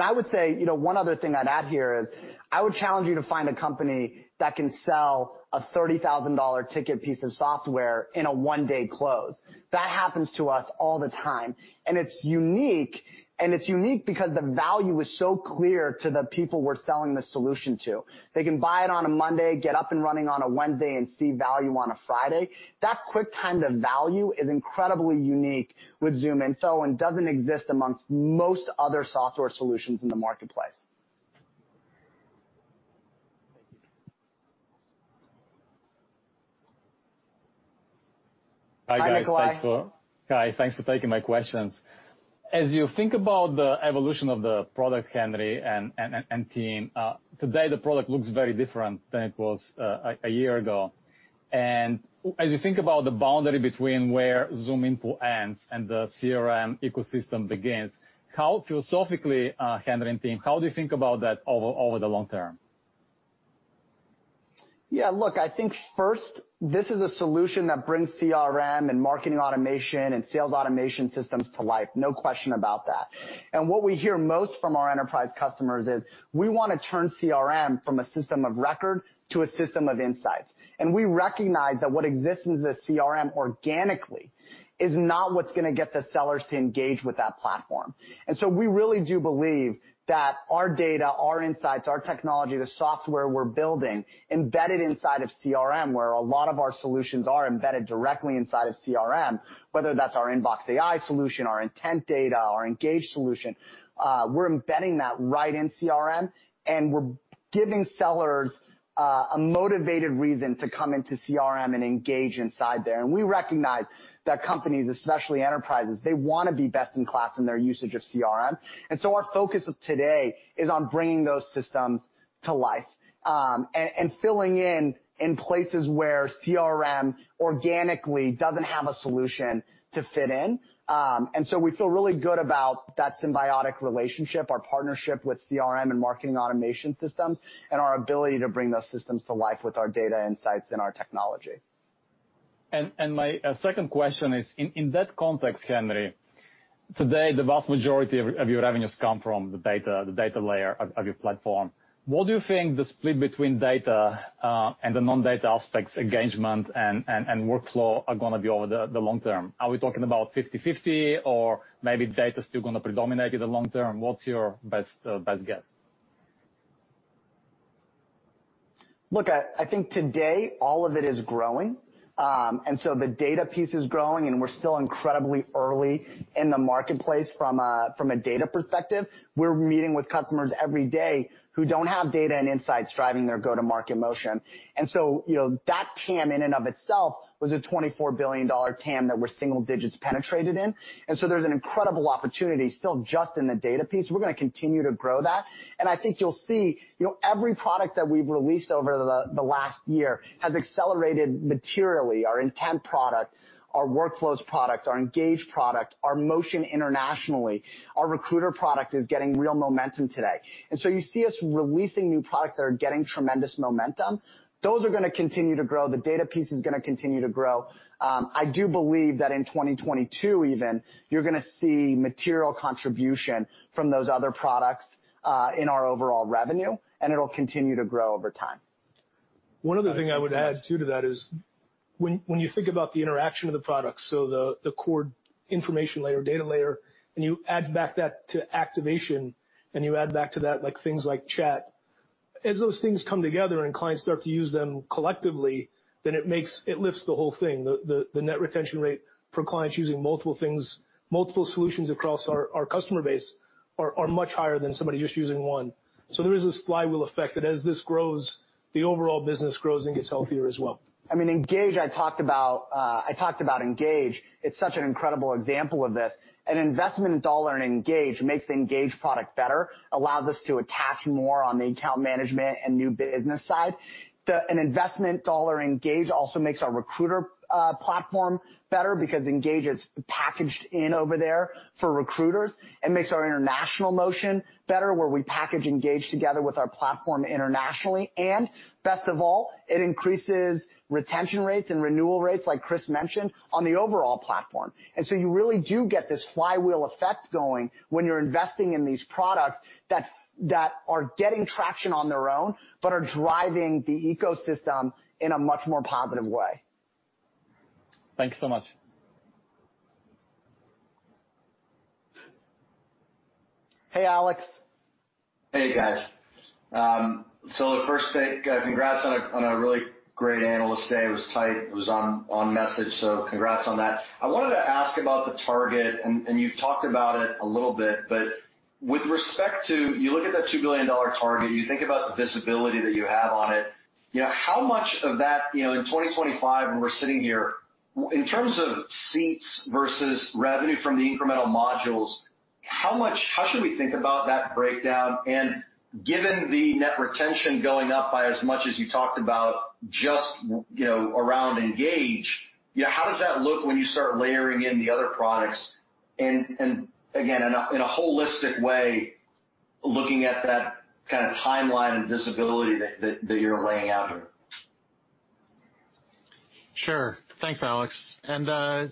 I would say, one other thing I'd add here is I would challenge you to find a company that can sell a $30,000 ticket piece of software in a one-day close. That happens to us all the time, and it's unique. It's unique because the value is so clear to the people we're selling the solution to. They can buy it on a Monday, get up and running on a Wednesday, and see value on a Friday. That quick time to value is incredibly unique with ZoomInfo and doesn't exist amongst most other software solutions in the marketplace. Hi guys. Thanks. Henry Lai. Hi, thanks for taking my questions. As you think about the evolution of the product, Henry and team, today the product looks very different than it was a year ago. As you think about the boundary between where ZoomInfo ends and the CRM ecosystem begins, how philosophically, Henry and team, how do you think about that over the long term? Look, I think first this is a solution that brings CRM and marketing automation and sales automation systems to life. No question about that. What we hear most from our enterprise customers is, "We want to turn CRM from a system of record to a system of insights." We recognize that what exists as a CRM organically is not what's going to get the sellers to Engage with that platform. We really do believe that our data, our insights, our technology, the software we're building embedded inside of CRM, where a lot of our solutions are embedded directly inside of CRM, whether that's our InboxAI solution, our intent data, our Engage solution, we're embedding that right in CRM and we're giving sellers a motivated reason to come into CRM and Engage inside there. We recognize that companies, especially enterprises, they want to be best in class in their usage of CRM. Our focus of today is on bringing those systems to life, and filling in in places where CRM organically doesn't have a solution to fit in. We feel really good about that symbiotic relationship, our partnership with CRM and marketing automation systems, and our ability to bring those systems to life with our data insights and our technology. My second question is, in that context, Henry, today the vast majority of your revenues come from the data layer of your platform. What do you think the split between data and the non-data aspects, engagement and workflow are going to be over the long term? Are we talking about 50/50 or maybe data is still going to predominate in the long term? What's your best guess? Look, I think today all of it is growing. The data piece is growing and we're still incredibly early in the marketplace from a data perspective. We're meeting with customers every day who don't have data and insights driving their go-to-market motion. That TAM in and of itself was a $24 billion TAM that we're single digits penetrated in. There's an incredible opportunity still just in the data piece. We're going to continue to grow that, and I think you'll see every product that we've released over the last year has accelerated materially. Our Intent product, our Workflows product, our Engage product, our motion internationally, our Recruiter product is getting real momentum today. You see us releasing new products that are getting tremendous momentum. Those are going to continue to grow. The data piece is going to continue to grow. I do believe that in 2022 even, you're going to see material contribution from those other products, in our overall revenue, and it'll continue to grow over time. One other thing I would add too to that is when you think about the interaction of the product, so the core information layer, data layer, and you add back that to activation, and you add back to that things like chat. As those things come together and clients start to use them collectively, then it lifts the whole thing. The net retention rate for clients using multiple things, multiple solutions across our customer base are much higher than somebody just using one. There is this flywheel effect that as this grows, the overall business grows and gets healthier as well. I mean, Engage, I talked about Engage. It's such an incredible example of this. An investment dollar in Engage makes the Engage product better, allows us to attach more on the account management and new business side. An investment dollar in Engage also makes our recruiter platform better because Engage is packaged in over there for recruiters. It makes our international motion better, where we package Engage together with our platform internationally. Best of all, it increases retention rates and renewal rates, like Chris Hays mentioned, on the overall platform. You really do get this flywheel effect going when you're investing in these products that are getting traction on their own but are driving the ecosystem in a much more positive way. Thanks so much. Hey, Alex. Hey, guys. First, congrats on a really great Analyst Day. It was tight. It was on message. Congrats on that. I wanted to ask about the target, and you've talked about it a little bit, but with respect to, you look at that $2 billion target, and you think about the visibility that you have on it, how much of that, in 2025, when we're sitting here, in terms of seats versus revenue from the incremental modules, how should we think about that breakdown? Given the net retention going up by as much as you talked about just around Engage, how does that look when you start layering in the other products and, again, in a holistic way, looking at that kind of timeline and visibility that you're laying out here? Sure. Thanks, Alex. I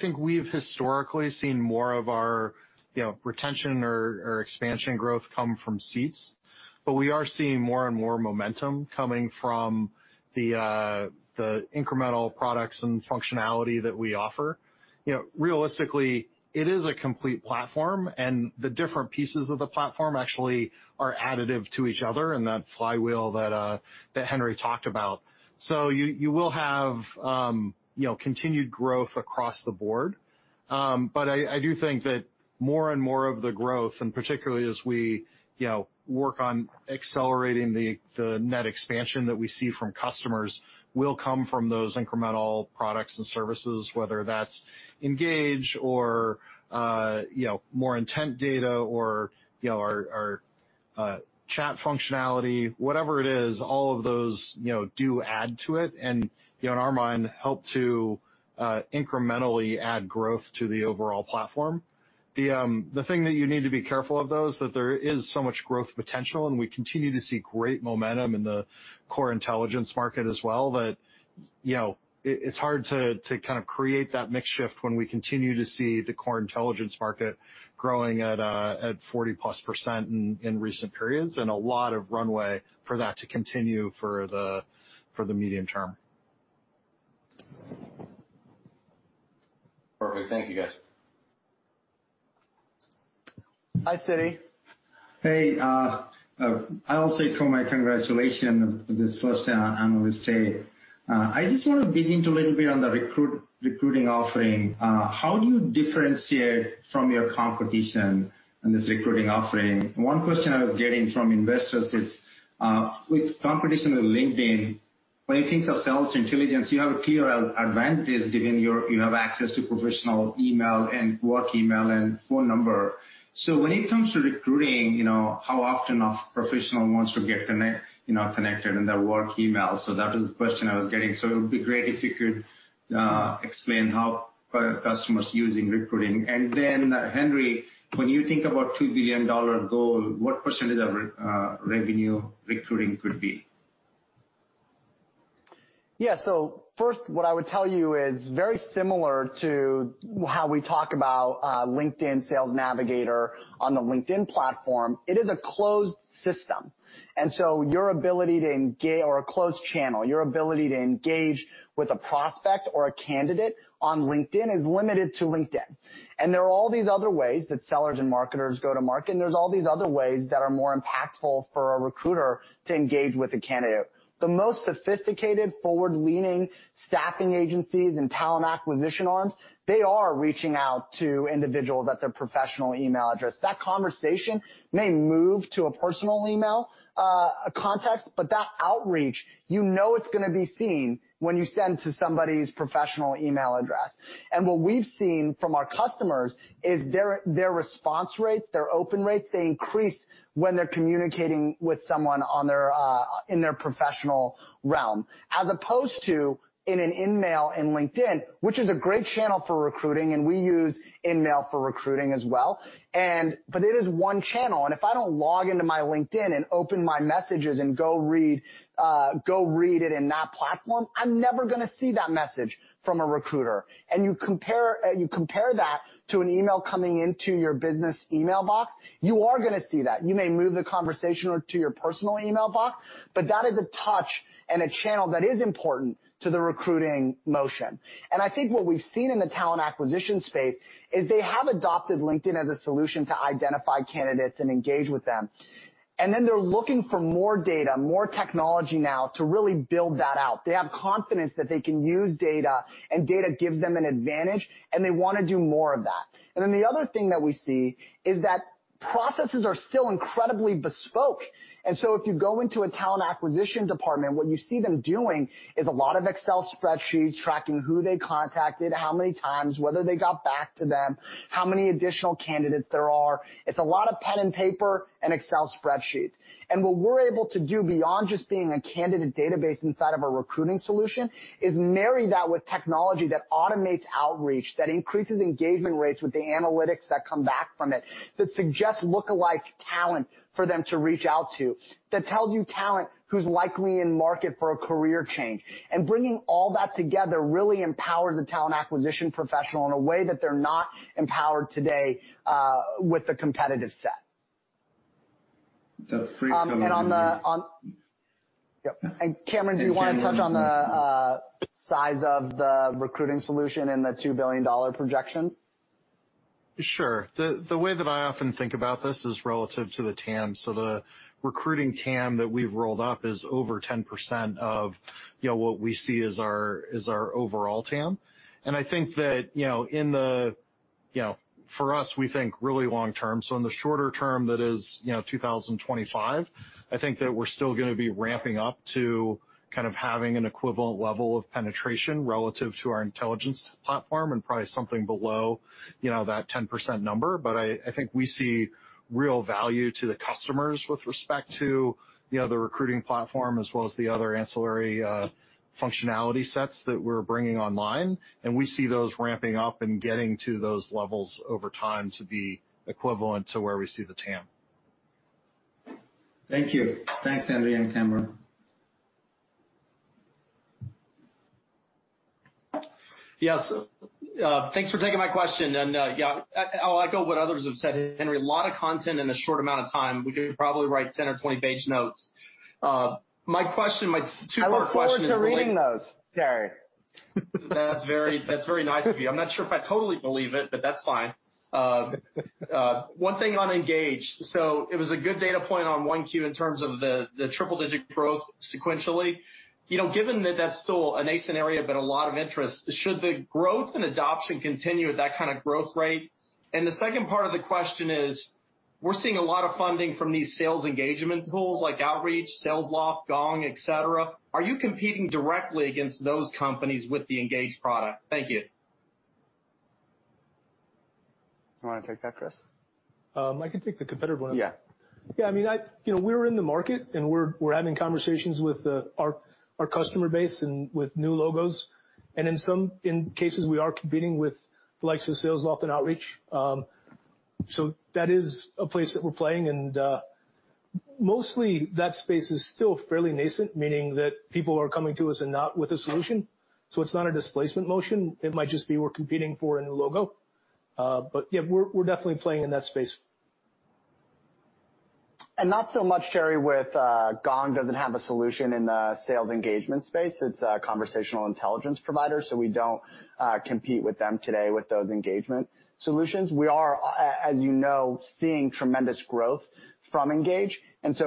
think we've historically seen more of our retention or expansion growth come from seats, but we are seeing more and more momentum coming from the incremental products and functionality that we offer. Realistically, it is a complete platform, and the different pieces of the platform actually are additive to each other in that flywheel that Henry talked about. You will have continued growth across the board. I do think that more and more of the growth, and particularly as we work on accelerating the net expansion that we see from customers, will come from those incremental products and services, whether that's Engage or more intent data or our chat functionality. Whatever it is, all of those do add to it and, in our mind, help to incrementally add growth to the overall platform. The thing that you need to be careful of, though, is that there is so much growth potential, and we continue to see great momentum in the core intelligence market as well, that it's hard to kind of create that mix shift when we continue to see the core intelligence market growing at 40% plus in recent periods and a lot of runway for that to continue for the medium term. Perfect. Thank you, guys. Hi, Sidd. Hey. I also echo my congratulations for this first Analyst Day. I just want to dig into a little bit on the recruiting offering. How do you differentiate from your competition in this recruiting offering? One question I was getting from investors is with competition with LinkedIn, when you think of Sales Intelligence, you have a clear advantage given you have access to professional email and work email and phone number. When it comes to recruiting how often a professional wants to get connected in their work email. That was the question I was getting. It would be great if you could explain how a customer's using recruiting. Henry, when you think about $2 billion goal, what percentage of revenue recruiting could be? Yeah. First, what I would tell you is very similar to how we talk about LinkedIn Sales Navigator on the LinkedIn platform. It is a closed system. A closed channel. Your ability to Engage with a prospect or a candidate on LinkedIn is limited to LinkedIn. There are all these other ways that sellers and marketers go to market, and there's all these other ways that are more impactful for a recruiter to Engage with a candidate. The most sophisticated, forward-leaning staffing agencies and talent acquisition arms, they are reaching out to individuals at their professional email address. That conversation may move to a personal email contact, that Outreach, you know it's going to be seen when you send to somebody's professional email address. What we've seen from our customers is their response rates, their open rates, they increase when they're communicating with someone in their professional realm, as opposed to in an InMail in LinkedIn, which is a great channel for recruiting, and we use InMail for recruiting as well. It is one channel, and if I don't log into my LinkedIn and open my messages and go read it in that platform, I'm never going to see that message from a recruiter. You compare that to an email coming into your business email box, you are going to see that. You may move the conversation to your personal email box, but that is a touch and a channel that is important to the recruiting motion. I think what we've seen in the talent acquisition space is they have adopted LinkedIn as a solution to identify candidates and Engage with them. They're looking for more data, more technology now to really build that out. They have confidence that they can use data, and data gives them an advantage, and they want to do more of that. The other thing that we see is processes are still incredibly bespoke. If you go into a talent acquisition department, what you see them doing is a lot of Excel spreadsheets tracking who they contacted, how many times, whether they got back to them, how many additional candidates there are. It's a lot of pen and paper and Excel spreadsheets. What we're able to do beyond just being a candidate database inside of our recruiting solution is marry that with technology that automates Outreach, that increases engagement rates with the analytics that come back from it, that suggest lookalike talent for them to reach out to, that tells you talent who's likely in market for a career change. Bringing all that together really empowers a talent acquisition professional in a way that they're not empowered today with the competitive set. Cameron, do you want to touch on the size of the recruiting solution and the $2 billion projection? Sure. The way that I often think about this is relative to the TAM. The recruiting TAM that we've rolled up is over 10% of what we see as our overall TAM. I think that for us, we think really long term. In the shorter term, that is 2025, I think that we're still going to be ramping up to kind of having an equivalent level of penetration relative to our intelligence platform and probably something below that 10% number. I think we see real value to the customers with respect to the recruiting platform as well as the other ancillary functionality sets that we're bringing online. We see those ramping up and getting to those levels over time to be equivalent to where we see the TAM. Thank you. Thanks, Henry and Cameron. Yes. Thanks for taking my question. Yeah, I'll echo what others have said, Henry, a lot of content in a short amount of time. We could probably write 10 or 20 page notes. My two-part question. I look forward to reading those, Terry. That's very nice of you. I'm not sure if I totally believe it, but that's fine. One thing on Engage. It was a good data point on 1Q in terms of the triple-digit growth sequentially. Given that that's still a nascent area, but a lot of interest, should the growth and adoption continue at that kind of growth rate? The second part of the question is, we're seeing a lot of funding from these sales engagement tools like Outreach, Salesloft, Gong, et cetera. Are you competing directly against those companies with the Engage product? Thank you. You want to take that, Chris? I can take the competitive one. Yeah. Yeah, we're in the market, and we're having conversations with our customer base and with new logos. In some cases, we are competing with the likes of Salesloft and Outreach. That is a place that we're playing, and mostly that space is still fairly nascent, meaning that people are coming to us and not with a solution. It's not a displacement motion. It might just be we're competing for a new logo. Yeah, we're definitely playing in that space. Not so much, Terry, with Gong doesn't have a solution in the sales engagement space. It's a conversational intelligence provider. We don't compete with them today with those engagement solutions. We are, as you know, seeing tremendous growth from Engage.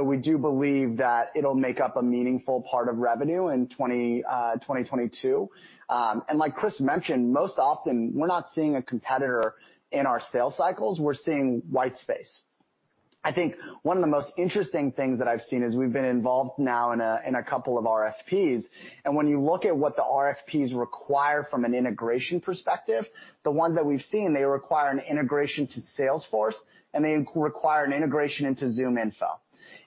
We do believe that it'll make up a meaningful part of revenue in 2022. Like Chris mentioned, most often we're not seeing a competitor in our sales cycles. We're seeing white space. I think one of the most interesting things that I've seen is we've been involved now in a couple of RFPs. When you look at what the RFPs require from an integration perspective, the ones that we've seen, they require an integration to Salesforce, and they require an integration into ZoomInfo.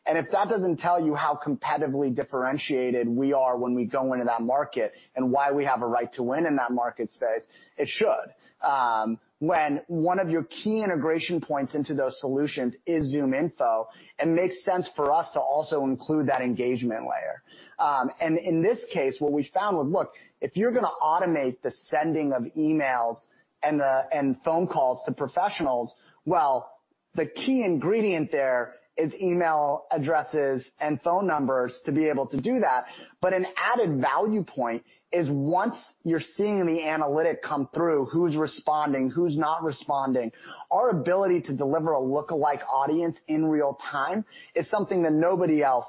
If that doesn't tell you how competitively differentiated we are when we go into that market and why we have a right to win in that market space, it should. When one of your key integration points into those solutions is ZoomInfo, it makes sense for us to also include that engagement layer. In this case, what we found was, look, if you're going to automate the sending of emails and phone calls to professionals, well, the key ingredient there is email addresses and phone numbers to be able to do that. An added value point is once you're seeing the analytic come through, who's responding, who's not responding, our ability to deliver a lookalike audience in real time is something that nobody else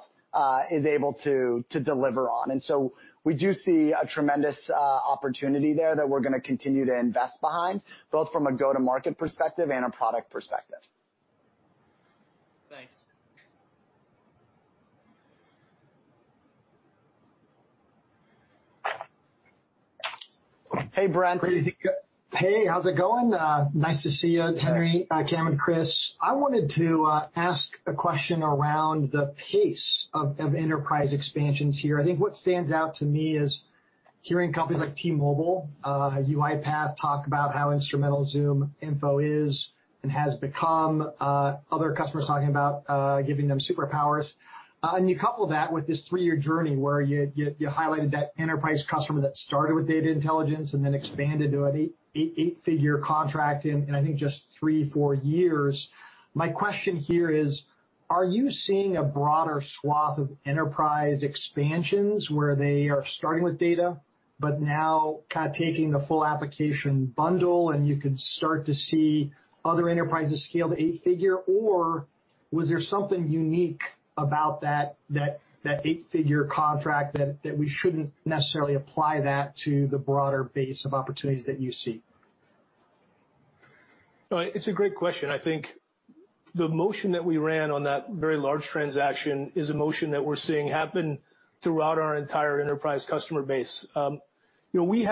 is able to deliver on. We do see a tremendous opportunity there that we're going to continue to invest behind, both from a go-to-market perspective and a product perspective. Thanks. Hey, Brent. Hey, how's it going? Nice to see you, Henry, Cameron, Chris. I wanted to ask a question around the pace of enterprise expansions here. I think what stands out to me is hearing companies like T-Mobile, UiPath talk about how instrumental ZoomInfo is and has become, other customers talking about giving them superpowers. You couple that with this three year journey where you highlighted that enterprise customer that started with data intelligence and then expanded to an eight figure contract in I think just three, four years. My question here is, are you seeing a broader swath of enterprise expansions where they are starting with data, but now kind of taking the full application bundle, and you can start to see other enterprises scale to eight figure? Was there something unique about that eight-figure contract that we shouldn't necessarily apply that to the broader base of opportunities that you see? It's a great question. I think the motion that we ran on that very large transaction is a motion that we're seeing happen throughout our entire enterprise customer base. We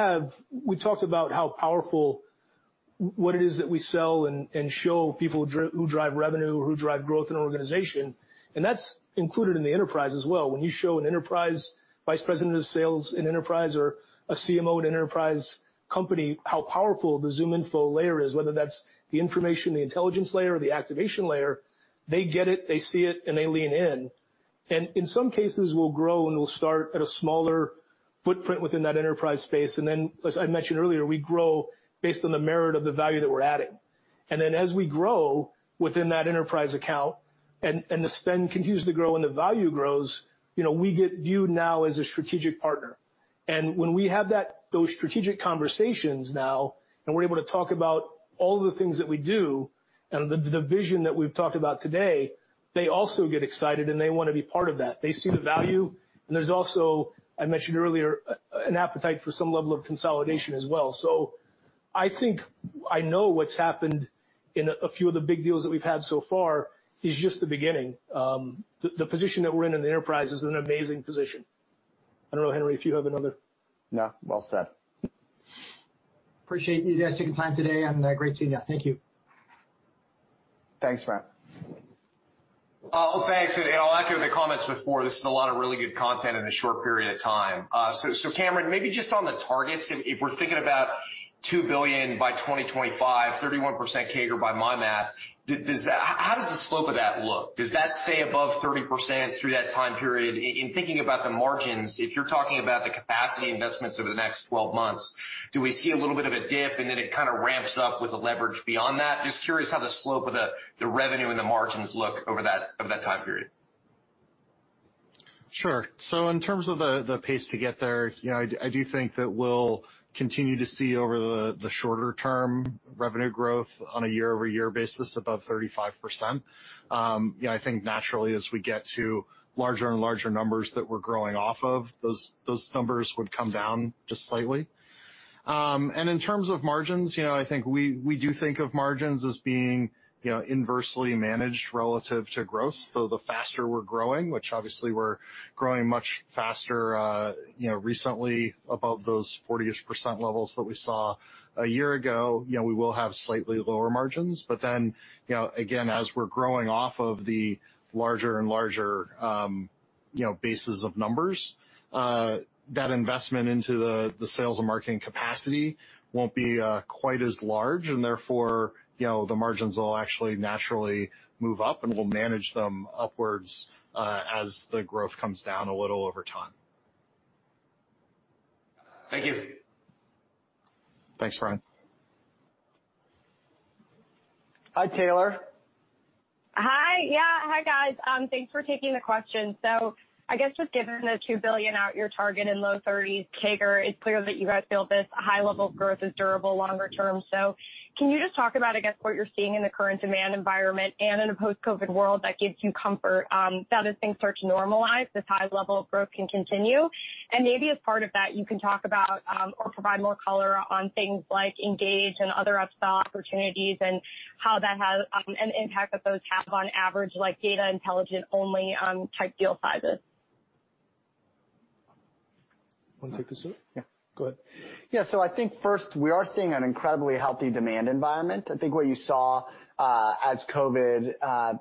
talked about how powerful what it is that we sell and show people who drive revenue, who drive growth in an organization, and that's included in the enterprise as well. When you show an enterprise vice president of sales in enterprise or a CMO in an enterprise company how powerful the ZoomInfo layer is, whether that's the information, the intelligence layer, or the activation layer, they get it, they see it, and they lean in. In some cases, we'll grow, and we'll start at a smaller footprint within that enterprise space. Then, as I mentioned earlier, we grow based on the merit of the value that we're adding. As we grow within that enterprise account and the spend continues to grow and the value grows, we get viewed now as a strategic partner. When we have those strategic conversations now and we're able to talk about all the things that we do and the vision that we've talked about today, they also get excited, and they want to be part of that. They see the value, and there's also, I mentioned earlier, an appetite for some level of consolidation as well. I think I know what's happened in a few of the big deals that we've had so far is just the beginning. The position that we're in in the enterprise is an amazing position. I don't know, Henry, if you have another-. No, well said. Appreciate you guys taking the time today. Great seeing you. Thank you. Thanks, Brent. Thanks. I'll echo the comments before, this is a lot of really good content in a short period of time. Cameron, maybe just on the targets, if we're thinking about $2 billion by 2025, 31% CAGR by my math, how does the slope of that look? Does that stay above 30% through that time period? In thinking about the margins, if you're talking about the capacity investments over the next 12-months, do we see a little bit of a dip and then it kind of ramps up with the leverage beyond that? Just curious how the slope of the revenue and the margins look over that time period. Sure. In terms of the pace to get there, I do think that we'll continue to see over the shorter term revenue growth on a year-over-year basis above 35%. I think naturally as we get to larger and larger numbers that we're growing off of, those numbers would come down just slightly. In terms of margins, I think we do think of margins as being inversely managed relative to gross. The faster we're growing, which obviously we're growing much faster recently above those 40%-ish levels that we saw a year ago, we will have slightly lower margins, again, as we're growing off of the larger and larger bases of numbers, that investment into the sales and marketing capacity won't be quite as large, therefore, the margins will actually naturally move up, and we'll manage them upwards as the growth comes down a little over time. Thank you. Thanks, Ryan. Hi, Taylor. Hi. Yeah. Hi, guys. Thanks for taking the question. I guess just given the $2 billion out your target in low 30s CAGR, it's clear that you guys feel this high level of growth is durable longer term. Can you just talk about, I guess, what you're seeing in the current demand environment and in a post-COVID world that gives you comfort that as things start to normalize, this high level of growth can continue? Maybe as part of that, you can talk about or provide more color on things like Engage and other upsell opportunities and how that has an impact that those have on average, like data intelligent only type deal sizes. Want to take this one? Yeah. Go ahead. Yeah. I think first, we are seeing an incredibly healthy demand environment. I think what you saw as COVID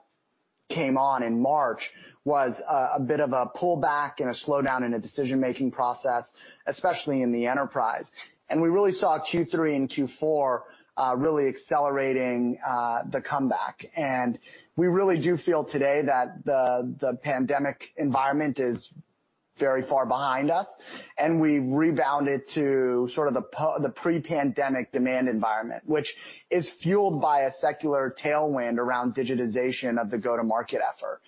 came on in March was a bit of a pullback and a slowdown in the decision-making process, especially in the enterprise. We really saw Q3 and Q4 really accelerating the comeback. We really do feel today that the pandemic environment is very far behind us, and we've rebounded to sort of the pre-pandemic demand environment, which is fueled by a secular tailwind around digitization of the go-to-market effort.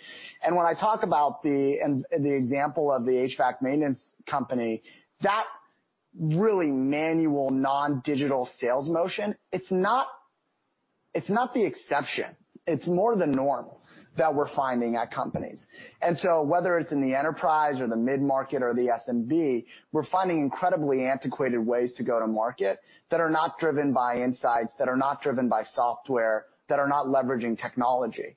When I talk about the example of the HVAC maintenance company, that really manual non-digital sales motion, it's not the exception. It's more the norm that we're finding at companies. Whether it's in the enterprise or the mid-market or the SMB, we're finding incredibly antiquated ways to go to market that are not driven by insights, that are not driven by software, that are not leveraging technology.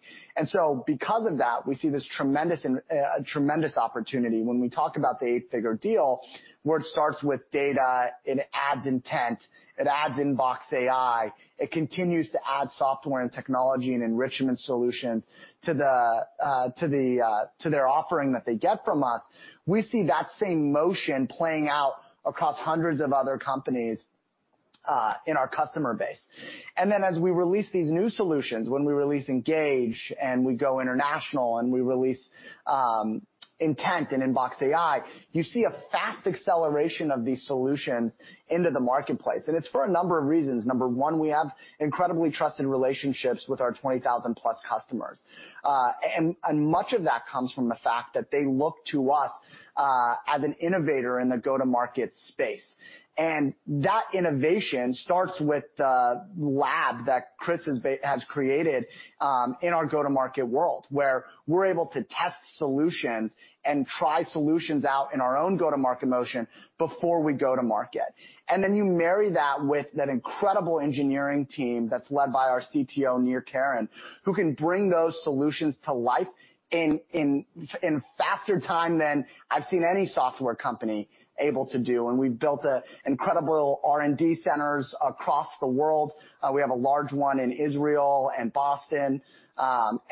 Because of that, we see this tremendous opportunity when we talk about the eight-figure deal where it starts with data, it adds intent, it adds InboxAI, it continues to add software and technology and enrichment solutions to their offering that they get from us. We see that same motion playing out across hundreds of other companies in our customer base. As we release these new solutions, when we release Engage and we go international and we release Insent and ZoomInfo InboxAI, you see a fast acceleration of these solutions into the marketplace, and it's for a number of reasons. Number one, we have incredibly trusted relationships with our 20,000 plus customers. Much of that comes from the fact that they look to us as an innovator in the go-to-market space. That innovation starts with the lab that Chris has created in our go-to-market world, where we're able to test solutions and try solutions out in our own go-to-market motion before we go to market. Then you marry that with an incredible engineering team that's led by our CTO, Nir Keren, who can bring those solutions to life in faster time than I've seen any software company able to do. We've built incredible R&D centers across the world. We have a large one in Israel and Boston.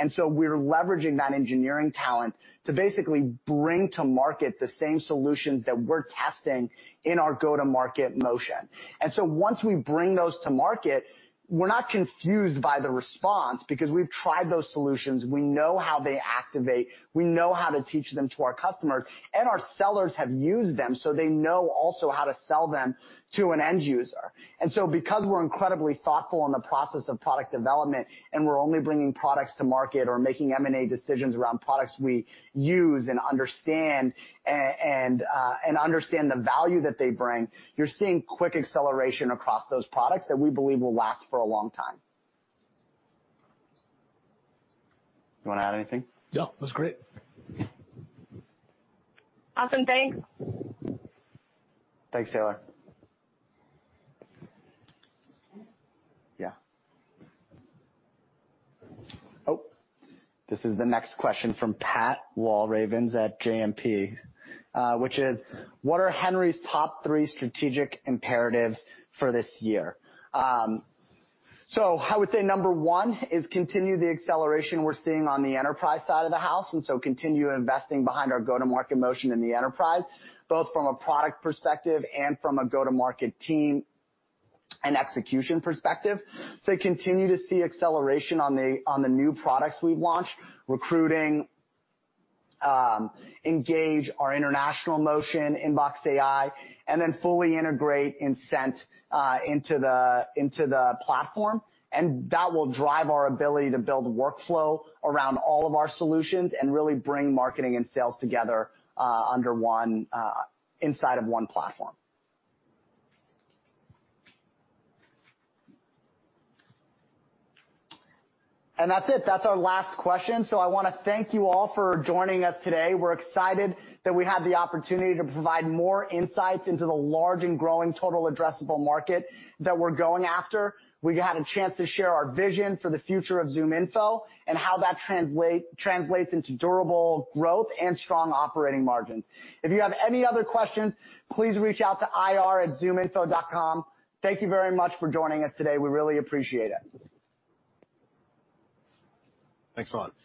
So we're leveraging that engineering talent to basically bring to market the same solutions that we're testing in our go-to-market motion. Once we bring those to market, we're not confused by the response because we've tried those solutions. We know how they activate. We know how to teach them to our customers, and our sellers have used them, so they know also how to sell them to an end user. Because we're incredibly thoughtful in the process of product development, and we're only bringing products to market or making M&A decisions around products we use and understand the value that they bring, you're seeing quick acceleration across those products that we believe will last for a long time. You want to add anything? No, that's great. Nothing. Thanks, Taylor. Yeah. This is the next question from Patrick Walravens at JMP, which is, what are Henry's top three strategic imperatives for this year? I would say number one is continue the acceleration we're seeing on the enterprise side of the house, continue investing behind our go-to-market motion in the enterprise, both from a product perspective and from a go-to-market team and execution perspective. Continue to see acceleration on the new products we've launched, recruiting, Engage, our international motion, ZoomInfo InboxAI, then fully integrate Insent into the platform. That will drive our ability to build workflow around all of our solutions and really bring marketing and sales together inside of one platform. That's it. That's our last question. I want to thank you all for joining us today. We're excited that we had the opportunity to provide more insights into the large and growing total addressable market that we're going after. We had a chance to share our vision for the future of ZoomInfo and how that translates into durable growth and strong operating margins. If you have any other questions, please reach out to ir@zoominfo.com. Thank you very much for joining us today. We really appreciate it. Excellent.